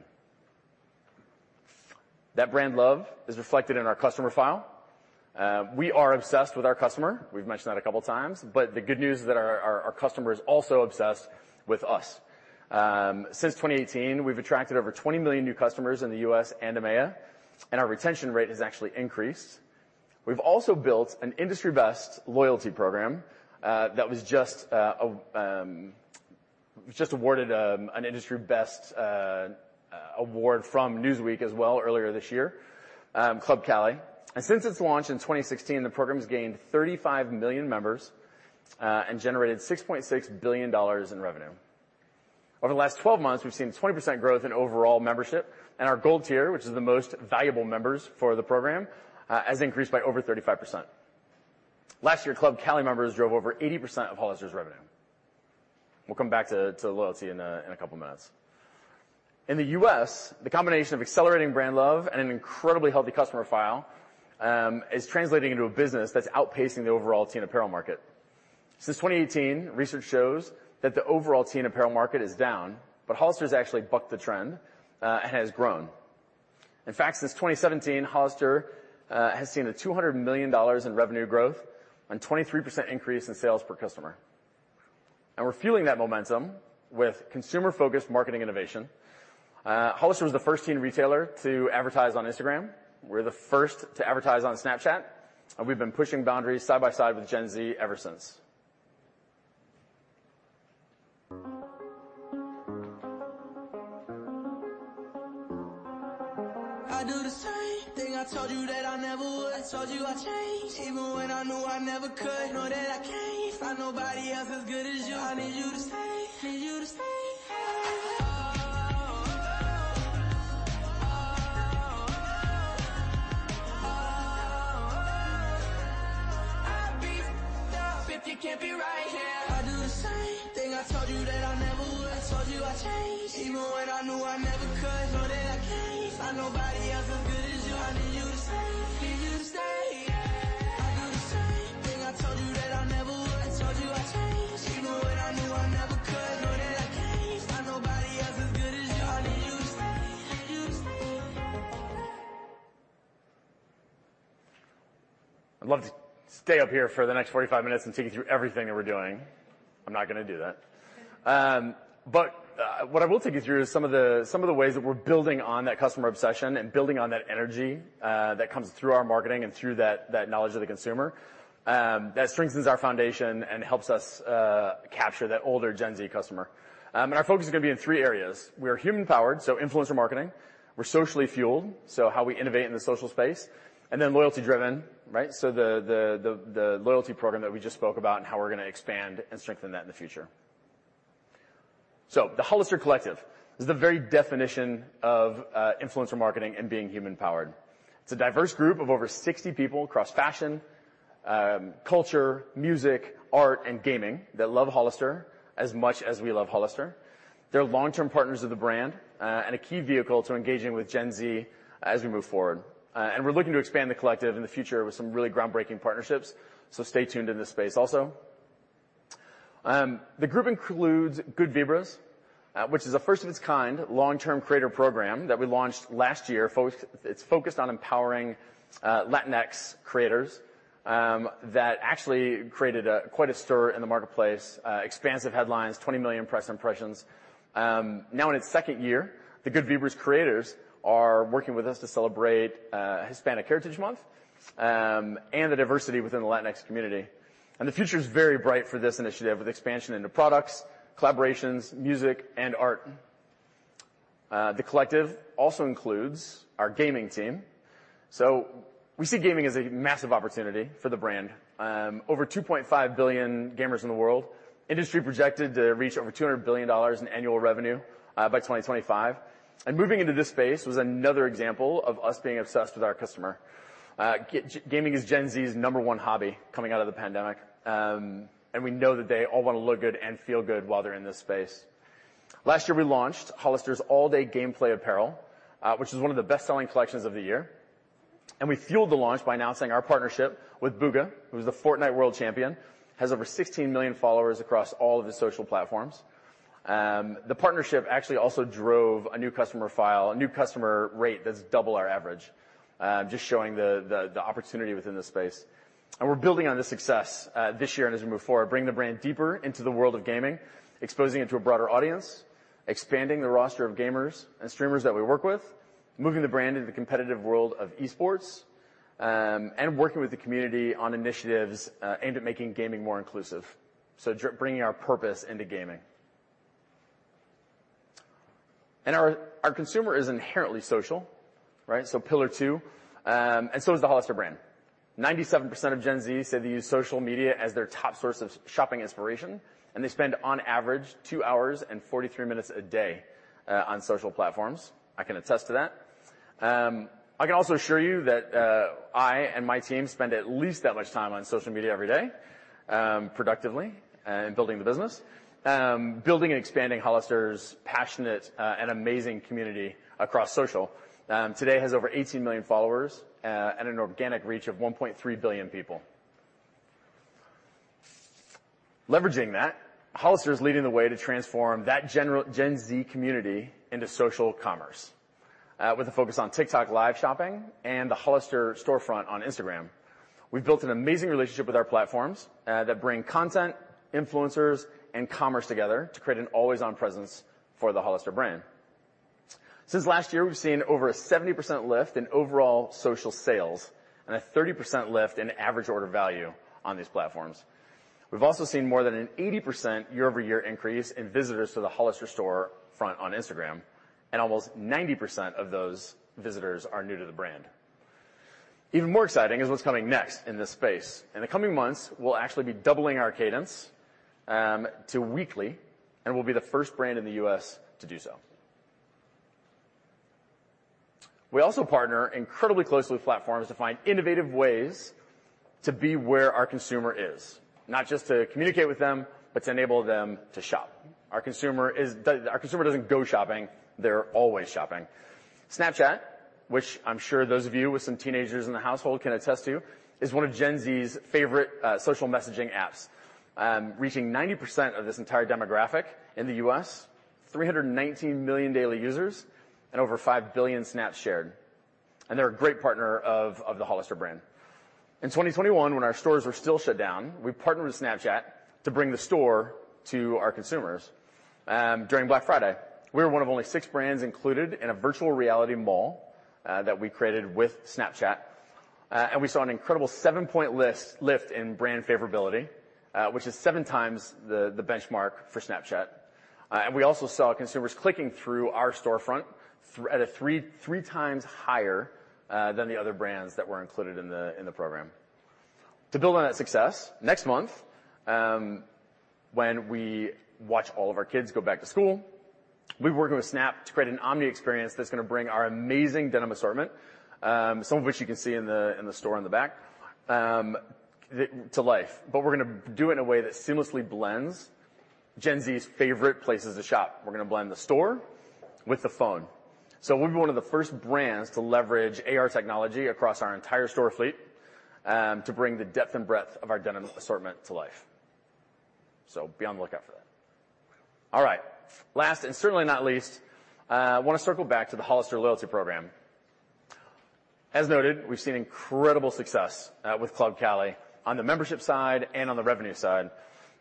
That brand love is reflected in our customer file. We are obsessed with our customer. We've mentioned that a couple times, but the good news is that our customer is also obsessed with us. Since 2018, we've attracted over 20 million new customers in the U.S. and EMEA, and our retention rate has actually increased. We've also built an industry-best loyalty program that was just awarded an industry best award from Newsweek as well earlier this year, Club Cali. Since its launch in 2016, the program's gained 35 million members and generated $6.6 billion in revenue. Over the last 12 months, we've seen 20% growth in overall membership. Our gold tier, which is the most valuable members for the program, has increased by over 35%. Last year, Club Cali members drove over 80% of Hollister's revenue. We'll come back to loyalty in a couple of minutes. In the U.S., the combination of accelerating brand love and an incredibly healthy customer file is translating into a business that's outpacing the overall teen apparel market. Since 2018, research shows that the overall teen apparel market is down, but Hollister's actually bucked the trend and has grown. In fact, since 2017, Hollister has seen $200 million in revenue growth and 23% increase in sales per customer. We're fueling that momentum with consumer-focused marketing innovation. Hollister was the first teen retailer to advertise on Instagram. We're the first to advertise on Snapchat, and we've been pushing boundaries side by side with Gen Z ever since. I'd love to stay up here for the next 45 minutes and take you through everything that we're doing. I'm not gonna do that. What I will take you through is some of the ways that we're building on that customer obsession and building on that energy that comes through our marketing and through that knowledge of the consumer that strengthens our foundation and helps us capture that older Gen Z customer. Our focus is gonna be in three areas. We are human-powered, so influencer marketing. We're socially fueled, so how we innovate in the social space. Loyalty-driven, right? The loyalty program that we just spoke about and how we're gonna expand and strengthen that in the future. The Hollister Collective is the very definition of influencer marketing and being human-powered. It's a diverse group of over 60 people across fashion, culture, music, art, and gaming that love Hollister as much as we love Hollister. They're long-term partners of the brand and a key vehicle to engaging with Gen Z as we move forward. We're looking to expand the collective in the future with some really groundbreaking partnerships, so stay tuned in this space also. The group includes Good Vibras, which is a first of its kind long-term creator program that we launched last year. It's focused on empowering Latinx creators that actually created quite a stir in the marketplace, expansive headlines, 20 million press impressions. Now in its second year, the Good Vibras creators are working with us to celebrate Hispanic Heritage Month and the diversity within the Latinx community. The future's very bright for this initiative with expansion into products, collaborations, music and art. The collective also includes our gaming team. We see gaming as a massive opportunity for the brand. Over 2.5 billion gamers in the world. Industry projected to reach over $200 billion in annual revenue by 2025. Moving into this space was another example of us being obsessed with our customer. Gaming is Gen Z's number one hobby coming out of the pandemic, and we know that they all wanna look good and feel good while they're in this space. Last year, we launched Hollister's All Day Gameplay Apparel, which is one of the best-selling collections of the year. We fueled the launch by announcing our partnership with Bugha, who's the Fortnite world champion, has over 16 million followers across all of his social platforms. The partnership actually also drove a new customer file, a new customer rate that's double our average, just showing the opportunity within the space. We're building on this success this year and as we move forward, bringing the brand deeper into the world of gaming, exposing it to a broader audience, expanding the roster of gamers and streamers that we work with, moving the brand into the competitive world of esports, and working with the community on initiatives aimed at making gaming more inclusive. Bringing our purpose into gaming. Our consumer is inherently social, right? Pillar two, and so is the Hollister brand. 97% of Gen Z say they use social media as their top source of shopping inspiration, and they spend on average 2 hours and 43 minutes a day on social platforms. I can attest to that. I can also assure you that I and my team spend at least that much time on social media every day, productively in building the business. Building and expanding Hollister's passionate and amazing community across social today has over 18 million followers and an organic reach of 1.3 billion people. Leveraging that, Hollister is leading the way to transform that Gen Z community into social commerce with a focus on TikTok live shopping and the Hollister storefront on Instagram. We've built an amazing relationship with our platforms that bring content, influencers, and commerce together to create an always-on presence for the Hollister brand. Since last year, we've seen over a 70% lift in overall social sales and a 30% lift in average order value on these platforms. We've also seen more than an 80% year-over-year increase in visitors to the Hollister storefront on Instagram, and almost 90% of those visitors are new to the brand. Even more exciting is what's coming next in this space. In the coming months, we'll actually be doubling our cadence to weekly, and we'll be the first brand in the U.S. to do so. We also partner incredibly closely with platforms to find innovative ways to be where our consumer is, not just to communicate with them, but to enable them to shop. Our consumer doesn't go shopping. They're always shopping. Snapchat, which I'm sure those of you with some teenagers in the household can attest to, is one of Gen Z's favorite social messaging apps, reaching 90% of this entire demographic in the U.S., 319 million daily users, and over 5 billion snaps shared. They're a great partner of the Hollister brand. In 2021, when our stores were still shut down, we partnered with Snapchat to bring the store to our consumers during Black Friday. We were one of only six brands included in a virtual reality mall that we created with Snapchat. We saw an incredible seven-point lift in brand favorability, which is seven times the benchmark for Snapchat. We also saw consumers clicking through our storefront at three times higher than the other brands that were included in the program. To build on that success, next month, when we watch all of our kids go back to school, we're working with Snap to create an omni experience that's gonna bring our amazing denim assortment, some of which you can see in the store in the back, to life. We're gonna do it in a way that seamlessly blends Gen Z's favorite places to shop. We're gonna blend the store with the phone. We'll be one of the first brands to leverage AR technology across our entire store fleet to bring the depth and breadth of our denim assortment to life. Be on the lookout for that. All right. Last, and certainly not least, I wanna circle back to the Hollister loyalty program. As noted, we've seen incredible success with Club Cali on the membership side and on the revenue side.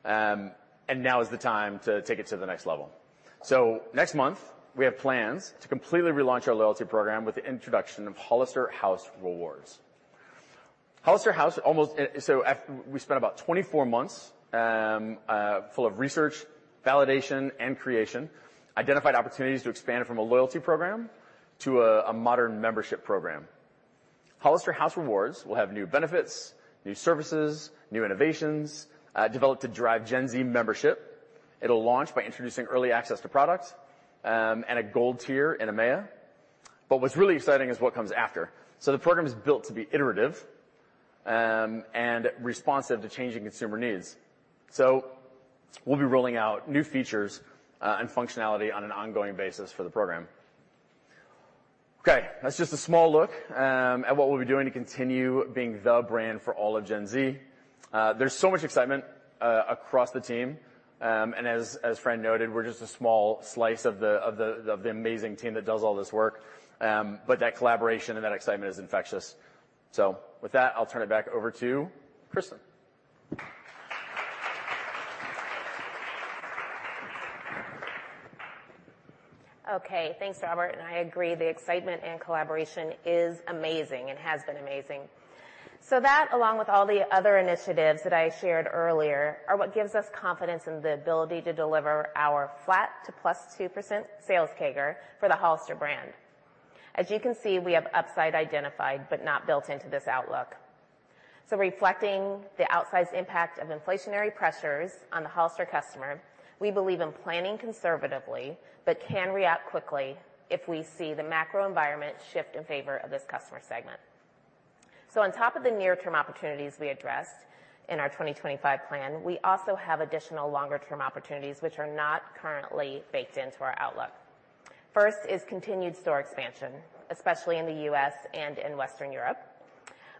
Now is the time to take it to the next level. Next month, we have plans to completely relaunch our loyalty program with the introduction of Hollister House Rewards. We spent about 24 months full of research, validation, and creation, identified opportunities to expand from a loyalty program to a modern membership program. Hollister House Rewards will have new benefits, new services, new innovations, developed to drive Gen Z membership. It'll launch by introducing early access to products, and a gold tier in EMEA. What's really exciting is what comes after. The program is built to be iterative and responsive to changing consumer needs. We'll be rolling out new features and functionality on an ongoing basis for the program. Okay, that's just a small look at what we'll be doing to continue being the brand for all of Gen Z. There's so much excitement across the team, and as Fran noted, we're just a small slice of the amazing team that does all this work. But that collaboration and that excitement is infectious. With that, I'll turn it back over to Kristin. Okay. Thanks, Robert, and I agree the excitement and collaboration is amazing and has been amazing. That, along with all the other initiatives that I shared earlier, are what gives us confidence in the ability to deliver our flat to +2% sales CAGR for the Hollister brand. As you can see, we have upside identified but not built into this outlook. Reflecting the outsized impact of inflationary pressures on the Hollister customer, we believe in planning conservatively but can react quickly if we see the macro environment shift in favor of this customer segment. On top of the near-term opportunities we addressed in our 2025 plan, we also have additional longer-term opportunities which are not currently baked into our outlook. First is continued store expansion, especially in the U.S. and in Western Europe.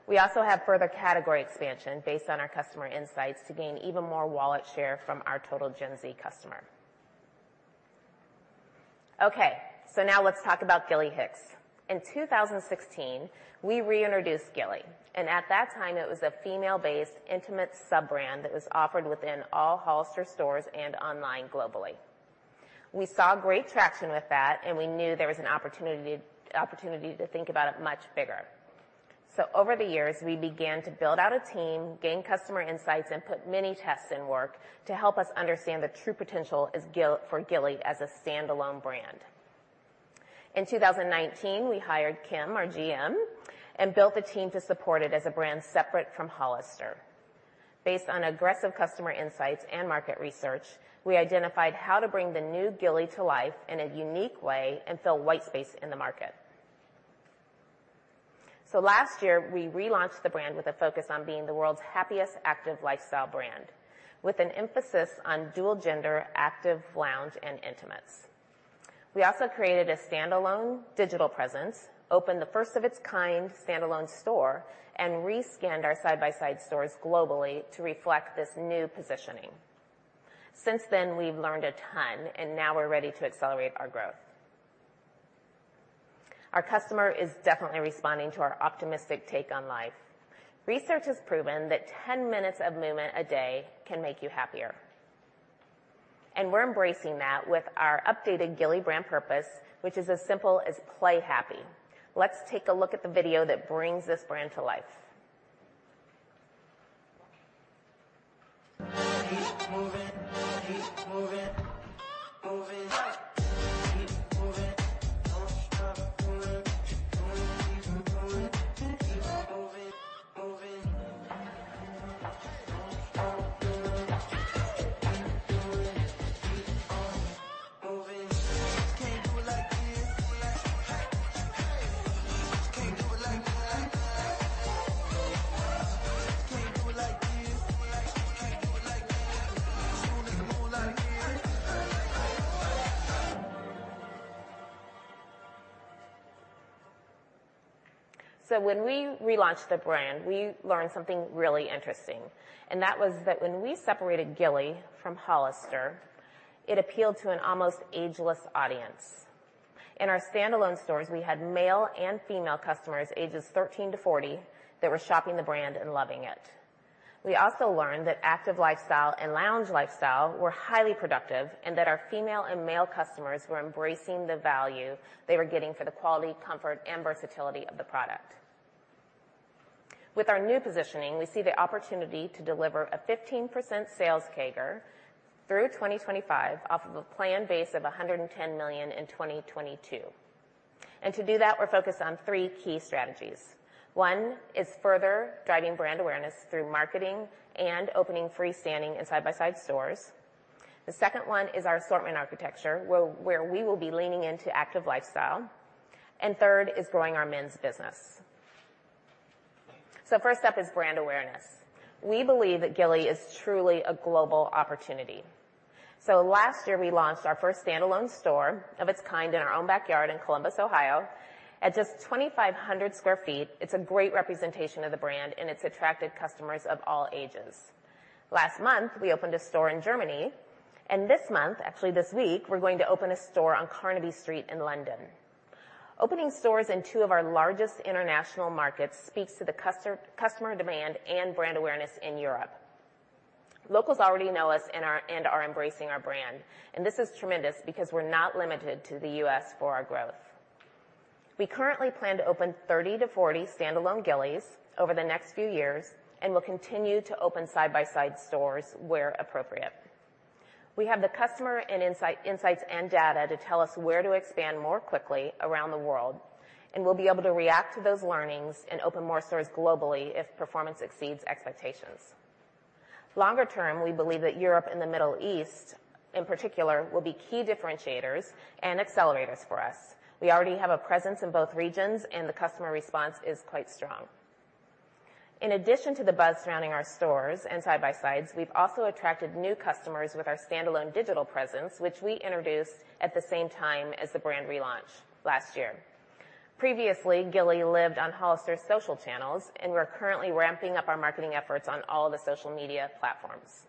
We also have further category expansion based on our customer insights to gain even more wallet share from our total Gen Z customer. Okay, now let's talk about Gilly Hicks. In 2016, we reintroduced Gilly, and at that time, it was a female-based intimate sub-brand that was offered within all Hollister stores and online globally. We saw great traction with that, and we knew there was an opportunity to think about it much bigger. Over the years, we began to build out a team, gain customer insights, and put many tests to work to help us understand the true potential for Gilly as a standalone brand. In 2019, we hired Kim, our GM, and built a team to support it as a brand separate from Hollister. Based on aggressive customer insights and market research, we identified how to bring the new Gilly to life in a unique way and fill white space in the market. Last year, we relaunched the brand with a focus on being the world's happiest active lifestyle brand, with an emphasis on dual gender, active lounge, and intimates. We also created a standalone digital presence, opened the first of its kind standalone store, and re-skinned our side-by-side stores globally to reflect this new positioning. Since then, we've learned a ton, and now we're ready to accelerate our growth. Our customer is definitely responding to our optimistic take on life. Research has proven that 10 minutes of movement a day can make you happier, and we're embracing that with our updated Gilly brand purpose, which is as simple as play happy. Let's take a look at the video that brings this brand to life. When we relaunched the brand, we learned something really interesting, and that was that when we separated Gilly from Hollister, it appealed to an almost ageless audience. In our standalone stores, we had male and female customers, ages 13 to 40, that were shopping the brand and loving it. We also learned that active lifestyle and lounge lifestyle were highly productive, and that our female and male customers were embracing the value they were getting for the quality, comfort, and versatility of the product. With our new positioning, we see the opportunity to deliver a 15% sales CAGR through 2025 off of a planned base of $110 million in 2022. To do that, we're focused on three key strategies. One is further driving brand awareness through marketing and opening freestanding and side-by-side stores. The second one is our assortment architecture, where we will be leaning into active lifestyle. Third is growing our men's business. First up is brand awareness. We believe that Gilly is truly a global opportunity. Last year, we launched our first standalone store of its kind in our own backyard in Columbus, Ohio. At just 2,500 sq ft, it's a great representation of the brand, and it's attracted customers of all ages. Last month, we opened a store in Germany, and this month, actually this week, we're going to open a store on Carnaby Street in London. Opening stores in two of our largest international markets speaks to the customer demand and brand awareness in Europe. Locals already know us and are embracing our brand. This is tremendous because we're not limited to the U.S. for our growth. We currently plan to open 30 to 40 standalone Gilly Hicks over the next few years and will continue to open side-by-side stores where appropriate. We have the customer insights and data to tell us where to expand more quickly around the world, and we'll be able to react to those learnings and open more stores globally if performance exceeds expectations. Longer term, we believe that Europe and the Middle East, in particular, will be key differentiators and accelerators for us. We already have a presence in both regions, and the customer response is quite strong. In addition to the buzz surrounding our stores and side-by-sides, we've also attracted new customers with our standalone digital presence, which we introduced at the same time as the brand relaunch last year. Previously, Gilly lived on Hollister's social channels, and we're currently ramping up our marketing efforts on all the social media platforms.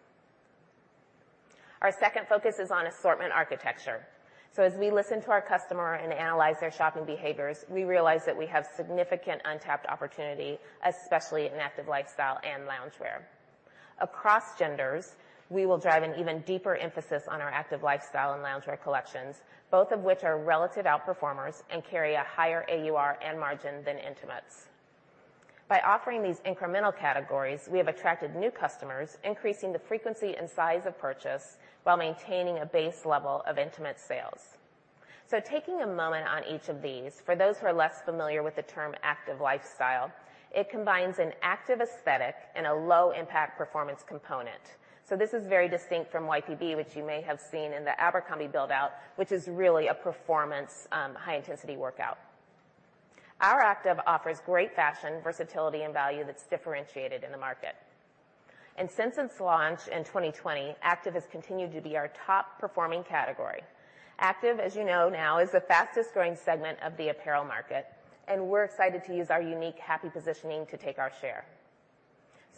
Our second focus is on assortment architecture. As we listen to our customer and analyze their shopping behaviors, we realize that we have significant untapped opportunity, especially in active lifestyle and loungewear. Across genders, we will drive an even deeper emphasis on our active lifestyle and loungewear collections, both of which are relative outperformers and carry a higher AUR and margin than intimates. By offering these incremental categories, we have attracted new customers, increasing the frequency and size of purchase while maintaining a base level of intimates sales. Taking a moment on each of these, for those who are less familiar with the term active lifestyle, it combines an active aesthetic and a low-impact performance component. This is very distinct from YPB, which you may have seen in the Abercrombie build-out, which is really a performance, high-intensity workout. Our active offers great fashion, versatility, and value that's differentiated in the market. Since its launch in 2020, active has continued to be our top-performing category. Active, as you know now, is the fastest-growing segment of the apparel market, and we're excited to use our unique happy positioning to take our share.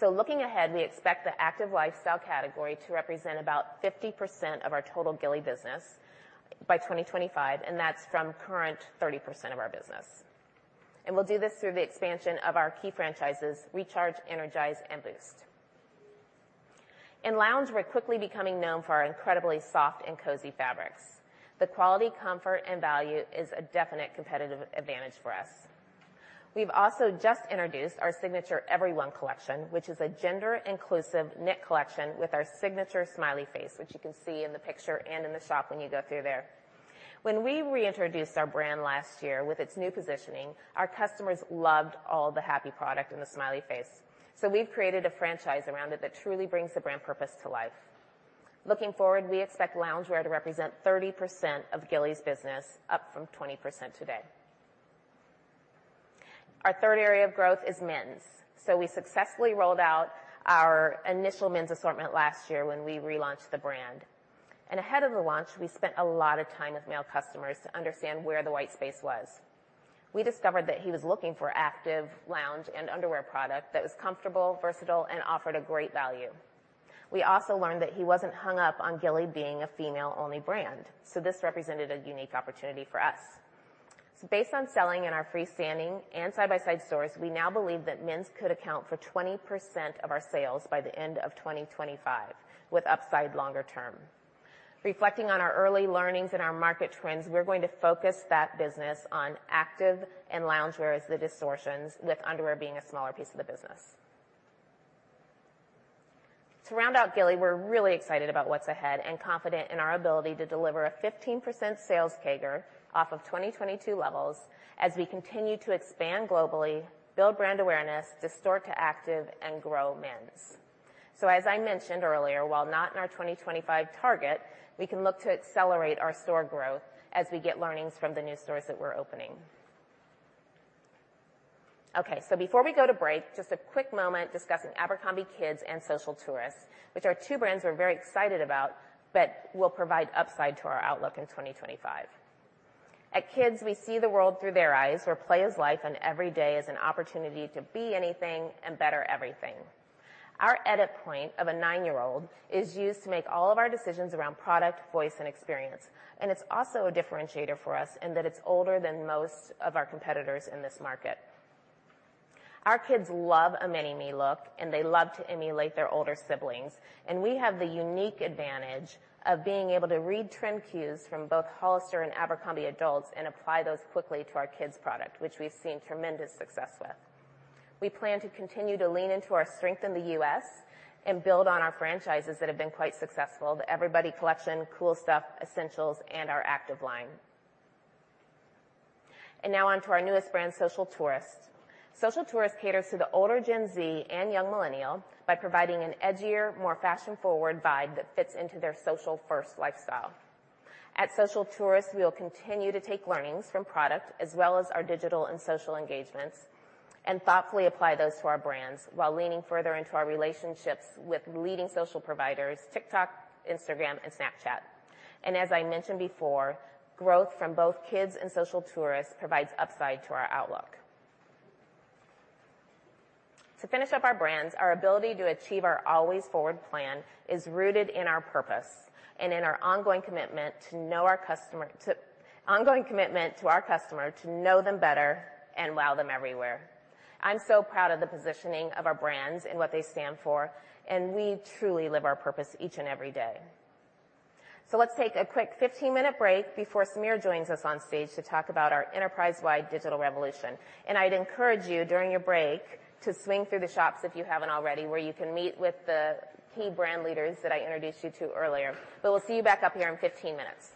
Looking ahead, we expect the active lifestyle category to represent about 50% of our total Gilly Hicks business by 2025, and that's from current 30% of our business. We'll do this through the expansion of our key franchises, Recharge, Energize, and Boost. In lounge, we're quickly becoming known for our incredibly soft and cozy fabrics. The quality, comfort, and value is a definite competitive advantage for us. We've also just introduced our signature Everybody Collection, which is a gender-inclusive knit collection with our signature smiley face, which you can see in the picture and in the shop when you go through there. When we reintroduced our brand last year with its new positioning, our customers loved all the happy product and the smiley face. We've created a franchise around it that truly brings the brand purpose to life. Looking forward, we expect loungewear to represent 30% of Gilly Hicks' business, up from 20% today. Our third area of growth is men's. We successfully rolled out our initial men's assortment last year when we relaunched the brand. Ahead of the launch, we spent a lot of time with male customers to understand where the white space was. We discovered that he was looking for active lounge and underwear product that was comfortable, versatile, and offered a great value. We also learned that he wasn't hung up on Gilly being a female-only brand, so this represented a unique opportunity for us. Based on selling in our freestanding and side-by-side stores, we now believe that men's could account for 20% of our sales by the end of 2025, with upside longer term. Reflecting on our early learnings and our market trends, we're going to focus that business on active and loungewear as the destinations, with underwear being a smaller piece of the business. To round out Gilly, we're really excited about what's ahead and confident in our ability to deliver a 15% sales CAGR off of 2022 levels as we continue to expand globally, build brand awareness, shift to active, and grow men's. As I mentioned earlier, while not in our 2025 target, we can look to accelerate our store growth as we get learnings from the new stores that we're opening. Okay, before we go to break, just a quick moment discussing abercrombie kids and Social Tourist, which are two brands we're very excited about that will provide upside to our outlook in 2025. At Kids, we see the world through their eyes, where play is life, and every day is an opportunity to be anything and better everything. Our edit point of a nine-year-old is used to make all of our decisions around product, voice, and experience, and it's also a differentiator for us in that it's older than most of our competitors in this market. Our kids love a mini-me look, and they love to emulate their older siblings. We have the unique advantage of being able to read trend cues from both Hollister and Abercrombie adults and apply those quickly to our kids' product, which we've seen tremendous success with. We plan to continue to lean into our strength in the U.S. and build on our franchises that have been quite successful, the Everybody Collection, Cool Stuff, Essentials, and our active line. Now on to our newest brand, Social Tourist. Social Tourist caters to the older Gen Z and young millennial by providing an edgier, more fashion-forward vibe that fits into their social-first lifestyle. At Social Tourist, we will continue to take learnings from product as well as our digital and social engagements and thoughtfully apply those to our brands while leaning further into our relationships with leading social providers, TikTok, Instagram, and Snapchat. As I mentioned before, growth from both kids and Social Tourist provides upside to our outlook. To finish up our brands, our ability to achieve our Always Forward plan is rooted in our purpose and in our ongoing commitment to our customer to know them better and wow them everywhere. I'm so proud of the positioning of our brands and what they stand for, and we truly live our purpose each and every day. Let's take a quick 15-minute break before Samir joins us on stage to talk about our enterprise-wide digital revolution. I'd encourage you during your break to swing through the shops if you haven't already, where you can meet with the key brand leaders that I introduced you to earlier. We'll see you back up here in 15 minutes.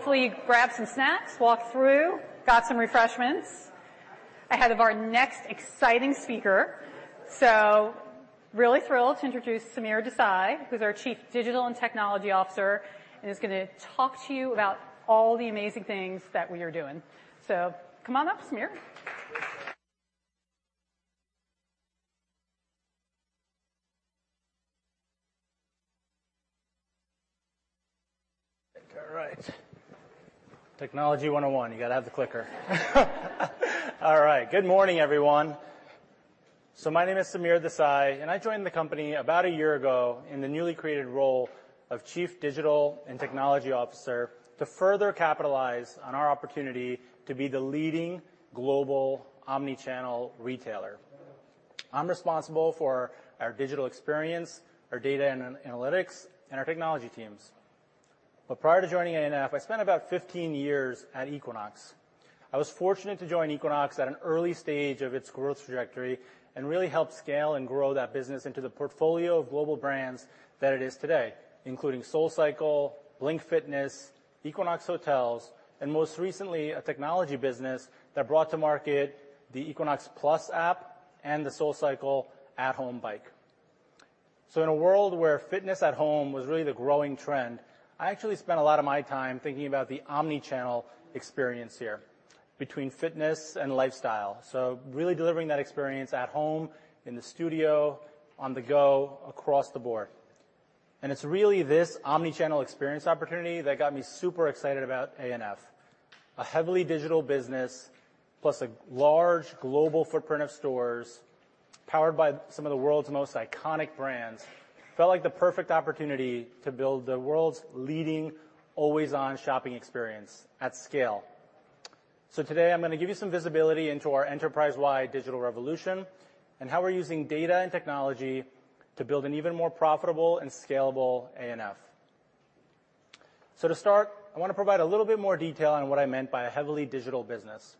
Everyone. Hopefully you grabbed some snacks, walked through, got some refreshments ahead of our next exciting speaker. Really thrilled to introduce Samir Desai, who's our Chief Digital and Technology Officer, and is gonna talk to you about all the amazing things that we are doing. Come on up, Samir. All right. Technology 101, you got to have the clicker. All right. Good morning, everyone. My name is Samir Desai, and I joined the company about a year ago in the newly created role of Chief Digital and Technology Officer to further capitalize on our opportunity to be the leading global omni-channel retailer. I'm responsible for our digital experience, our data and analytics, and our technology teams. Prior to joining ANF, I spent about 15 years at Equinox. I was fortunate to join Equinox at an early stage of its growth trajectory and really helped scale and grow that business into the portfolio of global brands that it is today, including SoulCycle, Blink Fitness, Equinox Hotels, and most recently, a technology business that brought to market the Equinox+ app and the SoulCycle at-home bike. In a world where fitness at home was really the growing trend, I actually spent a lot of my time thinking about the omni-channel experience here between fitness and lifestyle. Really delivering that experience at home, in the studio, on the go, across the board. It's really this omni-channel experience opportunity that got me super excited about ANF. A heavily digital business, plus a large global footprint of stores powered by some of the world's most iconic brands, felt like the perfect opportunity to build the world's leading always-on shopping experience at scale. Today, I'm gonna give you some visibility into our enterprise-wide digital revolution and how we're using data and technology to build an even more profitable and scalable ANF. To start, I wanna provide a little bit more detail on what I meant by a heavily digital business.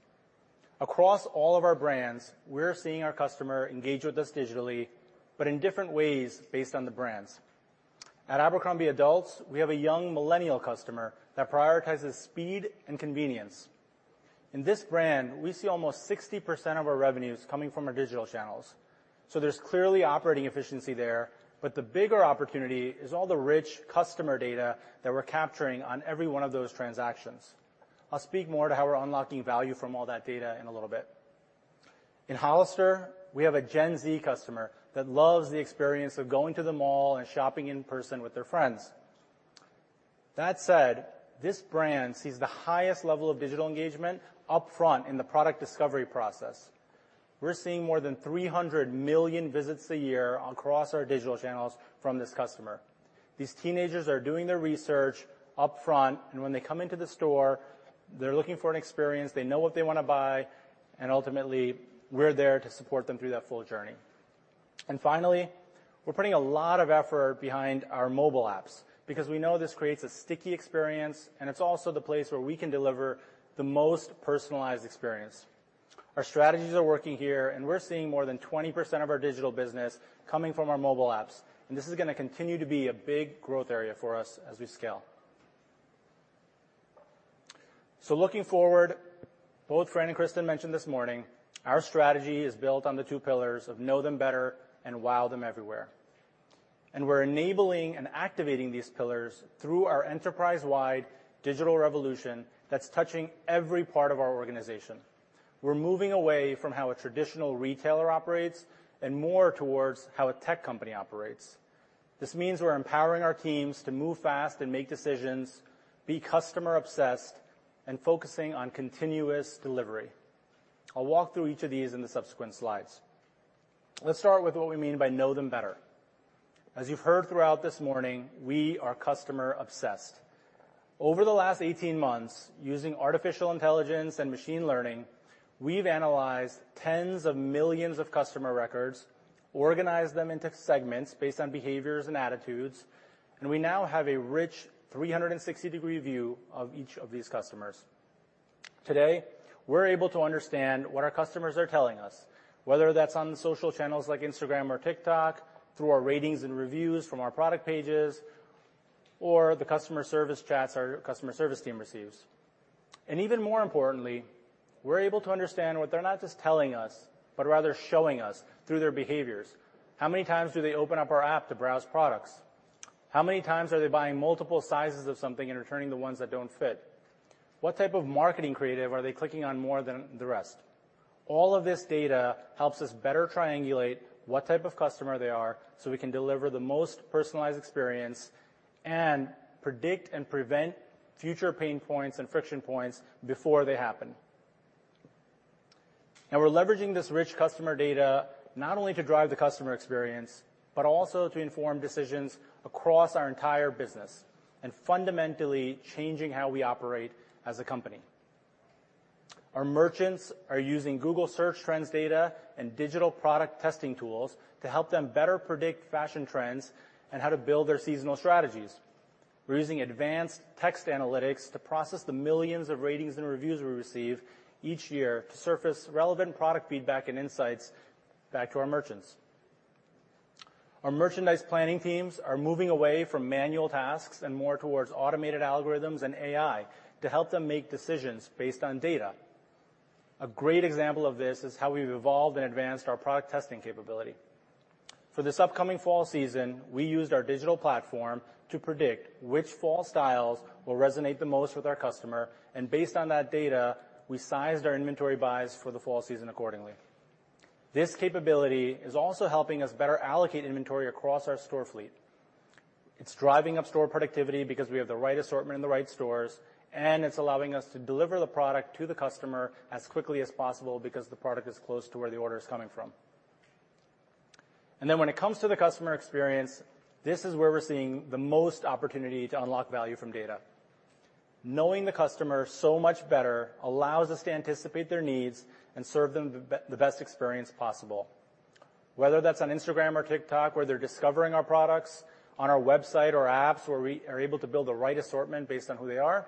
Across all of our brands, we're seeing our customer engage with us digitally, but in different ways based on the brands. At Abercrombie Adults, we have a young millennial customer that prioritizes speed and convenience. In this brand, we see almost 60% of our revenues coming from our digital channels, so there's clearly operating efficiency there, but the bigger opportunity is all the rich customer data that we're capturing on every one of those transactions. I'll speak more to how we're unlocking value from all that data in a little bit. In Hollister, we have a Gen Z customer that loves the experience of going to the mall and shopping in person with their friends. That said, this brand sees the highest level of digital engagement up front in the product discovery process. We're seeing more than 300 million visits a year across our digital channels from this customer. These teenagers are doing their research upfront, and when they come into the store, they're looking for an experience. They know what they wanna buy, and ultimately, we're there to support them through that full journey. Finally, we're putting a lot of effort behind our mobile apps because we know this creates a sticky experience, and it's also the place where we can deliver the most personalized experience. Our strategies are working here, and we're seeing more than 20% of our digital business coming from our mobile apps, and this is gonna continue to be a big growth area for us as we scale. Looking forward, both Fran and Kristin mentioned this morning, our strategy is built on the two pillars of know them better and wow them everywhere. We're enabling and activating these pillars through our enterprise-wide digital revolution that's touching every part of our organization. We're moving away from how a traditional retailer operates and more towards how a tech company operates. This means we're empowering our teams to move fast and make decisions, be customer-obsessed, and focusing on continuous delivery. I'll walk through each of these in the subsequent slides. Let's start with what we mean by know them better. As you've heard throughout this morning, we are customer-obsessed. Over the last 18 months, using artificial intelligence and machine learning, we've analyzed tens of millions of customer records, organized them into segments based on behaviors and attitudes, and we now have a rich 360-degree view of each of these customers. Today, we're able to understand what our customers are telling us, whether that's on the social channels like Instagram or TikTok, through our ratings and reviews from our product pages, or the customer service chats our customer service team receives. Even more importantly, we're able to understand what they're not just telling us, but rather showing us through their behaviors. How many times do they open up our app to browse products? How many times are they buying multiple sizes of something and returning the ones that don't fit? What type of marketing creative are they clicking on more than the rest? All of this data helps us better triangulate what type of customer they are, so we can deliver the most personalized experience and predict and prevent future pain points and friction points before they happen. Now we're leveraging this rich customer data not only to drive the customer experience, but also to inform decisions across our entire business and fundamentally changing how we operate as a company. Our merchants are using Google search trends data and digital product testing tools to help them better predict fashion trends and how to build their seasonal strategies. We're using advanced text analytics to process the millions of ratings and reviews we receive each year to surface relevant product feedback and insights back to our merchants. Our merchandise planning teams are moving away from manual tasks and more towards automated algorithms and AI to help them make decisions based on data. A great example of this is how we've evolved and advanced our product testing capability. For this upcoming fall season, we used our digital platform to predict which fall styles will resonate the most with our customer, and based on that data, we sized our inventory buys for the fall season accordingly. This capability is also helping us better allocate inventory across our store fleet. It's driving up store productivity because we have the right assortment in the right stores, and it's allowing us to deliver the product to the customer as quickly as possible because the product is close to where the order is coming from. When it comes to the customer experience, this is where we're seeing the most opportunity to unlock value from data. Knowing the customer so much better allows us to anticipate their needs and serve them the best experience possible. Whether that's on Instagram or TikTok, where they're discovering our products, on our website or apps, where we are able to build the right assortment based on who they are,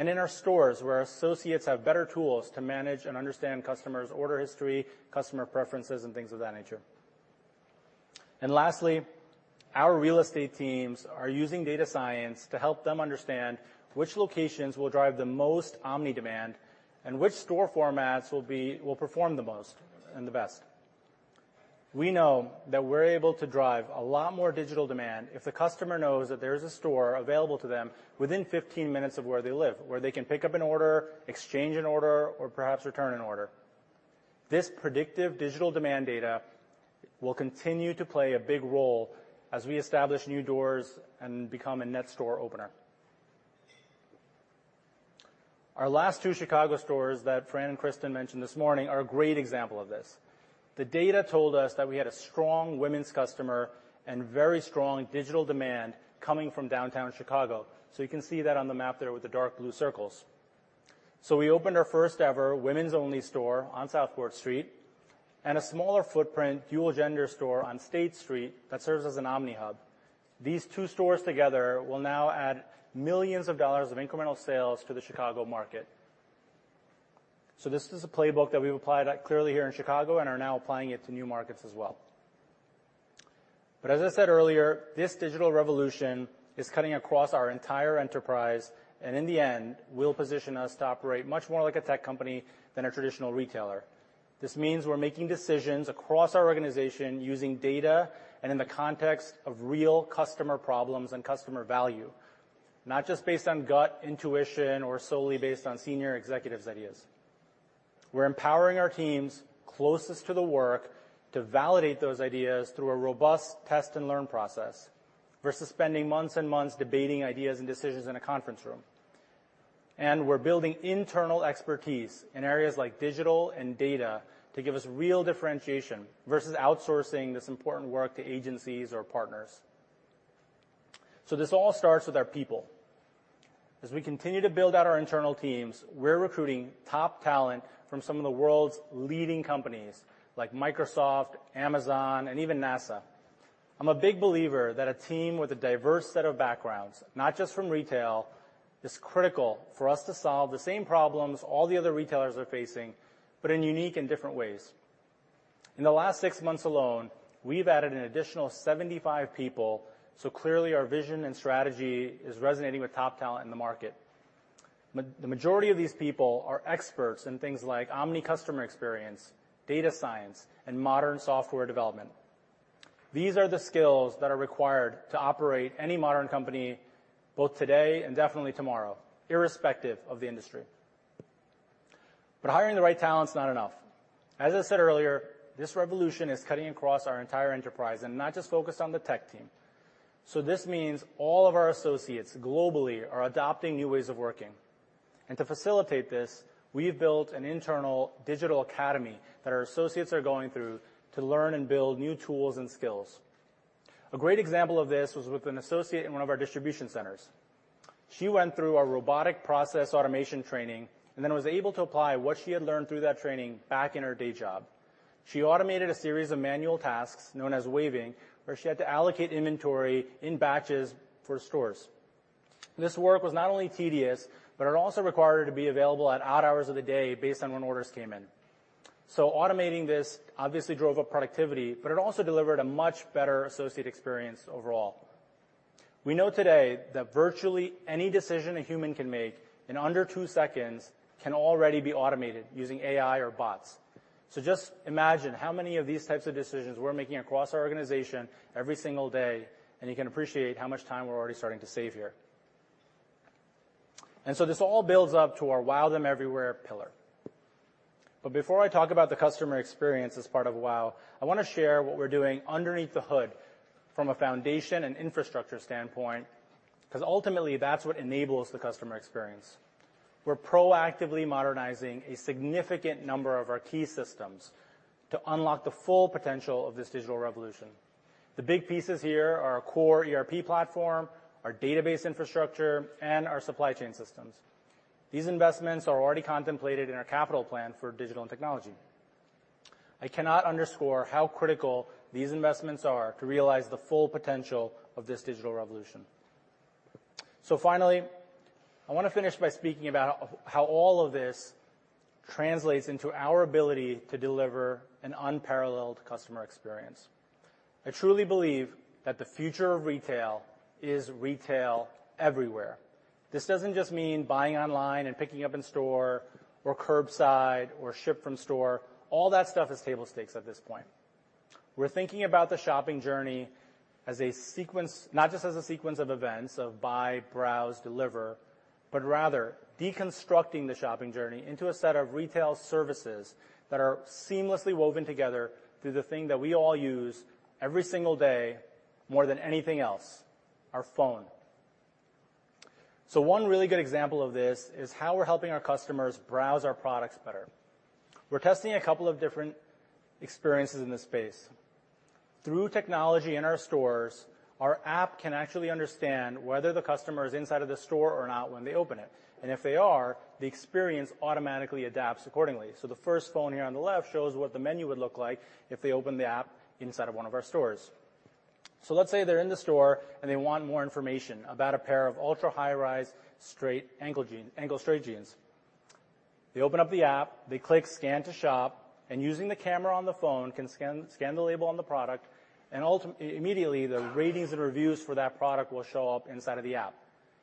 and in our stores, where associates have better tools to manage and understand customers' order history, customer preferences, and things of that nature. Lastly, our real estate teams are using data science to help them understand which locations will drive the most omni demand and which store formats will perform the most and the best. We know that we're able to drive a lot more digital demand if the customer knows that there's a store available to them within 15 minutes of where they live, where they can pick up an order, exchange an order, or perhaps return an order. This predictive digital demand data will continue to play a big role as we establish new doors and become a net store opener. Our last two Chicago stores that Fran and Kristin mentioned this morning are a great example of this. The data told us that we had a strong women's customer and very strong digital demand coming from downtown Chicago. You can see that on the map there with the dark blue circles. We opened our first ever women's-only store on Southport Street and a smaller footprint dual gender store on State Street that serves as an omni hub. These two stores together will now add $ millions of incremental sales to the Chicago market. This is a playbook that we've applied clearly here in Chicago and are now applying it to new markets as well. As I said earlier, this digital revolution is cutting across our entire enterprise and in the end will position us to operate much more like a tech company than a traditional retailer. This means we're making decisions across our organization using data and in the context of real customer problems and customer value, not just based on gut intuition or solely based on senior executives' ideas. We're empowering our teams closest to the work to validate those ideas through a robust test and learn process versus spending months and months debating ideas and decisions in a conference room. We're building internal expertise in areas like digital and data to give us real differentiation versus outsourcing this important work to agencies or partners. This all starts with our people. As we continue to build out our internal teams, we're recruiting top talent from some of the world's leading companies like Microsoft, Amazon, and even NASA. I'm a big believer that a team with a diverse set of backgrounds, not just from retail, is critical for us to solve the same problems all the other retailers are facing, but in unique and different ways. In the last six months alone, we've added an additional 75 people, so clearly our vision and strategy is resonating with top talent in the market. The majority of these people are experts in things like omni customer experience, data science, and modern software development. These are the skills that are required to operate any modern company, both today and definitely tomorrow, irrespective of the industry. Hiring the right talent is not enough. As I said earlier, this revolution is cutting across our entire enterprise and not just focused on the tech team. This means all of our associates globally are adopting new ways of working. To facilitate this, we've built an internal digital academy that our associates are going through to learn and build new tools and skills. A great example of this was with an associate in one of our distribution centers. She went through a robotic process automation training and then was able to apply what she had learned through that training back in her day job. She automated a series of manual tasks known as waving, where she had to allocate inventory in batches for stores. This work was not only tedious, but it also required her to be available at odd hours of the day based on when orders came in. Automating this obviously drove up productivity, but it also delivered a much better associate experience overall. We know today that virtually any decision a human can make in under two seconds can already be automated using AI or bots. Just imagine how many of these types of decisions we're making across our organization every single day, and you can appreciate how much time we're already starting to save here. This all builds up to our wow them everywhere pillar. Before I talk about the customer experience as part of wow, I wanna share what we're doing underneath the hood from a foundation and infrastructure standpoint, because ultimately that's what enables the customer experience. We're proactively modernizing a significant number of our key systems to unlock the full potential of this digital revolution. The big pieces here are our core ERP platform, our database infrastructure, and our supply chain systems. These investments are already contemplated in our capital plan for digital and technology. I cannot underscore how critical these investments are to realize the full potential of this digital revolution. Finally, I wanna finish by speaking about how all of this translates into our ability to deliver an unparalleled customer experience. I truly believe that the future of retail is retail everywhere. This doesn't just mean buying online and picking up in store or curbside or ship from store. All that stuff is table stakes at this point. We're thinking about the shopping journey as a sequence, not just as a sequence of events of buy, browse, deliver, but rather deconstructing the shopping journey into a set of retail services that are seamlessly woven together through the thing that we all use every single day more than anything else, our phone. One really good example of this is how we're helping our customers browse our products better. We're testing a couple of different experiences in this space. Through technology in our stores, our app can actually understand whether the customer is inside of the store or not when they open it. If they are, the experience automatically adapts accordingly. The first phone here on the left shows what the menu would look like if they opened the app inside of one of our stores. Let's say they're in the store and they want more information about a pair of ultra-high rise straight ankle jeans. They open up the app, they click Scan to Shop, and using the camera on the phone can scan the label on the product, and immediately the ratings and reviews for that product will show up inside of the app.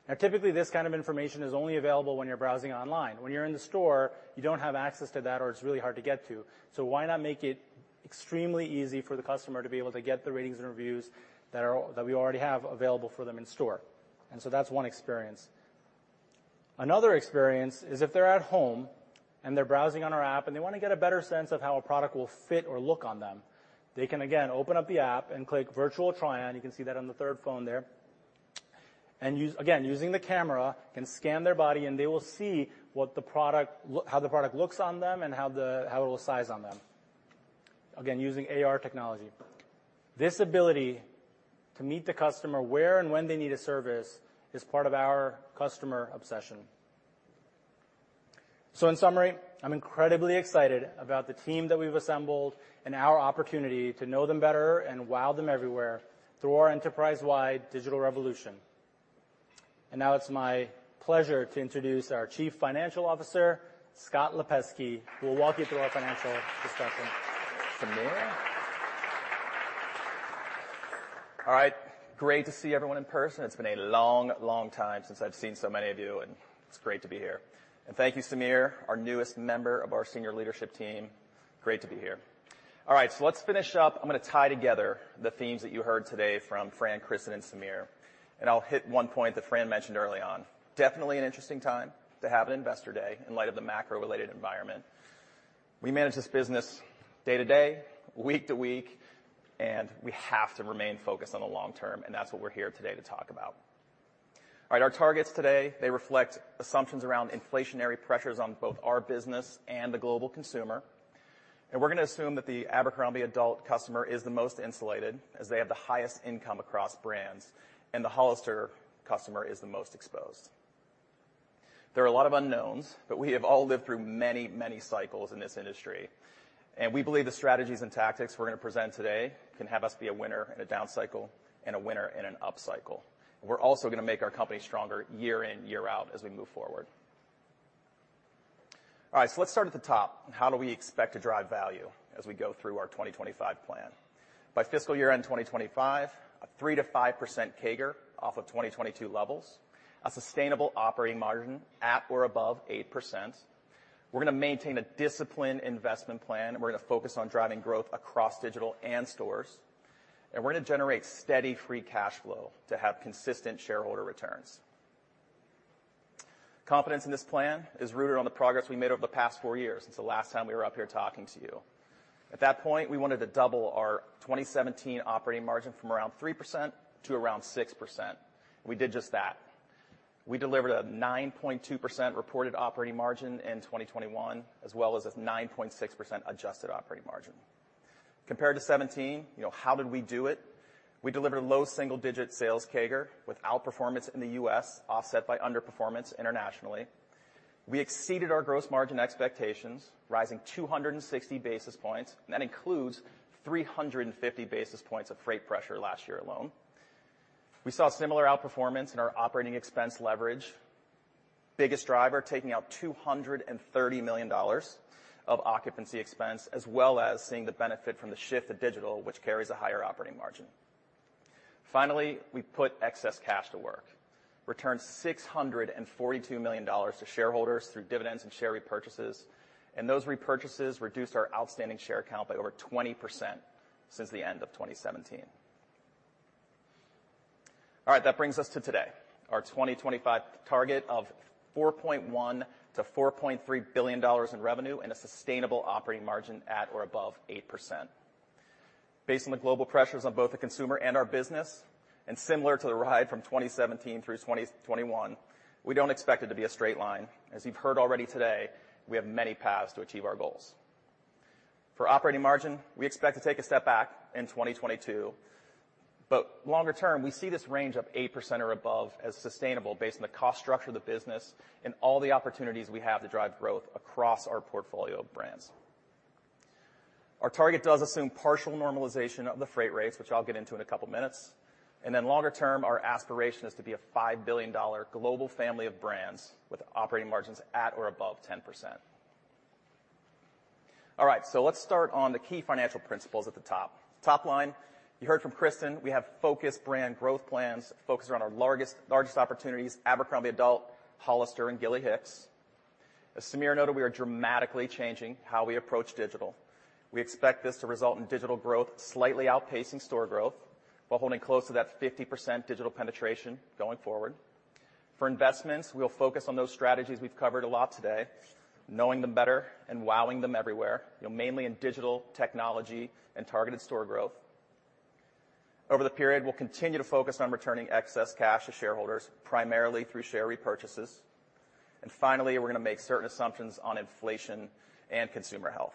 Now, typically, this kind of information is only available when you're browsing online. When you're in the store, you don't have access to that, or it's really hard to get to. Why not make it extremely easy for the customer to be able to get the ratings and reviews that we already have available for them in store? That's one experience. Another experience is if they're at home and they're browsing on our app, and they wanna get a better sense of how a product will fit or look on them, they can again open up the app and click virtual try-on. You can see that on the third phone there. Again, using the camera, can scan their body and they will see how the product looks on them and how it will size on them. Again, using AR technology. This ability to meet the customer where and when they need a service is part of our customer obsession. In summary, I'm incredibly excited about the team that we've assembled and our opportunity to know them better and wow them everywhere through our enterprise-wide digital revolution. Now it's my pleasure to introduce our Chief Financial Officer, Scott Lipesky, who will walk you through our financial discussion. Scott. All right, great to see everyone in person. It's been a long, long time since I've seen so many of you, and it's great to be here. Thank you, Samir, our newest member of our senior leadership team. Great to be here. All right, so let's finish up. I'm gonna tie together the themes that you heard today from Fran, Kristin, and Samir. I'll hit one point that Fran mentioned early on. Definitely an interesting time to have an Investor Day in light of the macro-related environment. We manage this business day to day, week to week, and we have to remain focused on the long term, and that's what we're here today to talk about. All right, our targets today, they reflect assumptions around inflationary pressures on both our business and the global consumer. We're gonna assume that the Abercrombie adult customer is the most insulated, as they have the highest income across brands, and the Hollister customer is the most exposed. There are a lot of unknowns, but we have all lived through many, many cycles in this industry, and we believe the strategies and tactics we're gonna present today can have us be a winner in a down cycle and a winner in an up cycle. We're also gonna make our company stronger year in, year out, as we move forward. All right, so let's start at the top. How do we expect to drive value as we go through our 2025 plan? By fiscal year-end 2025, a 3% to 5% CAGR off of 2022 levels, a sustainable operating margin at or above 8%. We're gonna maintain a disciplined investment plan, and we're gonna focus on driving growth across digital and stores. We're gonna generate steady free cash flow to have consistent shareholder returns. Confidence in this plan is rooted on the progress we made over the past four years, since the last time we were up here talking to you. At that point, we wanted to double our 2017 operating margin from around 3% to around 6%. We did just that. We delivered a 9.2% reported operating margin in 2021, as well as a 9.6% adjusted operating margin. Compared to 2017, you know, how did we do it? We delivered low single-digit sales CAGR with outperformance in the U.S., offset by underperformance internationally. We exceeded our gross margin expectations, rising 260 basis points. That includes 350 basis points of freight pressure last year alone. We saw similar outperformance in our operating expense leverage. Biggest driver, taking out $230 million of occupancy expense, as well as seeing the benefit from the shift to digital, which carries a higher operating margin. Finally, we put excess cash to work. Returned $642 million to shareholders through dividends and share repurchases, and those repurchases reduced our outstanding share count by over 20% since the end of 2017. All right, that brings us to today. Our 2025 target of $4.1 billion to $4.3 billion in revenue and a sustainable operating margin at or above 8%. Based on the global pressures on both the consumer and our business. Similar to the ride from 2017 through 2021, we don't expect it to be a straight line. As you've heard already today, we have many paths to achieve our goals. For operating margin, we expect to take a step back in 2022, but longer term, we see this range of 8% or above as sustainable based on the cost structure of the business and all the opportunities we have to drive growth across our portfolio of brands. Our target does assume partial normalization of the freight rates, which I'll get into in a couple of minutes. Longer term, our aspiration is to be a $5 billion global family of brands with operating margins at or above 10%. All right, so let's start on the key financial principles at the top. Top line, you heard from Kristin, we have focused brand growth plans, focused around our largest opportunities, Abercrombie adults, Hollister, and Gilly Hicks. As Samir noted, we are dramatically changing how we approach digital. We expect this to result in digital growth, slightly outpacing store growth, while holding close to that 50% digital penetration going forward. For investments, we'll focus on those strategies we've covered a lot today, knowing them better and wowing them everywhere, you know, mainly in digital, technology, and targeted store growth. Over the period, we'll continue to focus on returning excess cash to shareholders, primarily through share repurchases. Finally, we're gonna make certain assumptions on inflation and consumer health.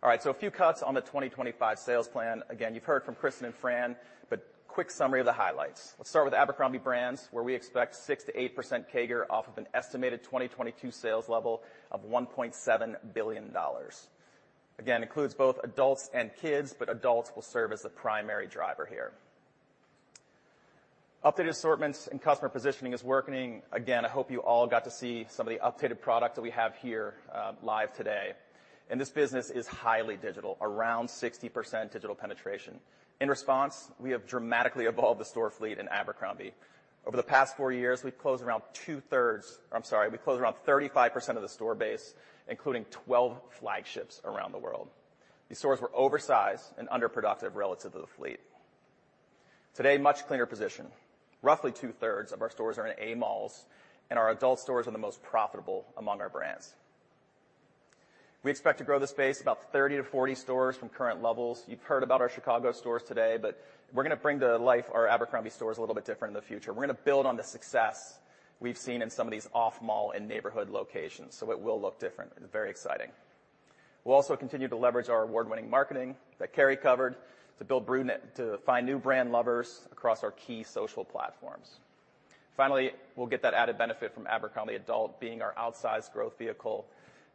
All right, so a few cuts on the 2025 sales plan. Again, you've heard from Kristin and Fran, but quick summary of the highlights. Let's start with Abercrombie brands, where we expect 6% to 8% CAGR off of an estimated 2022 sales level of $1.7 billion. Again, includes both adults and kids, but adults will serve as the primary driver here. Updated assortments and customer positioning is working. Again, I hope you all got to see some of the updated product that we have here, live today. This business is highly digital, around 60% digital penetration. In response, we have dramatically evolved the store fleet in Abercrombie. Over the past four years, we've closed around 35% of the store base, including 12 flagships around the world. These stores were oversized and underproductive relative to the fleet. Today, much cleaner position. Roughly two-thirds of our stores are in A malls, and our adult stores are the most profitable among our brands. We expect to grow the space about 30-40 stores from current levels. You've heard about our Chicago stores today, but we're gonna bring to life our Abercrombie stores a little bit different in the future. We're gonna build on the success we've seen in some of these off-mall and neighborhood locations, so it will look different and very exciting. We'll also continue to leverage our award-winning marketing that Carey covered to find new brand lovers across our key social platforms. Finally, we'll get that added benefit from Abercrombie Adults being our outsized growth vehicle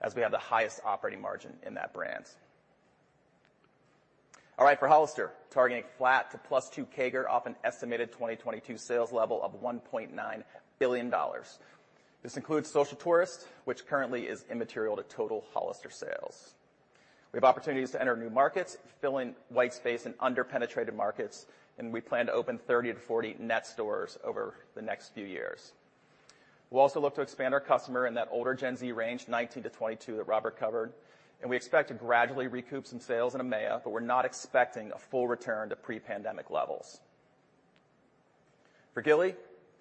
as we have the highest operating margin in that brands. All right. For Hollister, targeting flat to +2% CAGR off an estimated 2022 sales level of $1.9 billion. This includes Social Tourist, which currently is immaterial to total Hollister sales. We have opportunities to enter new markets, fill in white space in under-penetrated markets, and we plan to open 30-40 net stores over the next few years. We'll also look to expand our customer in that older Gen Z range, 19-22, that Robert covered, and we expect to gradually recoup some sales in EMEA, but we're not expecting a full return to pre-pandemic levels. For Gilly,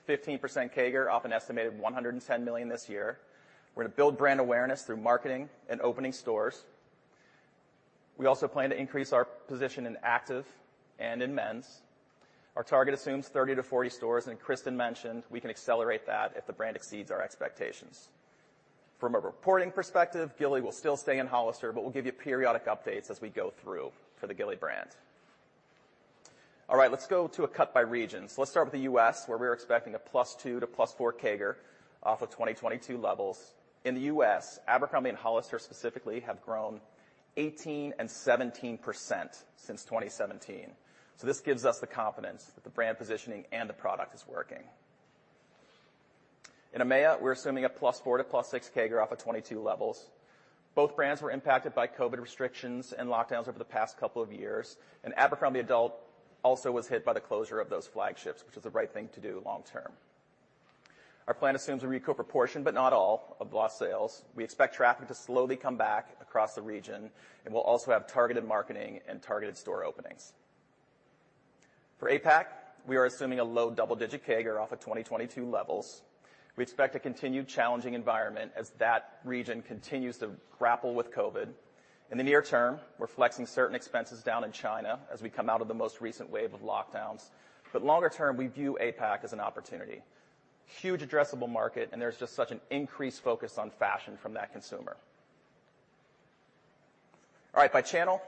15% CAGR off an estimated $110 million this year. We're gonna build brand awareness through marketing and opening stores. We also plan to increase our position in active and in men's. Our target assumes 30 to 40 stores, and Kristin mentioned we can accelerate that if the brand exceeds our expectations. From a reporting perspective, Gilly will still stay in Hollister, but we'll give you periodic updates as we go through for the Gilly brand. All right. Let's go to a cut by region. Let's start with the U.S., where we're expecting a +2% to +4% CAGR off of 2022 levels. In the U.S., Abercrombie and Hollister specifically have grown 18% and 17% since 2017. This gives us the confidence that the brand positioning and the product is working. In EMEA, we're assuming a +4% to +6% CAGR off of 2022 levels. Both brands were impacted by COVID restrictions and lockdowns over the past couple of years, and Abercrombie adults also was hit by the closure of those flagships, which is the right thing to do long term. Our plan assumes we recoup a portion, but not all, of lost sales. We expect traffic to slowly come back across the region, and we'll also have targeted marketing and targeted store openings. For APAC, we are assuming a low double-digit CAGR off of 2022 levels. We expect a continued challenging environment as that region continues to grapple with COVID. In the near term, we're flexing certain expenses down in China as we come out of the most recent wave of lockdowns. Longer term, we view APAC as an opportunity. Huge addressable market, and there's just such an increased focus on fashion from that consumer. All right. By channel,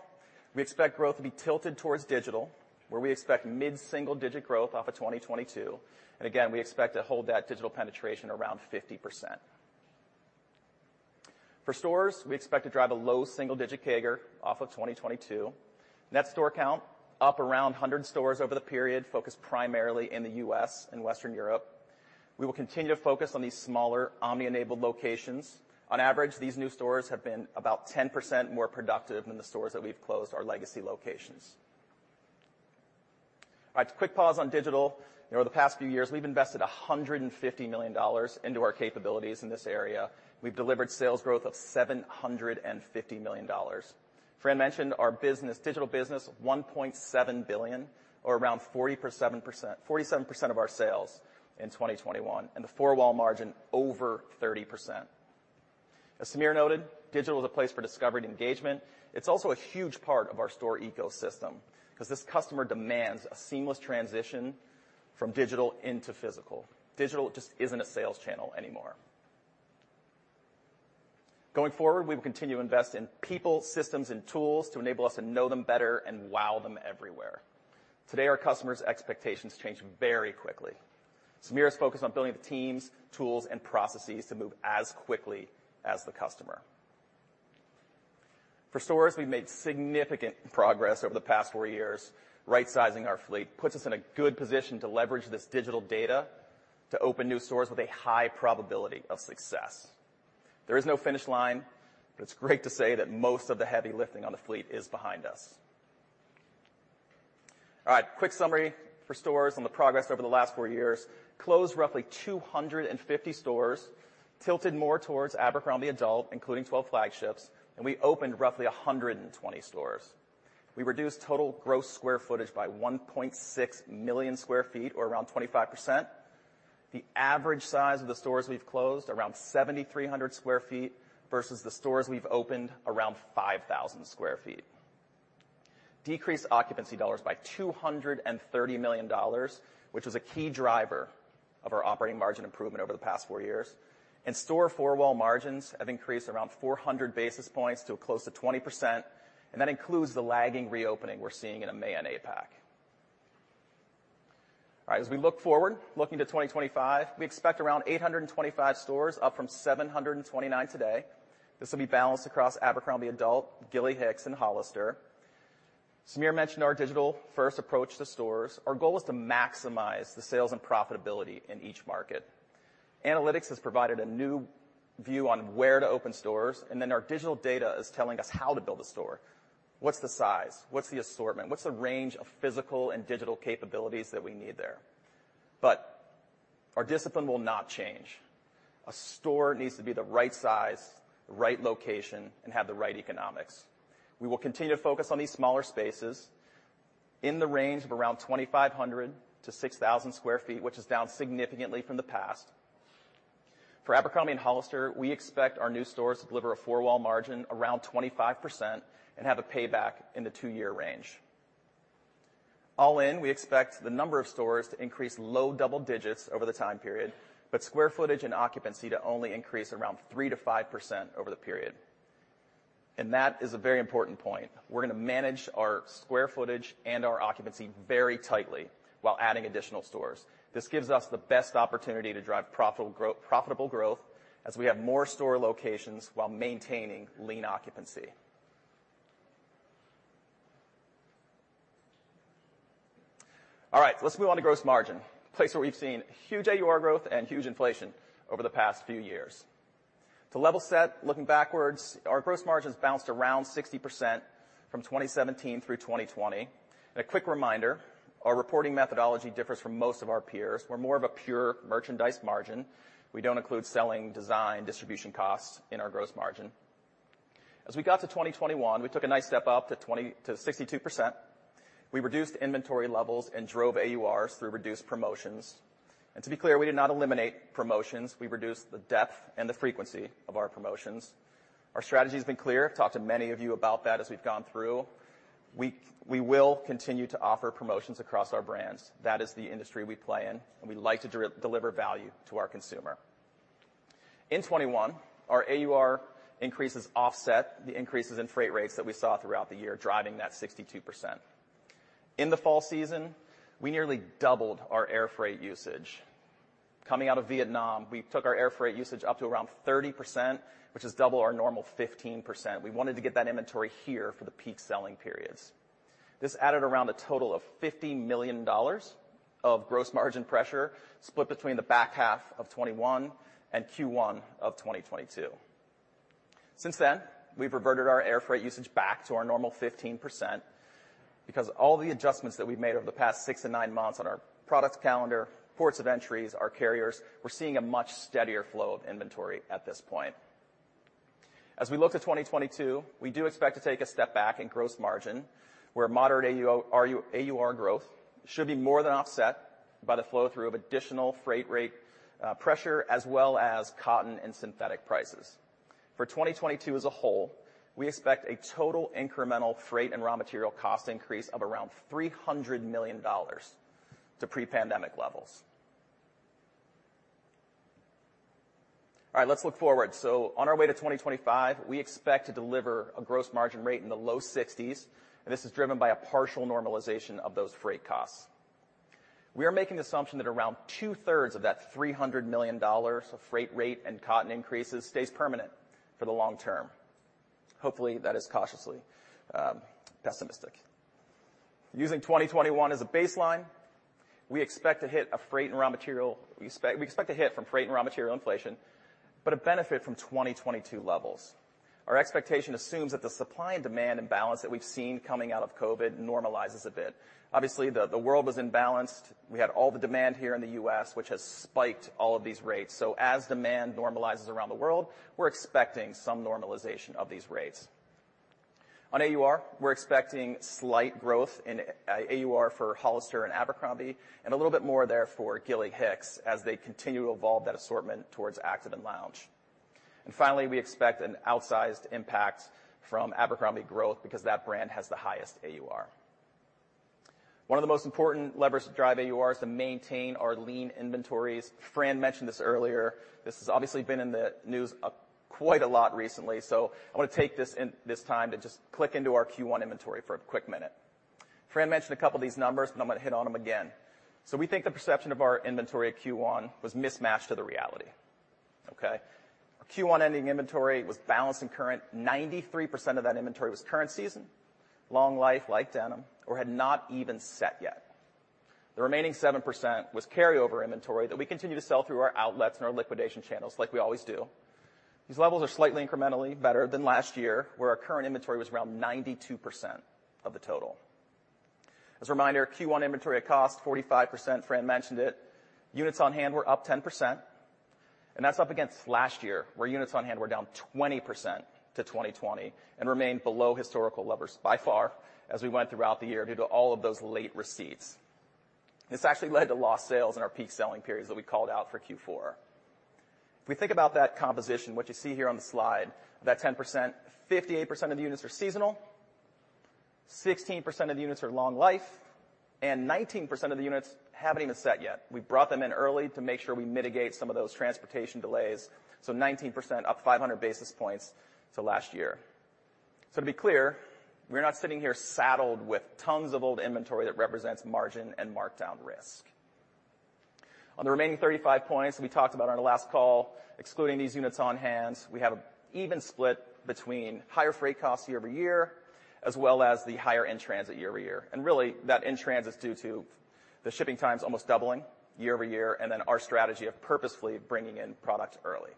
we expect growth to be tilted towards digital, where we expect mid-single-digit growth off of 2022. Again, we expect to hold that digital penetration around 50%. For stores, we expect to drive a low single-digit CAGR off of 2022. Net store count up around 100 stores over the period, focused primarily in the U.S. and Western Europe. We will continue to focus on these smaller omni-enabled locations. On average, these new stores have been about 10% more productive than the stores that we've closed, our legacy locations. All right. Quick pause on digital. You know, over the past few years, we've invested $150 million into our capabilities in this area. We've delivered sales growth of $750 million. Fran mentioned our digital business, $1.7 billion or around 47% of our sales in 2021, and the four-wall margin over 30%. Samir noted, digital is a place for discovery and engagement. It's also a huge part of our store ecosystem because this customer demands a seamless transition from digital into physical. Digital just isn't a sales channel anymore. Going forward, we will continue to invest in people, systems, and tools to enable us to know them better and wow them everywhere. Today, our customers' expectations change very quickly. Samir is focused on building the teams, tools, and processes to move as quickly as the customer. For stores, we've made significant progress over the past four years. Right-sizing our fleet puts us in a good position to leverage this digital data to open new stores with a high probability of success. There is no finish line, but it's great to say that most of the heavy lifting on the fleet is behind us. All right, quick summary for stores on the progress over the last four years. Closed roughly 250 stores, tilted more towards Abercrombie Adults, including 12 flagships, and we opened roughly 120 stores. We reduced total gross square footage by 1.6 million sq ft or around 25%. The average size of the stores we've closed, around 7,300 sq ft versus the stores we've opened, around 5,000 sq ft. Decreased occupancy dollars by $230 million, which was a key driver of our operating margin improvement over the past four years. Store four-wall margins have increased around 400 basis points to close to 20%, and that includes the lagging reopening we're seeing in EMEA and APAC. All right, as we look forward, looking to 2025, we expect around 825 stores, up from 729 today. This will be balanced across Abercrombie Adults, Gilly Hicks, and Hollister. Samir mentioned our digital-first approach to stores. Our goal is to maximize the sales and profitability in each market. Analytics has provided a new view on where to open stores, and then our digital data is telling us how to build a store. What's the size? What's the assortment? What's the range of physical and digital capabilities that we need there? But our discipline will not change. A store needs to be the right size, the right location, and have the right economics. We will continue to focus on these smaller spaces in the range of around 2,500-6,000 sq ft, which is down significantly from the past. For Abercrombie and Hollister, we expect our new stores to deliver a four-wall margin around 25% and have a payback in the two-year range. All in, we expect the number of stores to increase low double digits over the time period, but square footage and occupancy to only increase around 3%-5% over the period. That is a very important point. We're gonna manage our square footage and our occupancy very tightly while adding additional stores. This gives us the best opportunity to drive profitable growth as we have more store locations while maintaining lean occupancy. All right, let's move on to gross margin, a place where we've seen huge AUR growth and huge inflation over the past few years. To level set, looking backwards, our gross margins bounced around 60% from 2017 through 2020. A quick reminder, our reporting methodology differs from most of our peers. We're more of a pure merchandise margin. We don't include selling, design, distribution costs in our gross margin. As we got to 2021, we took a nice step up to 62%. We reduced inventory levels and drove AURs through reduced promotions. To be clear, we did not eliminate promotions. We reduced the depth and the frequency of our promotions. Our strategy has been clear. I've talked to many of you about that as we've gone through. We will continue to offer promotions across our brands. That is the industry we play in, and we like to deliver value to our consumer. In 2021, our AUR increases offset the increases in freight rates that we saw throughout the year, driving that 62%. In the fall season, we nearly doubled our air freight usage. Coming out of Vietnam, we took our air freight usage up to around 30%, which is double our normal 15%. We wanted to get that inventory here for the peak selling periods. This added around a total of $50 million of gross margin pressure, split between the back half of 2021 and Q1 of 2022. Since then, we've reverted our air freight usage back to our normal 15% because all the adjustments that we've made over the past six and nine months on our products calendar, ports of entry, our carriers, we're seeing a much steadier flow of inventory at this point. As we look to 2022, we do expect to take a step back in gross margin, where moderate AUR growth should be more than offset by the flow-through of additional freight rate pressure as well as cotton and synthetic prices. For 2022 as a whole, we expect a total incremental freight and raw material cost increase of around $300 million to pre-pandemic levels. All right, let's look forward. On our way to 2025, we expect to deliver a gross margin rate in the low 60s%, and this is driven by a partial normalization of those freight costs. We are making the assumption that around two-thirds of that $300 million of freight rate and cotton increases stays permanent for the long term. Hopefully, that is cautiously pessimistic. Using 2021 as a baseline, we expect a hit from freight and raw material inflation, but a benefit from 2022 levels. Our expectation assumes that the supply and demand imbalance that we've seen coming out of COVID normalizes a bit. Obviously, the world was imbalanced. We had all the demand here in the U.S., which has spiked all of these rates. As demand normalizes around the world, we're expecting some normalization of these rates. On AUR, we're expecting slight growth in AUR for Hollister and Abercrombie, and a little bit more there for Gilly Hicks as they continue to evolve that assortment towards active and lounge. We expect an outsized impact from Abercrombie growth because that brand has the highest AUR. One of the most important levers to drive AUR is to maintain our lean inventories. Fran mentioned this earlier. This has obviously been in the news quite a lot recently, so I wanna take this time to just click into our Q1 inventory for a quick minute. Fran mentioned a couple of these numbers, but I'm gonna hit on them again. We think the perception of our inventory at Q1 was mismatched to the reality. Okay? Our Q1 ending inventory was balanced and current. 93% of that inventory was current season, long life like denim, or had not even set yet. The remaining 7% was carryover inventory that we continue to sell through our outlets and our liquidation channels like we always do. These levels are slightly incrementally better than last year, where our current inventory was around 92% of the total. As a reminder, Q1 inventory comp 45%. Fran mentioned it. Units on hand were up 10%, and that's up against last year, where units on hand were down 20% to 2020 and remained below historical levels by far as we went throughout the year due to all of those late receipts. This actually led to lost sales in our peak selling periods that we called out for Q4. If we think about that composition, what you see here on the slide, of that 10%, 58% of the units are seasonal, 16% of the units are long life, and 19% of the units haven't even set yet. We brought them in early to make sure we mitigate some of those transportation delays, so 19% up 500 basis points to last year. To be clear, we're not sitting here saddled with tons of old inventory that represents margin and markdown risk. On the remaining 35 points we talked about on our last call, excluding these units on hand, we have an even split between higher freight costs year-over-year as well as the higher in transit year-over-year. Really, that in transit's due to the shipping times almost doubling year over year and then our strategy of purposefully bringing in product early.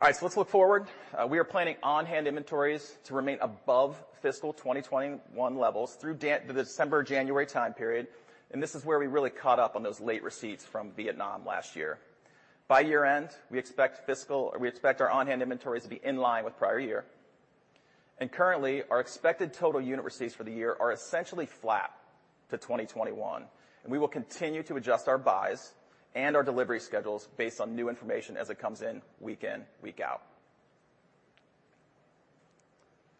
All right, let's look forward. We are planning on-hand inventories to remain above fiscal 2021 levels through the December to January time period, and this is where we really caught up on those late receipts from Vietnam last year. By year-end, or we expect our on-hand inventories to be in line with prior year. Currently, our expected total unit receipts for the year are essentially flat to 2021, and we will continue to adjust our buys and our delivery schedules based on new information as it comes in week in, week out.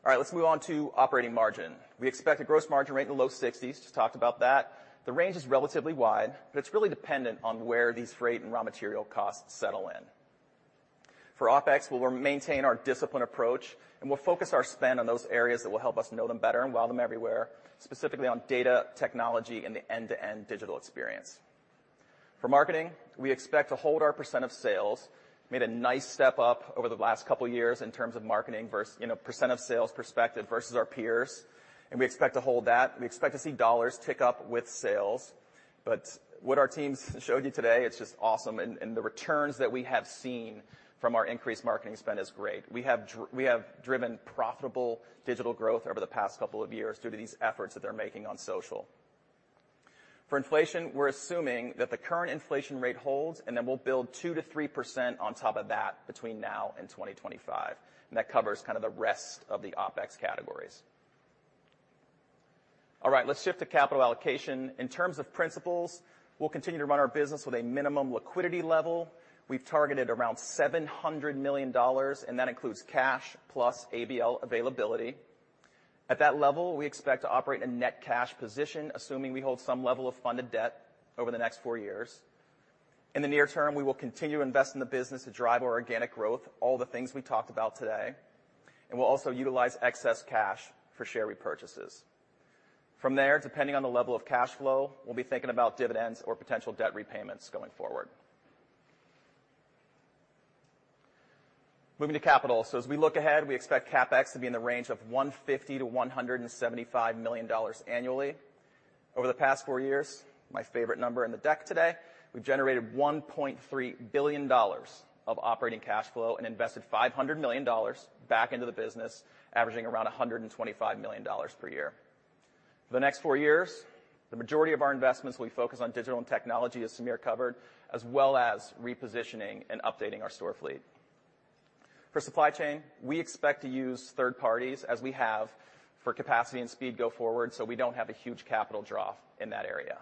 All right, let's move on to operating margin. We expect a gross margin rate in the low 60s%. Just talked about that. The range is relatively wide, but it's really dependent on where these freight and raw material costs settle in. For OpEx, we'll maintain our disciplined approach, and we'll focus our spend on those areas that will help us know them better and wow them everywhere, specifically on data, technology, and the end-to-end digital experience. For marketing, we expect to hold our percent of sales. Made a nice step up over the last couple years in terms of marketing versus, you know, percent of sales perspective versus our peers, and we expect to hold that. We expect to see dollars tick up with sales. What our teams showed you today, it's just awesome, and the returns that we have seen from our increased marketing spend is great. We have driven profitable digital growth over the past couple of years due to these efforts that they're making on social. For inflation, we're assuming that the current inflation rate holds, and then we'll build 2%-3% on top of that between now and 2025, and that covers kind of the rest of the OpEx categories. All right, let's shift to capital allocation. In terms of principles, we'll continue to run our business with a minimum liquidity level. We've targeted around $700 million, and that includes cash plus ABL availability. At that level, we expect to operate in a net cash position, assuming we hold some level of funded debt over the next four years. In the near term, we will continue to invest in the business to drive our organic growth, all the things we talked about today, and we'll also utilize excess cash for share repurchases. From there, depending on the level of cash flow, we'll be thinking about dividends or potential debt repayments going forward. Moving to capital. As we look ahead, we expect CapEx to be in the range of $150 million-$175 million annually. Over the past four years, my favorite number in the deck today, we've generated $1.3 billion of operating cash flow and invested $500 million back into the business, averaging around $125 million per year. For the next four years, the majority of our investments will be focused on digital and technology, as Samir covered, as well as repositioning and updating our store fleet. For supply chain, we expect to use third parties as we have for capacity and speed going forward, so we don't have a huge capital draw in that area.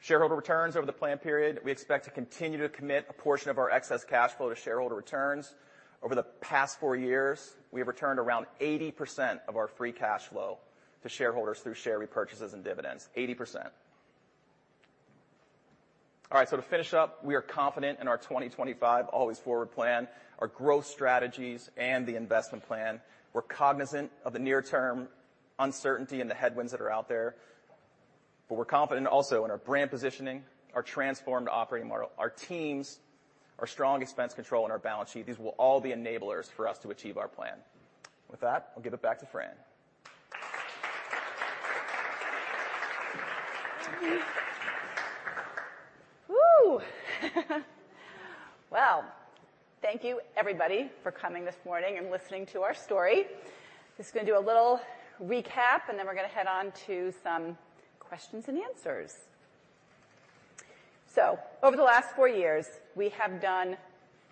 Shareholder returns over the plan period, we expect to continue to commit a portion of our excess cash flow to shareholder returns. Over the past four years, we have returned around 80% of our free cash flow to shareholders through share repurchases and dividends. 80%. All right, to finish up, we are confident in our 2025 Always Forward Plan, our growth strategies, and the investment plan. We're cognizant of the near-term uncertainty and the headwinds that are out there, but we're confident also in our brand positioning, our transformed operating model, our teams, our strong expense control, and our balance sheet. These will all be enablers for us to achieve our plan. With that, I'll give it back to Fran. Well, thank you everybody for coming this morning and listening to our story. Just gonna do a little recap, and then we're gonna head on to some questions and answers. Over the last 4 years, we have done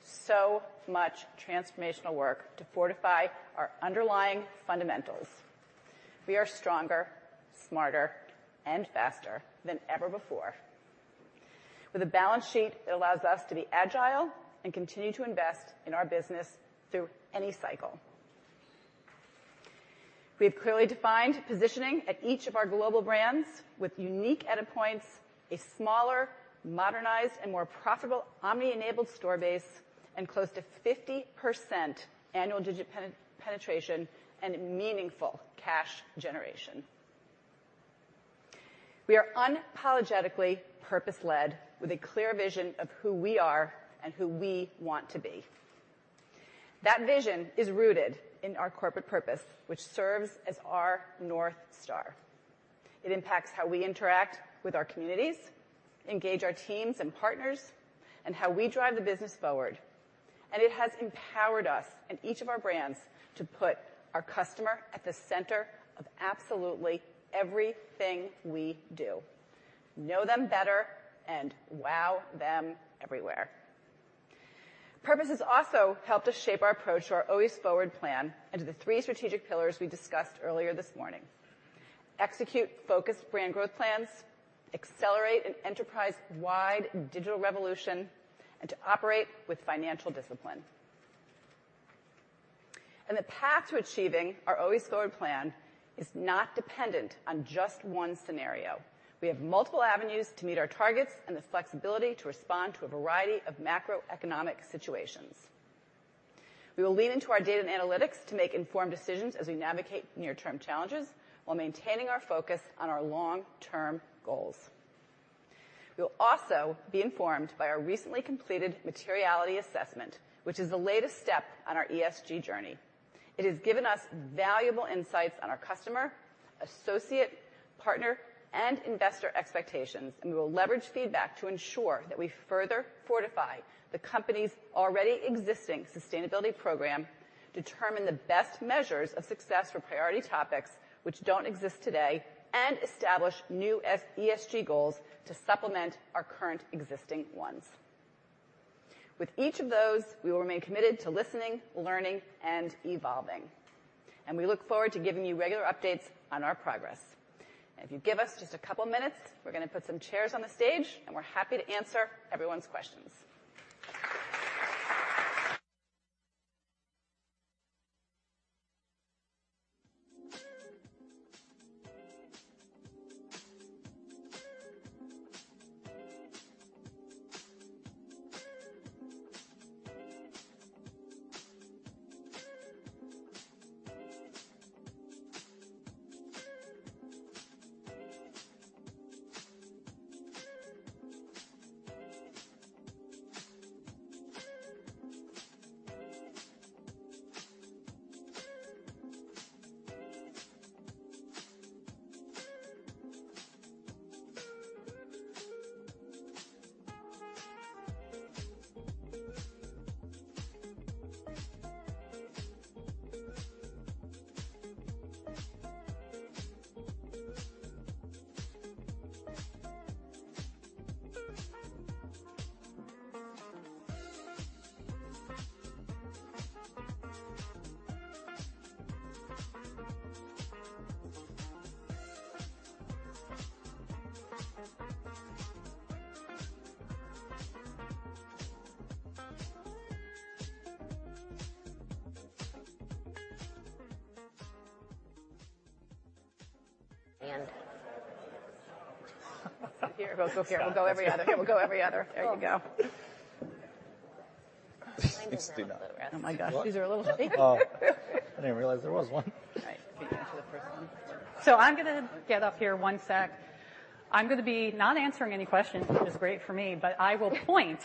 so much transformational work to fortify our underlying fundamentals. We are stronger, smarter, and faster than ever before. With a balance sheet that allows us to be agile and continue to invest in our business through any cycle. We have clearly defined positioning at each of our global brands with unique edit points, a smaller, modernized, and more profitable omni-enabled store base, and close to 50% annual digital penetration and meaningful cash generation. We are unapologetically purpose-led with a clear vision of who we are and who we want to be. That vision is rooted in our corporate purpose, which serves as our North Star. It impacts how we interact with our communities, engage our teams and partners, and how we drive the business forward. It has empowered us in each of our brands to put our customer at the center of absolutely everything we do. Know them better and wow them everywhere. Purpose has also helped us shape our approach to our Always Forward Plan and to the three strategic pillars we discussed earlier this morning. Execute focused brand growth plans, accelerate an enterprise-wide digital revolution, and to operate with financial discipline. The path to achieving our Always Forward Plan is not dependent on just one scenario. We have multiple avenues to meet our targets and the flexibility to respond to a variety of macroeconomic situations. We will lean into our data and analytics to make informed decisions as we navigate near-term challenges while maintaining our focus on our long-term goals. We'll also be informed by our recently completed materiality assessment, which is the latest step on our ESG journey. It has given us valuable insights on our customer, associate, partner, and investor expectations, and we will leverage feedback to ensure that we further fortify the company's already existing sustainability program, determine the best measures of success for priority topics which don't exist today, and establish new ESG goals to supplement our current existing ones. With each of those, we will remain committed to listening, learning, and evolving, and we look forward to giving you regular updates on our progress. If you give us just a couple minutes, we're gonna put some chairs on the stage, and we're happy to answer everyone's questions. Here goes. We'll go every other. There you go. These are a little heavy. I didn't realize there was one. All right, can you pass me the first one? I'm gonna get up here one sec. I'm gonna be not answering any questions, which is great for me, but I will point,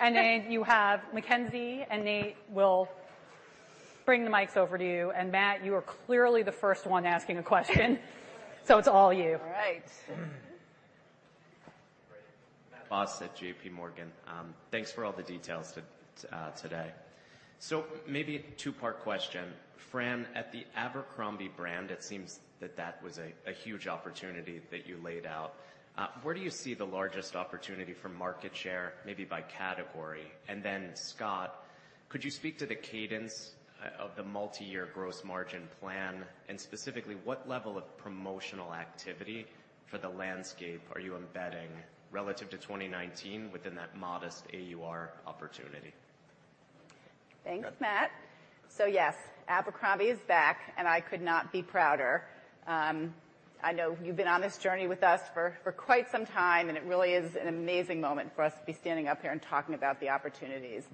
and then you have Mackenzie, and Nate will bring the mics over to you. Matt, you are clearly the first one asking a question, so it's all you. All right. Matt Boss at JPMorgan. Thanks for all the details today. So maybe a two-part question. Fran, at the Abercrombie brand, it seems that that was a huge opportunity that you laid out. Where do you see the largest opportunity for market share, maybe by category? And then, Scott, could you speak to the cadence of the multi-year gross margin plan? And specifically, what level of promotional activity for the landscape are you embedding relative to 2019 within that modest AUR opportunity? Thanks, Matt. So yes, Abercrombie is back, and I could not be prouder. I know you've been on this journey with us for quite some time, and it really is an amazing moment for us to be standing up here and talking about the opportunities.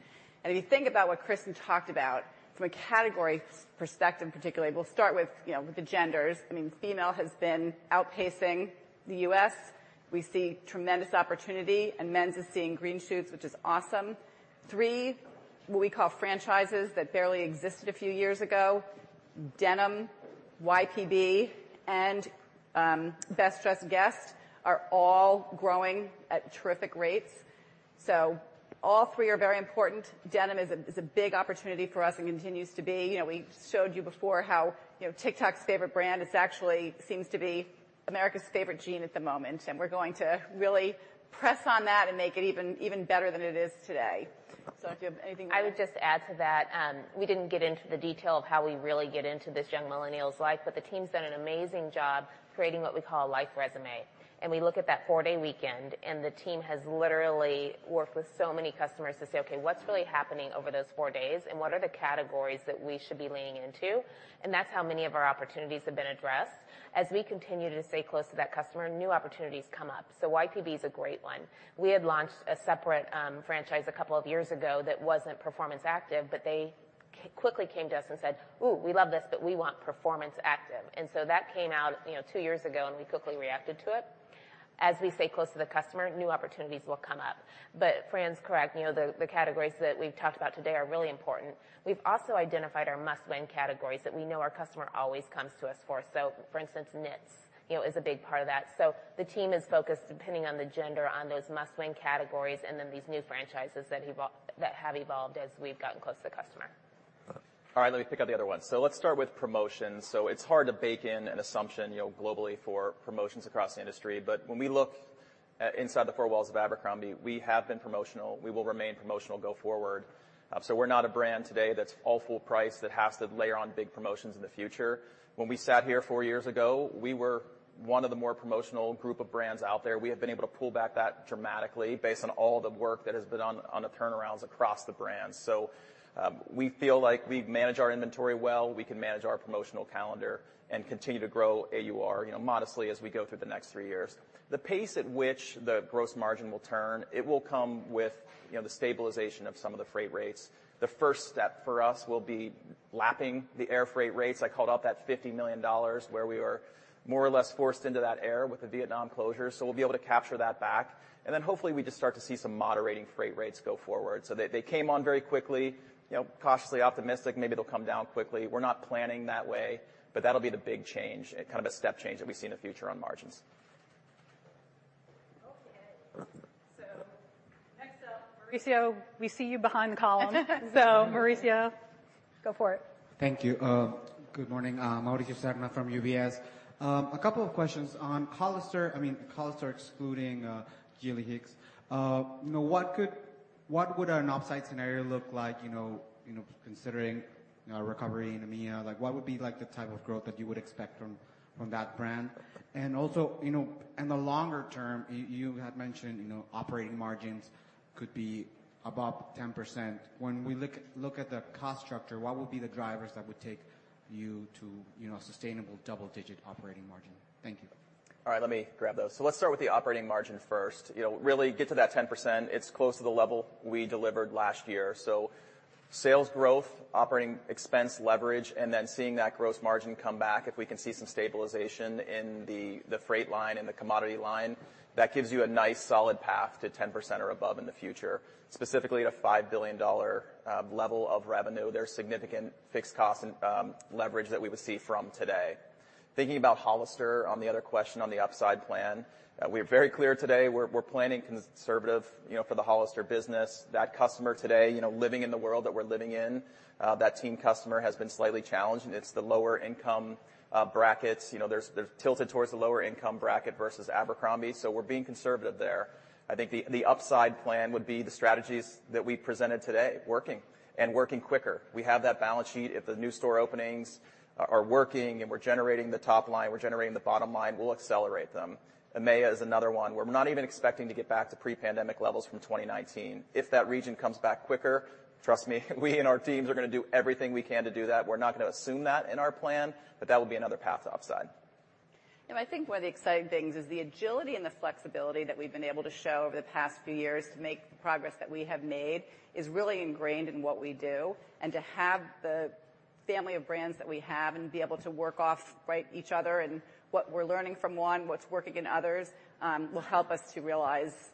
If you think about what Kristin talked about from a category perspective particularly, we'll start with, you know, with the genders. I mean, female has been outpacing the U.S. We see tremendous opportunity, and men's is seeing green shoots, which is awesome. Three, what we call franchises that barely existed a few years ago, denim, YPB, and Best Dressed Guest are all growing at terrific rates. So all three are very important. Denim is a big opportunity for us and continues to be. You know, we showed you before how, you know, TikTok's favorite brand is actually seems to be America's favorite jean at the moment, and we're going to really press on that and make it even better than it is today. If you have anything- I would just add to that. We didn't get into the detail of how we really get into this young millennial's life, but the team's done an amazing job creating what we call a life resume. We look at that four-day weekend, and the team has literally worked with so many customers to say, "Okay, what's really happening over those four days, and what are the categories that we should be leaning into?" That's how many of our opportunities have been addressed. As we continue to stay close to that customer, new opportunities come up. YPB is a great one. We had launched a separate franchise a couple of years ago that wasn't performance active, but they quickly came to us and said, "Ooh, we love this, but we want performance active." That came out, you know, two years ago, and we quickly reacted to it. As we stay close to the customer, new opportunities will come up. Fran's correct, you know, the categories that we've talked about today are really important. We've also identified our must-win categories that we know our customer always comes to us for. For instance, knits, you know, is a big part of that. The team is focused, depending on the gender, on those must-win categories, and then these new franchises that have evolved as we've gotten close to the customer. All right, let me pick up the other one. Let's start with promotions. It's hard to bake in an assumption, you know, globally for promotions across the industry. When we look inside the four walls of Abercrombie, we have been promotional. We will remain promotional go forward. We're not a brand today that's all full price that has to layer on big promotions in the future. When we sat here four years ago, we were one of the more promotional group of brands out there. We have been able to pull back that dramatically based on all the work that has been done on the turnarounds across the brands. We feel like we manage our inventory well. We can manage our promotional calendar and continue to grow AUR, you know, modestly as we go through the next three years. The pace at which the gross margin will turn, it will come with, you know, the stabilization of some of the freight rates. The first step for us will be lapping the air freight rates. I called out that $50 million where we were more or less forced into that air with the Vietnam closure. We'll be able to capture that back, and then hopefully we just start to see some moderating freight rates go forward. They came on very quickly. You know, cautiously optimistic, maybe they'll come down quickly. We're not planning that way. That'll be the big change, kind of a step change that we see in the future on margins. Okay. Next up, Mauricio, we see you behind the column. Mauricio, go for it. Thank you. Good morning. I'm Mauricio Serna from UBS. A couple of questions on Hollister. I mean, Hollister excluding Gilly Hicks. You know, what would an upside scenario look like, you know, considering recovery in EMEA? Like, what would be like the type of growth that you would expect from that brand? And also, you know, in the longer term, you had mentioned operating margins could be above 10%. When we look at the cost structure, what would be the drivers that would take you to sustainable double-digit operating margin? Thank you. All right, let me grab those. Let's start with the operating margin first. You know, really get to that 10%. It's close to the level we delivered last year. Sales growth, operating expense leverage, and then seeing that gross margin come back, if we can see some stabilization in the freight line and the commodity line, that gives you a nice solid path to 10% or above in the future, specifically at a $5 billion level of revenue. There's significant fixed cost and leverage that we would see from today. Thinking about Hollister, on the other question on the upside plan, we are very clear today we're planning conservative, you know, for the Hollister business. That customer today, you know, living in the world that we're living in, that teen customer has been slightly challenged, and it's the lower income brackets. You know, they're tilted towards the lower income bracket versus Abercrombie. So we're being conservative there. I think the upside plan would be the strategies that we presented today working and working quicker. We have that balance sheet. If the new store openings are working and we're generating the top line, we're generating the bottom line, we'll accelerate them. EMEA is another one where we're not even expecting to get back to pre-pandemic levels from 2019. If that region comes back quicker, trust me, we and our teams are gonna do everything we can to do that. We're not gonna assume that in our plan, but that would be another path to upside. You know, I think one of the exciting things is the agility and the flexibility that we've been able to show over the past few years to make the progress that we have made is really ingrained in what we do. To have the family of brands that we have and be able to work off, right, each other and what we're learning from one, what's working in others, will help us to realize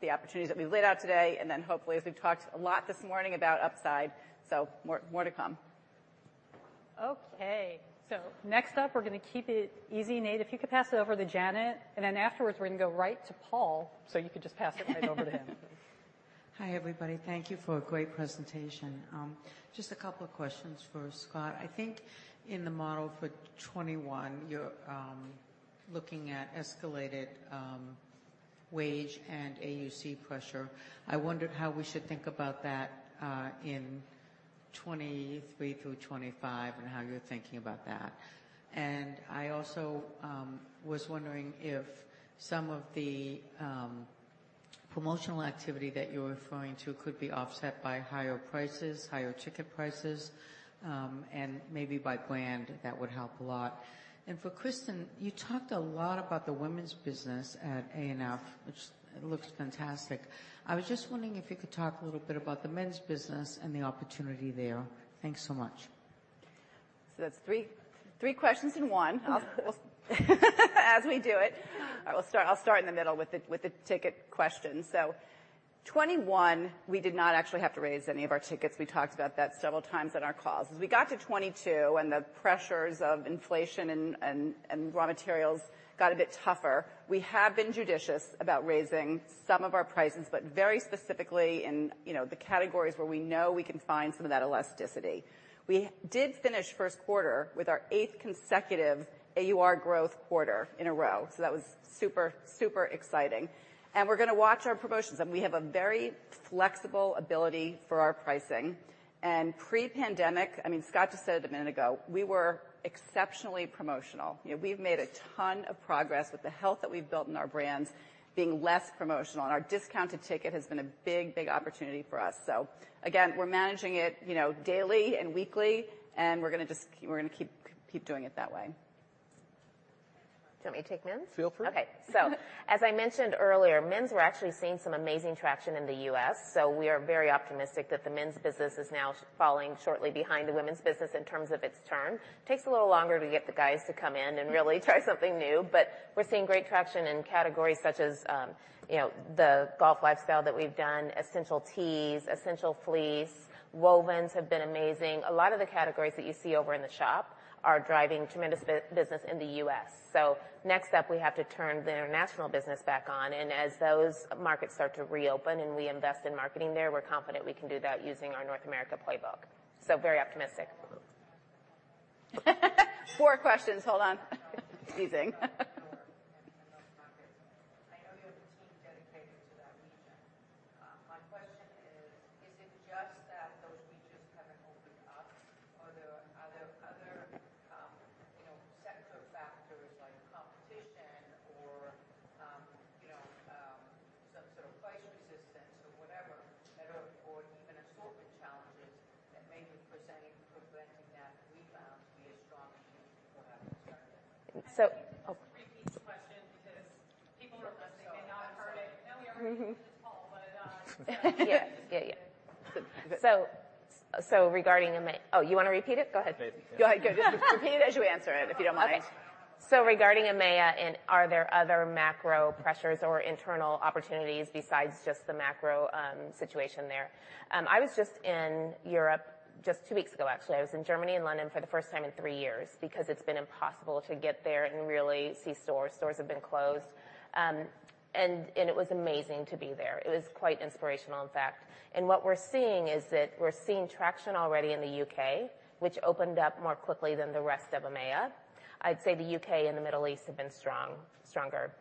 the opportunities that we've laid out today. Hopefully, as we've talked a lot this morning about upside, so more to come. Okay. Next up, we're gonna keep it easy. Nate, if you could pass it over to Janet, and then afterwards we're gonna go right to Paul, so you could just pass it right over to him please. Hi, everybody. Thank you for a great presentation. Just a couple of questions for Scott. I think in the model for 2021, you're looking at escalated wage and AUC pressure. I wondered how we should think about that in 2023 through 2025, and how you're thinking about that. I also was wondering if some of the promotional activity that you're referring to could be offset by higher prices, higher ticket prices, and maybe by brand, that would help a lot. For Kristin, you talked a lot about the women's business at ANF, which it looks fantastic. I was just wondering if you could talk a little bit about the men's business and the opportunity there. Thanks so much. That's three questions in one. I'll start in the middle with the ticket question. 2021, we did not actually have to raise any of our tickets. We talked about that several times in our calls. As we got to 2022 and the pressures of inflation and raw materials got a bit tougher, we have been judicious about raising some of our prices, but very specifically in, you know, the categories where we know we can find some of that elasticity. We did finish first quarter with our eighth consecutive AUR growth quarter in a row, so that was super exciting. We're gonna watch our promotions. We have a very flexible ability for our pricing. Pre-pandemic, I mean, Scott just said it a minute ago, we were exceptionally promotional. You know, we've made a ton of progress with the health that we've built in our brands being less promotional, and our discounted ticket has been a big, big opportunity for us. Again, we're managing it, you know, daily and weekly, and we're gonna keep doing it that way. Do you want me to take men's? Feel free. Okay. As I mentioned earlier, men's, we're actually seeing some amazing traction in the U.S., so we are very optimistic that the men's business is now following shortly behind the women's business in terms of its turn. Takes a little longer to get the guys to come in and really try something new, but we're seeing great traction in categories such as, you know, the golf lifestyle that we've done, essential tees, essential fleece. Wovens have been amazing. A lot of the categories that you see over in the shop are driving tremendous business in the U.S. Next up, we have to turn the international business back on, and as those markets start to reopen and we invest in marketing there, we're confident we can do that using our North America playbook. Very optimistic. Four questions. Hold on. It's amazing. I know you have a team dedicated to that region. My question is it just that those regions haven't opened up? Are there other, you know, sector factors like competition or, you know, some sort of price resistance or whatever that are or even assortment challenges that may be preventing that rebound to be as strong as you would have expected? Can I just repeat the question because people in the press may not have heard it. Absolutely. No, we are on mute this call, but regarding EMEA. You wanna repeat it? Go ahead.. .Go ahead. Just repeat it as you answer it, if you don't mind. Regarding EMEA, are there other macro pressures or internal opportunities besides just the macro situation there. I was just in Europe two weeks ago, actually. I was in Germany and London for the first time in three years, because it's been impossible to get there and really see stores. Stores have been closed. It was amazing to be there. It was quite inspirational, in fact. What we're seeing is that we're seeing traction already in the UK, which opened up more quickly than the rest of EMEA. I'd say the UK and the Middle East have been strong, stronger.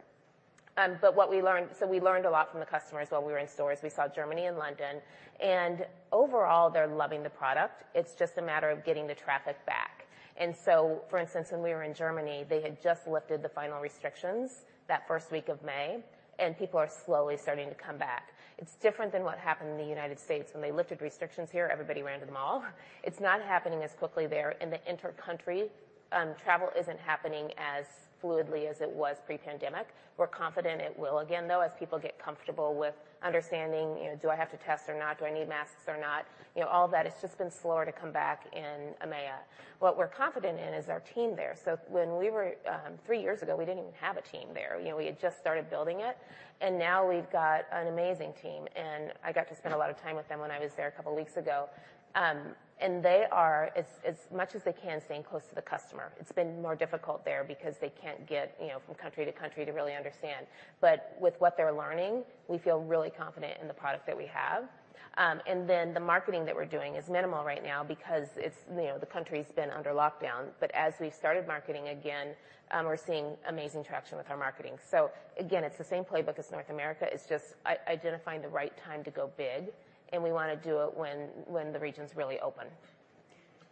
What we learned, we learned a lot from the customers while we were in stores. We saw Germany and London, and overall, they're loving the product. It's just a matter of getting the traffic back. For instance, when we were in Germany, they had just lifted the final restrictions that first week of May, and people are slowly starting to come back. It's different than what happened in the United States. When they lifted restrictions here, everybody ran to the mall. It's not happening as quickly there. In the inter-country, travel isn't happening as fluidly as it was pre-pandemic. We're confident it will again, though, as people get comfortable with understanding, you know, do I have to test or not? Do I need masks or not? You know, all that has just been slower to come back in EMEA. What we're confident in is our team there. Three years ago, we didn't even have a team there. You know, we had just started building it, and now we've got an amazing team. I got to spend a lot of time with them when I was there a couple weeks ago. They are, as much as they can, staying close to the customer. It's been more difficult there because they can't get, you know, from country to country to really understand. With what they're learning, we feel really confident in the product that we have. Then the marketing that we're doing is minimal right now because it's, you know, the country's been under lockdown. As we started marketing again, we're seeing amazing traction with our marketing. Again, it's the same playbook as North America. It's just identifying the right time to go big, and we wanna do it when the region's really open.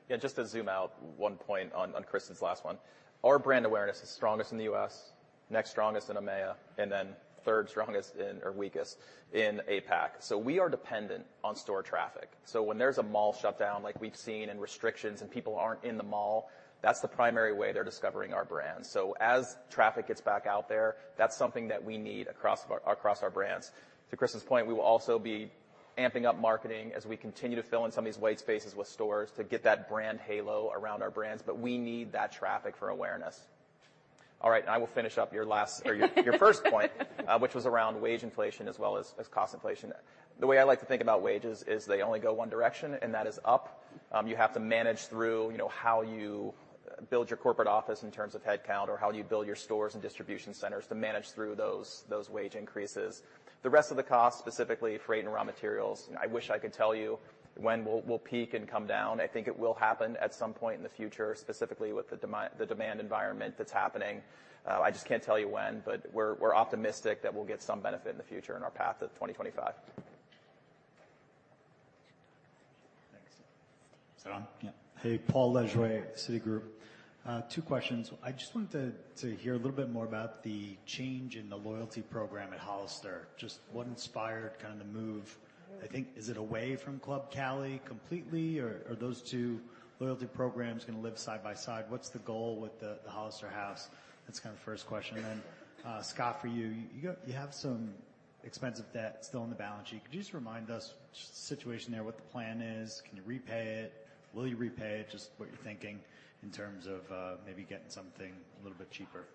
Yeah. Just to zoom out one point on Kristin's last one. Our brand awareness is strongest in the U.S., next strongest in EMEA, and then third strongest in or weakest in APAC. We are dependent on store traffic. When there's a mall shutdown, like we've seen, and restrictions and people aren't in the mall, that's the primary way they're discovering our brand. As traffic gets back out there, that's something that we need across our brands. To Kristin's point, we will also be amping up marketing as we continue to fill in some of these white spaces with stores to get that brand halo around our brands. We need that traffic for awareness. All right, I will finish up your last or your first point, which was around wage inflation as well as cost inflation. The way I like to think about wages is they only go one direction, and that is up. You have to manage through, you know, how you build your corporate office in terms of headcount or how you build your stores and distribution centers to manage through those wage increases. The rest of the cost, specifically freight and raw materials, I wish I could tell you when we'll peak and come down. I think it will happen at some point in the future, specifically with the demand environment that's happening. I just can't tell you when, but we're optimistic that we'll get some benefit in the future in our path to 2025. Thanks. Is this on? Paul Lejuez, Citigroup. Two questions. I just wanted to hear a little bit more about the change in the loyalty program at Hollister. What inspired the move? I think, is it away from Club Cali completely, or are those two loyalty programs gonna live side by side? What's the goal with the Hollister House? That's the first question. Then, Scott, for you have some expensive debt still on the balance sheet. Could you just remind us the situation there, what the plan is? Can you repay it? Will you repay it? Just what you're thinking in terms of, maybe getting something a little bit cheaper.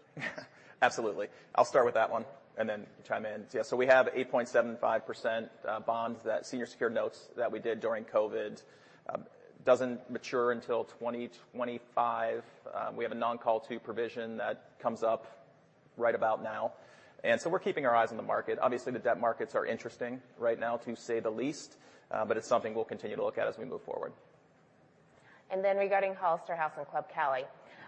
Absolutely. I'll start with that one, and then chime in. We have 8.75% senior secured notes that we did during COVID. It doesn't mature until 2025. We have a non-call two provision that comes up right about now. We're keeping our eyes on the market. Obviously, the debt markets are interesting right now, to say the least, but it's something we'll continue to look at as we move forward. Regarding Hollister House and Club Cali,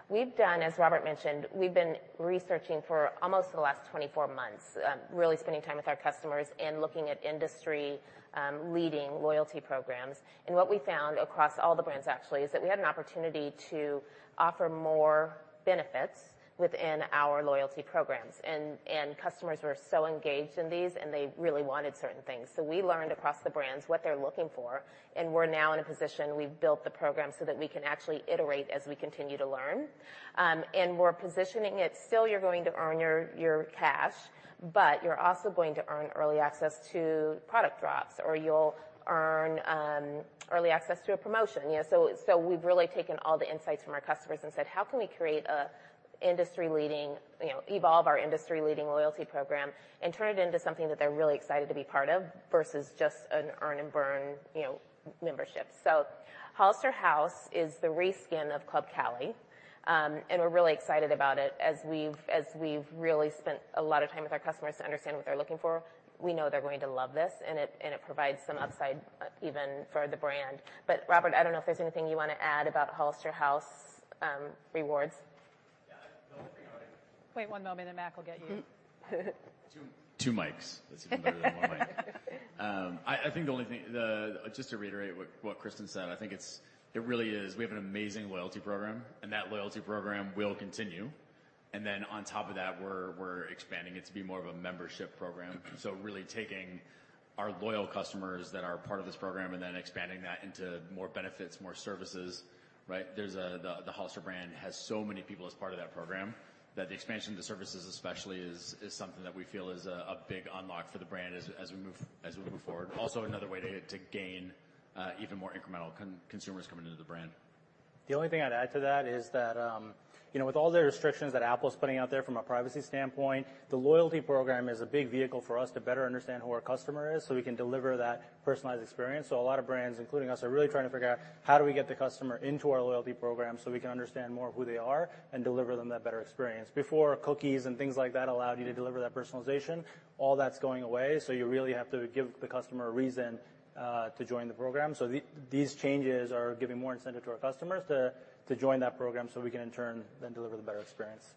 we've done, as Robert mentioned, we've been researching for almost the last 24 months, really spending time with our customers and looking at industry leading loyalty programs. What we found across all the brands actually is that we had an opportunity to offer more benefits within our loyalty programs and customers were so engaged in these, and they really wanted certain things. We learned across the brands what they're looking for, and we're now in a position we've built the program so that we can actually iterate as we continue to learn. We're positioning it. Still, you're going to earn your cash, but you're also going to earn early access to product drops, or you'll earn early access to a promotion. You know, we've really taken all the insights from our customers and said, "How can we create an industry-leading, you know, evolve our industry-leading loyalty program and turn it into something that they're really excited to be part of versus just an earn and burn, you know, membership?" Hollister House is the reskin of Club Cali, and we're really excited about it. As we've really spent a lot of time with our customers to understand what they're looking for, we know they're going to love this, and it provides some upside even for the brand. Robert, I don't know if there's anything you wanna add about Hollister House Rewards. No, I think you got it. Wait one moment and Mackenzie will get you. Two mics. That's even better than one mic. I think the only thing. Just to reiterate what Kristin said, I think it's it really is. We have an amazing loyalty program, and that loyalty program will continue, and then on top of that, we're expanding it to be more of a membership program. Really taking our loyal customers that are a part of this program and then expanding that into more benefits, more services, right? The Hollister brand has so many people as part of that program, that the expansion of the services especially is something that we feel is a big unlock for the brand as we move forward. Also another way to gain even more incremental consumers coming into the brand. The only thing I'd add to that is that, you know, with all the restrictions that Apple is putting out there from a privacy standpoint, the loyalty program is a big vehicle for us to better understand who our customer is, so we can deliver that personalized experience. A lot of brands, including us, are really trying to figure out how do we get the customer into our loyalty program, so we can understand more of who they are and deliver them that better experience. Before, cookies and things like that allowed you to deliver that personalization. All that's going away, so you really have to give the customer a reason to join the program. These changes are giving more incentive to our customers to join that program, so we can in turn then deliver the better experience.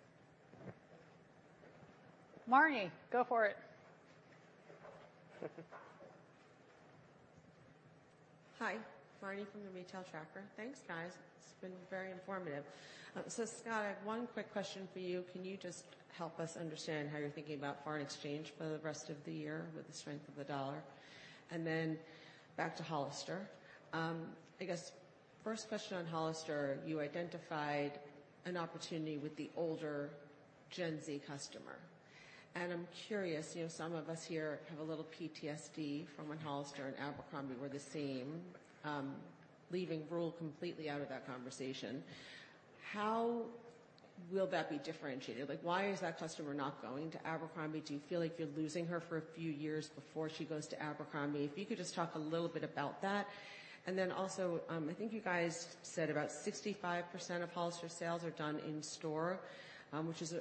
Marni, go for it. Hi. Marni from the Retail Tracker. Thanks, guys. This has been very informative. Scott, I have one quick question for you. Can you just help us understand how you're thinking about foreign exchange for the rest of the year with the strength of the dollar? Back to Hollister. I guess first question on Hollister, you identified an opportunity with the older Gen Z customer, and I'm curious, you know, some of us here have a little PTSD from when Hollister and Abercrombie were the same, leaving Ruehl completely out of that conversation. How will that be differentiated? Like, why is that customer not going to Abercrombie? Do you feel like you're losing her for a few years before she goes to Abercrombie? If you could just talk a little bit about that. I think you guys said about 65% of Hollister sales are done in store, which is a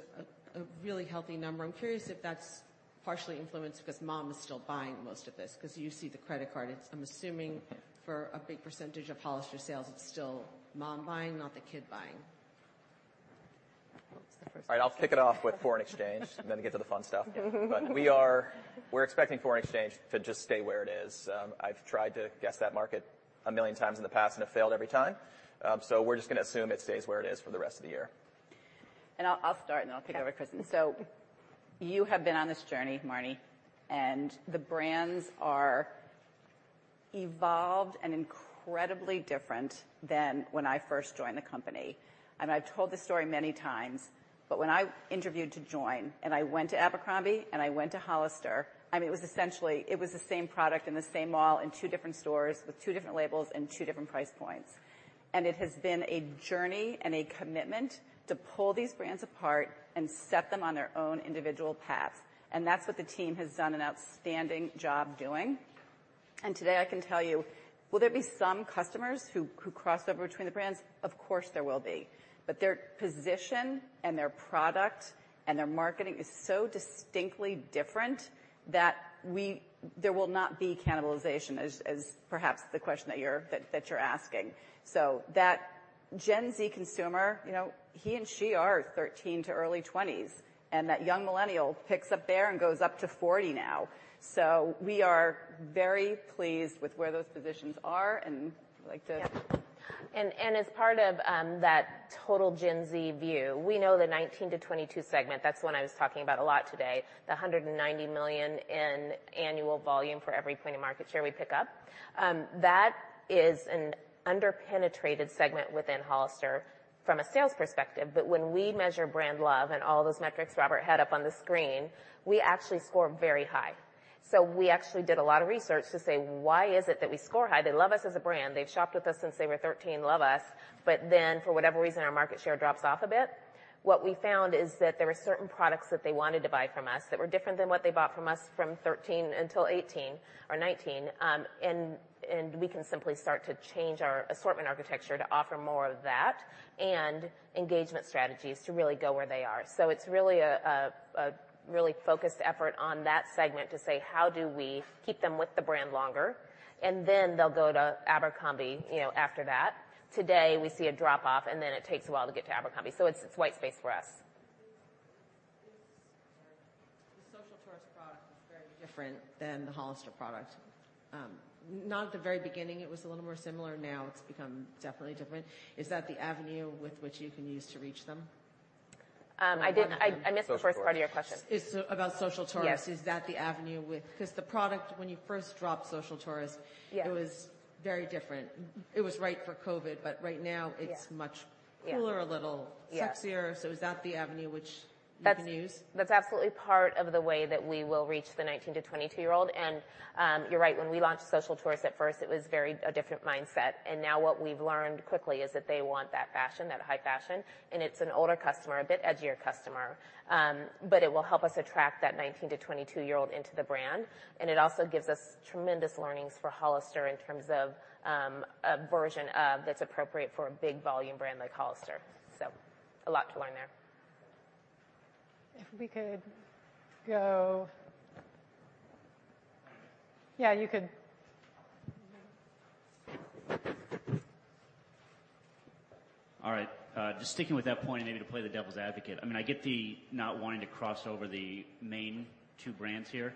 really healthy number. I'm curious if that's partially influenced because mom is still buying most of this, 'cause you see the credit card. I'm assuming for a big percentage of Hollister sales, it's still mom buying, not the kid buying. All right, I'll kick it off with foreign exchange and then get to the fun stuff. We're expecting foreign exchange to just stay where it is. I've tried to guess that market a million times in the past and have failed every time. We're just gonna assume it stays where it is for the rest of the year. I'll start, and then I'll kick it over to Kristin. You have been on this journey, Marni, and the brands are evolved and incredibly different than when I first joined the company. I've told this story many times, but when I interviewed to join, and I went to Abercrombie, and I went to Hollister, I mean, it was essentially, it was the same product in the same mall in two different stores with two different labels and two different price points. It has been a journey and a commitment to pull these brands apart and set them on their own individual paths. That's what the team has done an outstanding job doing. Today, I can tell you, will there be some customers who cross over between the brands? Of course, there will be. Their position, and their product, and their marketing is so distinctly different that there will not be cannibalization, as perhaps the question that you're asking. That Gen Z consumer, you know, he and she are 13 to early twenties, and that young millennial picks up there and goes up to 40 now. We are very pleased with where those positions are, and I'd like to. As part of that total Gen Z view, we know the 19 to 22 segment, that's the one I was talking about a lot today, the $190 million in annual volume for every point of market share we pick up. That is an under-penetrated segment within Hollister from a sales perspective, but when we measure brand love and all those metrics Robert had up on the screen, we actually score very high. We actually did a lot of research to say, "Why is it that we score high?" They love us as a brand. They've shopped with us since they were 13, love us, but then, for whatever reason, our market share drops off a bit. What we found is that there are certain products that they wanted to buy from us that were different than what they bought from us from 13 until 18 or 19, and we can simply start to change our assortment architecture to offer more of that and engagement strategies to really go where they are. It's really a really focused effort on that segment to say, "How do we keep them with the brand longer?" Then they'll go to Abercrombie, you know, after that. Today, we see a drop-off, and then it takes a while to get to Abercrombie, so it's white space for us. The Social Tourist product is very different than the Hollister product. Not at the very beginning, it was a little more similar. Now it's become definitely different. Is that the avenue with which you can use to reach them? I missed the first part of your question. It's about Social Tourist. Is that the avenue because the product, when you first dropped Social Tourist? It was very different. It was right for COVID, but right now it's much cooler, a little sexier, so is that the avenue which you can use? That's absolutely part of the way that we will reach the 19- to 22-year-old, and you're right. When we launched Social Tourist, at first it was a different mindset, and now what we've learned quickly is that they want that fashion, that high fashion, and it's an older customer, a bit edgier customer. But it will help us attract that 19- to 22-year-old into the brand, and it also gives us tremendous learnings for Hollister in terms of a version of that's appropriate for a big volume brand like Hollister. A lot to learn there. You could. All right. Just sticking with that point and maybe to play the devil's advocate, I mean, I get the not wanting to cross over the main two brands here,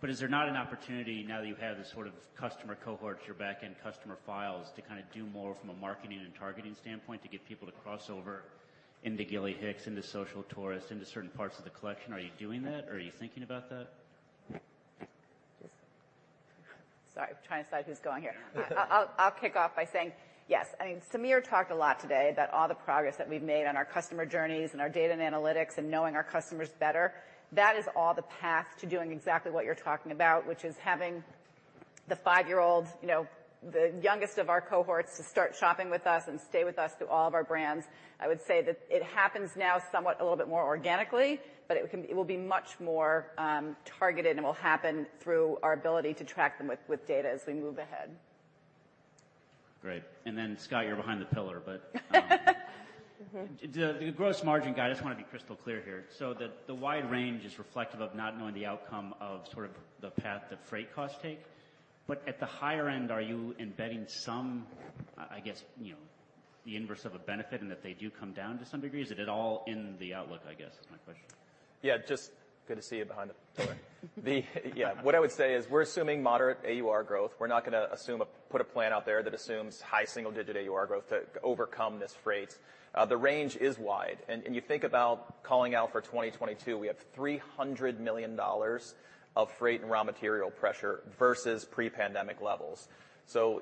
but is there not an opportunity now that you have the sort of customer cohorts, your backend customer files, to kind of do more from a marketing and targeting standpoint to get people to cross over into Gilly Hicks, into Social Tourist, into certain parts of the collection? Are you doing that? Are you thinking about that? Sorry. I'm trying to decide who's going here. I'll kick off by saying yes. I mean, Samir talked a lot today about all the progress that we've made on our customer journeys and our data and analytics and knowing our customers better. That is all the path to doing exactly what you're talking about, which is having the five-year-olds, you know, the youngest of our cohorts to start shopping with us and stay with us through all of our brands. I would say that it happens now somewhat a little bit more organically, but it will be much more targeted, and it will happen through our ability to track them with data as we move ahead. Great. Scott, you're behind the pillar, but the gross margin guide, I just wanna be crystal clear here. The wide range is reflective of not knowing the outcome of sort of the path that freight costs take. At the higher end, are you embedding some, I guess, you know, the inverse of a benefit in that they do come down to some degree? Is it at all in the outlook, I guess, is my question? Yeah, just good to see you behind the pillar. What I would say is we're assuming moderate AUR growth. We're not gonna put a plan out there that assumes high single-digit AUR growth to overcome this freight. The range is wide, and you think about calling out for 2022, we have $300 million of freight and raw material pressure versus pre-pandemic levels.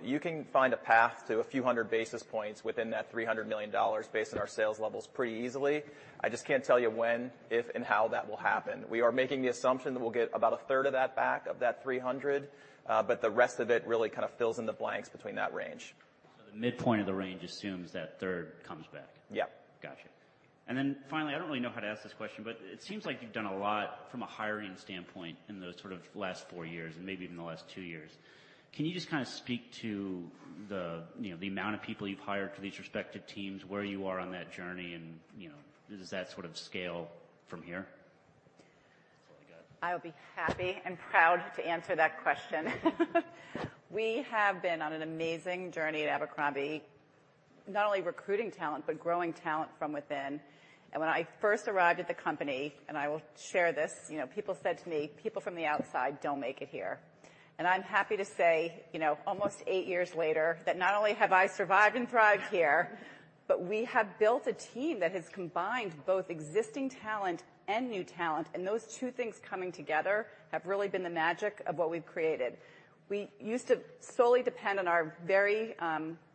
You can find a path to a few hundred basis points within that $300 million based on our sales levels pretty easily. I just can't tell you when, if, and how that will happen. We are making the assumption that we'll get about a third of that back, of that $300 million, but the rest of it really kind of fills in the blanks between that range. The midpoint of the range assumes that third comes back. Finally, I don't really know how to ask this question, but it seems like you've done a lot from a hiring standpoint in the sort of last 4 years and maybe even the last two years. Can you just kind of speak to the, you know, the amount of people you've hired for these respective teams, where you are on that journey and, you know, does that sort of scale from here? That's all I got. I'll be happy and proud to answer that question. We have been on an amazing journey at Abercrombie, not only recruiting talent, but growing talent from within. When I first arrived at the company, and I will share this, you know, people said to me, "People from the outside don't make it here." I'm happy to say, you know, almost eight years later, that not only have I survived and thrived here, but we have built a team that has combined both existing talent and new talent, and those two things coming together have really been the magic of what we've created. We used to solely depend on our very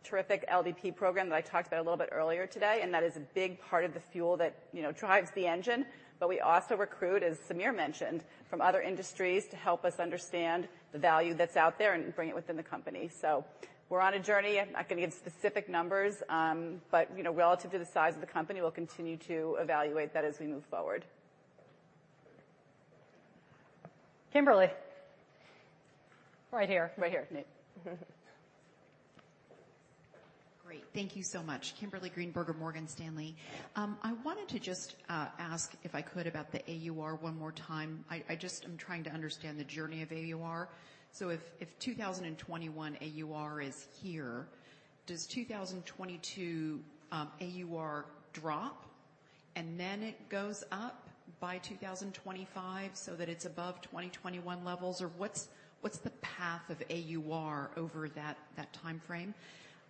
terrific LDP program that I talked about a little bit earlier today, and that is a big part of the fuel that, you know, drives the engine. We also recruit, as Samir mentioned, from other industries to help us understand the value that's out there and bring it within the company. We're on a journey. I'm not gonna give specific numbers, but, you know, relative to the size of the company, we'll continue to evaluate that as we move forward. Kim Great. Thank you so much. Kimberly Greenberger, Morgan Stanley. I wanted to just ask, if I could, about the AUR one more time. I just am trying to understand the journey of AUR. If 2021 AUR is here, does 2022 AUR drop? It goes up by 2025 so that it's above 2021 levels? Or what's the path of AUR over that time frame?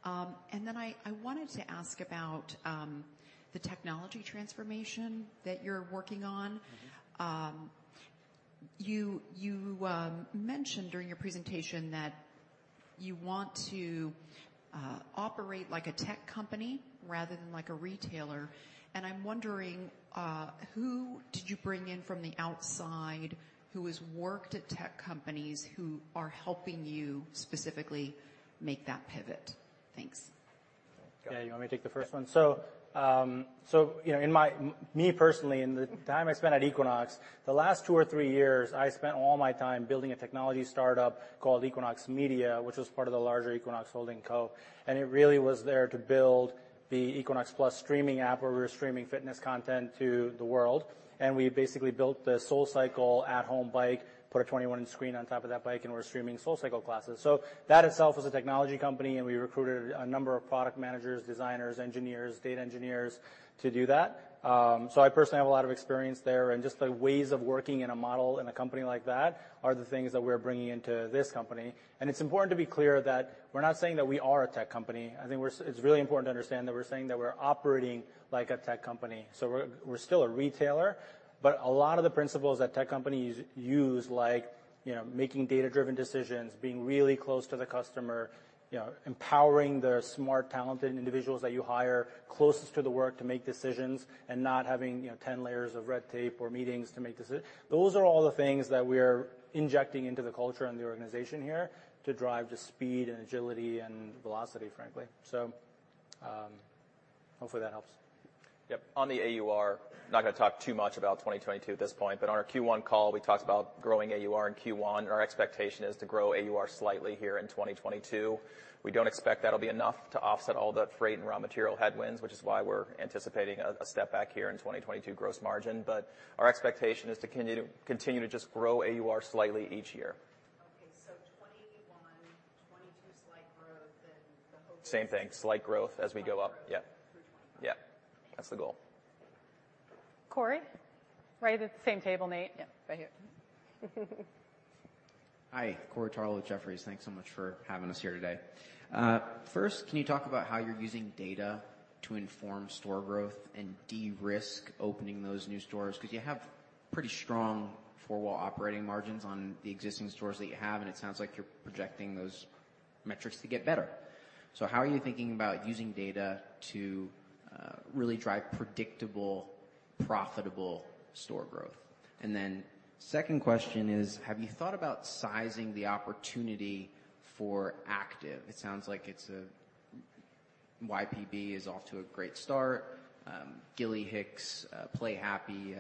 I wanted to ask about the technology transformation that you're working on. You mentioned during your presentation that you want to operate like a tech company rather than like a retailer. I'm wondering who did you bring in from the outside who has worked at tech companies who are helping you specifically make that pivot? Thanks. You want me to take the first one? You know, me personally, in the time I spent at Equinox, the last two or three years, I spent all my time building a technology startup called Equinox Media, which was part of the larger Equinox Holdings, Inc. It really was there to build the Equinox+ streaming app, where we were streaming fitness content to the world, and we basically built the SoulCycle at-home bike, put a 21-inch screen on top of that bike, and we're streaming SoulCycle classes. That itself was a technology company, and we recruited a number of product managers, designers, engineers, data engineers to do that. I personally have a lot of experience there. Just the ways of working in a model in a company like that are the things that we're bringing into this company. It's important to be clear that we're not saying that we are a tech company. I think it's really important to understand that we're saying that we're operating like a tech company, so we're still a retailer. But a lot of the principles that tech companies use, like, you know, making data-driven decisions, being really close to the customer, you know, empowering the smart, talented individuals that you hire closest to the work to make decisions and not having, you know, ten layers of red tape or meetings to make decisions. Those are all the things that we're injecting into the culture and the organization here to drive just speed and agility and velocity, frankly. Hopefully that helps. On the AUR, not gonna talk too much about 2022 at this point, but on our Q1 call, we talked about growing AUR in Q1. Our expectation is to grow AUR slightly here in 2022. We don't expect that'll be enough to offset all the freight and raw material headwinds, which is why we're anticipating a step back here in 2022 gross margin. Our expectation is to continue to just grow AUR slightly each year. Okay. 2021, 2022, slight growth and the hope is... Same thing. Slight growth as we go up. Slight growth through 2025. That's the goal. Corey? Right at the same table, Nate. Right here. Hi. Corey Tarlowe with Jefferies. Thanks so much for having us here today. First, can you talk about how you're using data to inform store growth and de-risk opening those new stores? Because you have pretty strong four-wall operating margins on the existing stores that you have, and it sounds like you're projecting those metrics to get better. How are you thinking about using data to really drive predictable, profitable store growth? And then second question is, have you thought about sizing the opportunity for active? It sounds like YPB is off to a great start. Gilly Hicks Play Happy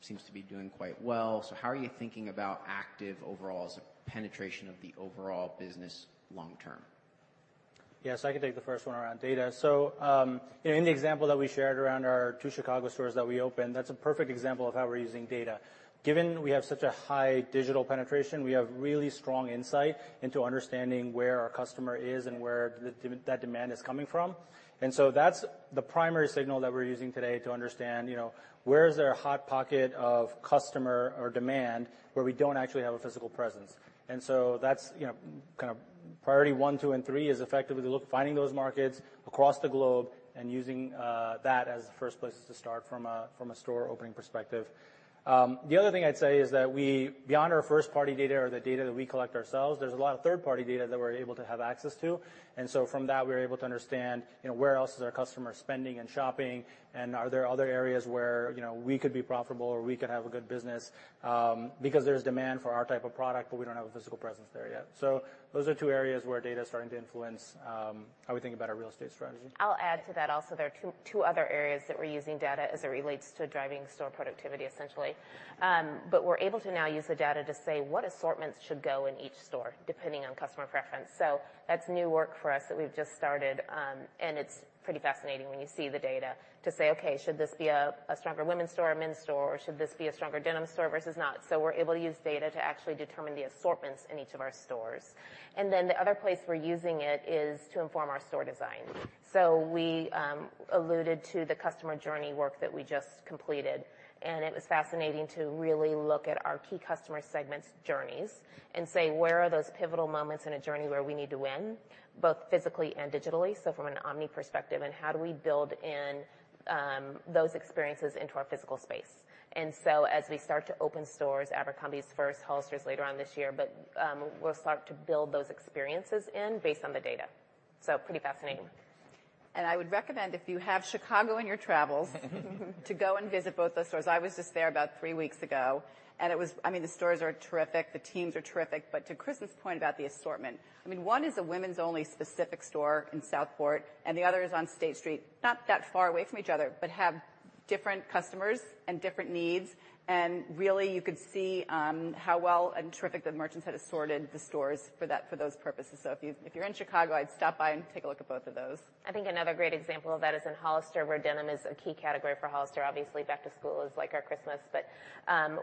seems to be doing quite well. How are you thinking about active overall as a penetration of the overall business long term? Yes, I can take the first one around data. You know, in the example that we shared around our two Chicago stores that we opened, that's a perfect example of how we're using data. Given we have such a high digital penetration, we have really strong insight into understanding where our customer is and where that demand is coming from. That's the primary signal that we're using today to understand, you know, where is there a hot pocket of customer or demand where we don't actually have a physical presence. That's, you know, kind of priority one, two, and three is effectively finding those markets across the globe and using that as the first places to start from a store opening perspective. The other thing I'd say is that we, beyond our first-party data or the data that we collect ourselves, there's a lot of third-party data that we're able to have access to. From that, we're able to understand, you know, where else is our customer spending and shopping, and are there other areas where, you know, we could be profitable or we could have a good business, because there's demand for our type of product, but we don't have a physical presence there yet. Those are two areas where data is starting to influence how we think about our real estate strategy. I'll add to that also, there are two other areas that we're using data as it relates to driving store productivity, essentially. We're able to now use the data to say what assortments should go in each store depending on customer preference. That's new work for us that we've just started, and it's pretty fascinating when you see the data to say, "Okay, should this be a stronger women's store or a men's store, or should this be a stronger denim store versus not?" We're able to use data to actually determine the assortments in each of our stores. Then the other place we're using it is to inform our store design. We alluded to the customer journey work that we just completed, and it was fascinating to really look at our key customer segments' journeys and say, "Where are those pivotal moments in a journey where we need to win, both physically and digitally," so from an omni perspective, and how do we build in those experiences into our physical space? As we start to open stores, Abercrombie's first, Hollister's later on this year, but we'll start to build those experiences in based on the data. Pretty fascinating. I would recommend if you have Chicago in your travels to go and visit both those stores. I was just there about three weeks ago, and it was I mean, the stores are terrific, the teams are terrific. To Kristin's point about the assortment, I mean, one is a women's only specific store in Southport and the other is on State Street, not that far away from each other, but have different customers and different needs. Really, you could see how well and terrific the merchants had assorted the stores for that, for those purposes. If you, if you're in Chicago, I'd stop by and take a look at both of those. I think another great example of that is in Hollister, where denim is a key category for Hollister. Obviously, back to school is like our Christmas.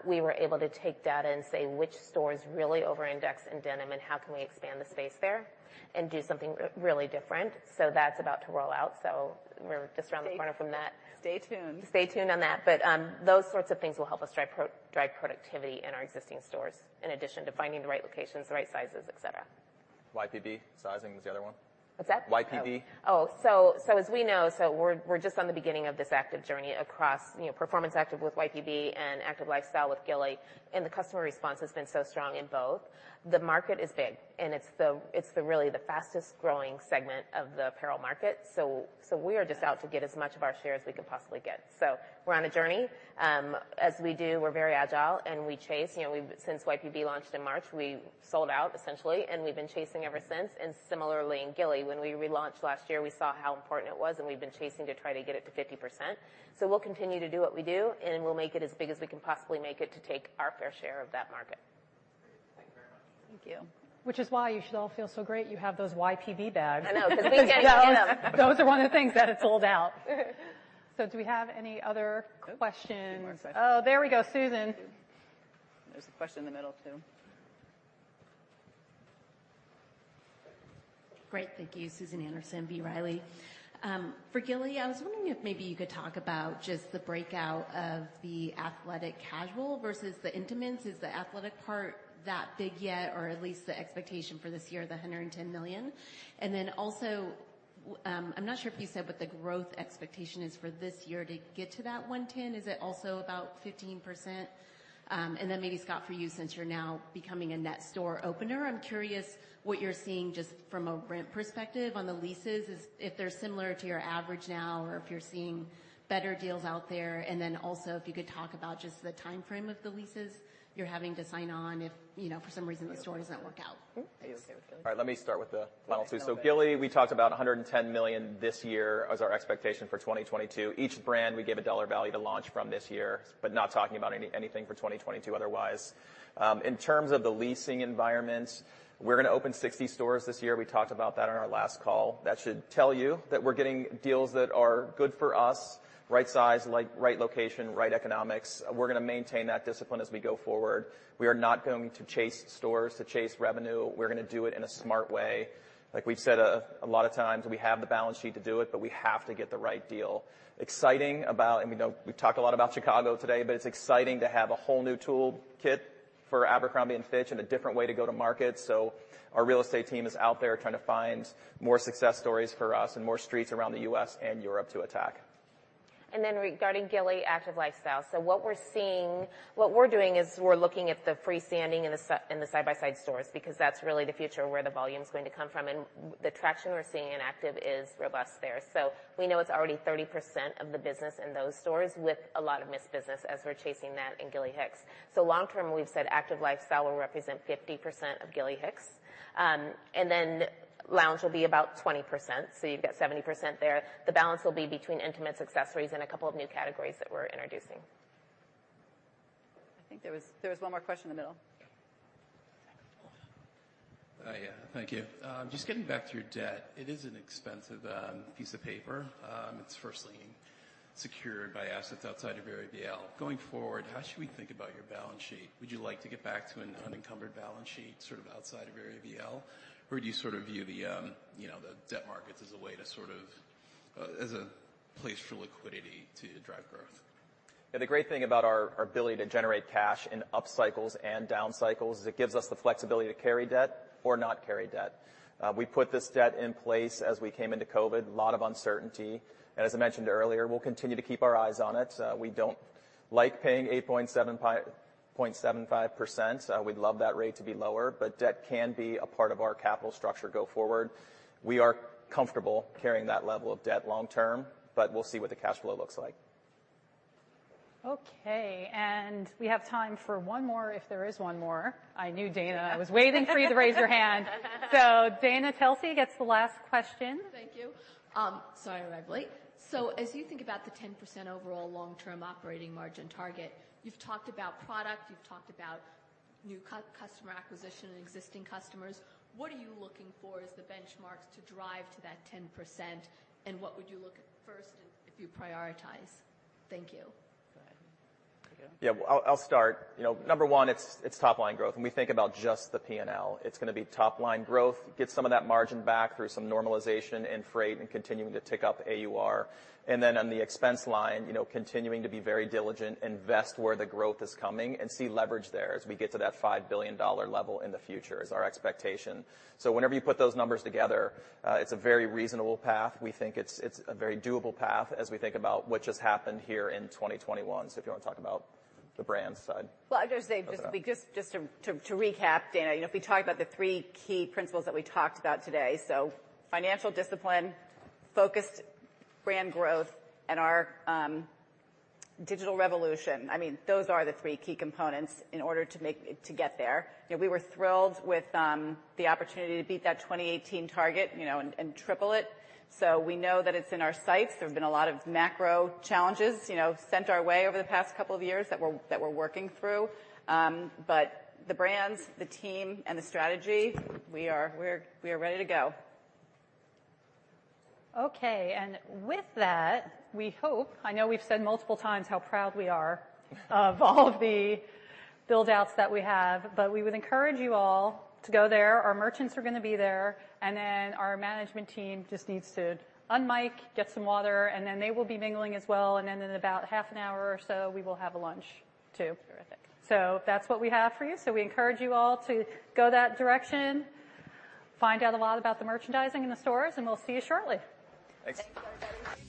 We were able to take data and say which stores really over-index in denim and how can we expand the space there and do something really different. That's about to roll out. We're just around the corner from that. Stay tuned. Stay tuned on that. Those sorts of things will help us drive productivity in our existing stores, in addition to finding the right locations, the right sizes, et cetera. YPB sizing is the other one? What's that? YPB. As we know, we're just on the beginning of this active journey across, you know, performance active with YPB and active lifestyle with Gilly, and the customer response has been so strong in both. The market is big, and it's really the fastest-growing segment of the apparel market. We are just out to get as much of our share as we could possibly get. We're on a journey. As we do, we're very agile, and we chase. You know, we've since YPB launched in March, we sold out essentially, and we've been chasing ever since. Similarly in Gilly, when we relaunched last year, we saw how important it was, and we've been chasing to try to get it to 50%. We'll continue to do what we do, and we'll make it as big as we can possibly make it to take our fair share of that market. Thank you very much. Thank you. Which is why you should all feel so great you have those YPB bags. I know, 'cause we can't get enough. Those are one of the things that it sold out. Do we have any other questions? Oh, there we go, Susan. There's a question in the middle too. Great. Thank you. Susan Anderson, B. Riley. For Gilly, I was wondering if maybe you could talk about just the breakout of the athletic casual versus the intimates. Is the athletic part that big yet, or at least the expectation for this year, $110 million? And then also, I'm not sure if you said what the growth expectation is for this year to get to that 110. Is it also about 15%? And then maybe Scott, for you, since you're now becoming a net store opener, I'm curious what you're seeing just from a rent perspective on the leases, if they're similar to your average now or if you're seeing better deals out there. If you could talk about just the timeframe of the leases you're having to sign on if, you know, for some reason the store doesn't work out? Are you okay with this? All right, let me start with the final two. Gilly, we talked about $110 million this year as our expectation for 2022. Each brand we give a dollar value to launch from this year, but not talking about anything for 2022 otherwise. In terms of the leasing environment, we're gonna open 60 stores this year. We talked about that on our last call. That should tell you that we're getting deals that are good for us, right size, like, right location, right economics. We're gonna maintain that discipline as we go forward. We are not going to chase stores to chase revenue. We're gonna do it in a smart way. Like we've said a lot of times, we have the balance sheet to do it, but we have to get the right deal. We know we've talked a lot about Chicago today, but it's exciting to have a whole new tool kit for Abercrombie & Fitch and a different way to go to market. Our real estate team is out there trying to find more success stories for us and more streets around the U.S. and Europe to attack. Regarding Gilly Hicks active lifestyle, what we're doing is we're looking at the freestanding and the side-by-side stores because that's really the future of where the volume's going to come from. The traction we're seeing in active is robust there. We know it's already 30% of the business in those stores with a lot of missed business as we're chasing that in Gilly Hicks. Long term, we've said active lifestyle will represent 50% of Gilly Hicks. Lounge will be about 20%, so you've got 70% there. The balance will be between intimates, accessories, and a couple of new categories that we're introducing. I think there was one more question in the middle. Hiya. Thank you. Just getting back to your debt, it is an expensive piece of paper. It's first lien, secured by assets outside of your ABL. Going forward, how should we think about your balance sheet? Would you like to get back to an unencumbered balance sheet sort of outside of your ABL? Or do you sort of view the, you know, the debt markets as a way to sort of, as a place for liquidity to drive growth? Yeah, the great thing about our ability to generate cash in up cycles and down cycles is it gives us the flexibility to carry debt or not carry debt. We put this debt in place as we came into COVID, a lot of uncertainty. As I mentioned earlier, we'll continue to keep our eyes on it. We don't like paying 8.75%. We'd love that rate to be lower, but debt can be a part of our capital structure go forward. We are comfortable carrying that level of debt long term, but we'll see what the cash flow looks like. Okay, we have time for one more, if there is one more. I knew Dana. I was waiting for you to raise your hand. Dana Telsey gets the last question. Thank you. Sorry I'm late. As you think about the 10% overall long-term operating margin target, you've talked about product, you've talked about new customer acquisition and existing customers. What are you looking for as the benchmarks to drive to that 10%, and what would you look at first if you prioritize? Thank you. Go ahead. Yeah, I'll start. You know, number one, it's top line growth, and we think about just the P&L. It's gonna be top line growth, get some of that margin back through some normalization and freight and continuing to tick up AUR. Then on the expense line, you know, continuing to be very diligent, invest where the growth is coming, and see leverage there as we get to that $5 billion level in the future is our expectation. Whenever you put those numbers together, it's a very reasonable path. We think it's a very doable path as we think about what just happened here in 2021. If you wanna talk about the brands side. Well, I'll just say, to recap, Dana, you know, if we talk about the three key principles that we talked about today, financial discipline, focused brand growth, and our digital revolution, I mean, those are the three key components in order to make to get there. You know, we were thrilled with the opportunity to beat that 2018 target, you know, and triple it. We know that it's in our sights. There's been a lot of macro challenges, you know, sent our way over the past couple of years that we're working through. But the brands, the team, and the strategy, we're ready to go. Okay. With that, we hope. I know we've said multiple times how proud we are of all of the buildouts that we have, but we would encourage you all to go there. Our merchants are gonna be there, and then our management team just needs to unmic, get some water, and then they will be mingling as well. In about half an hour or so, we will have a lunch too. That's what we have for you. We encourage you all to go that direction, find out a lot about the merchandising in the stores, and we'll see you shortly. Thanks. Thank you, everybody.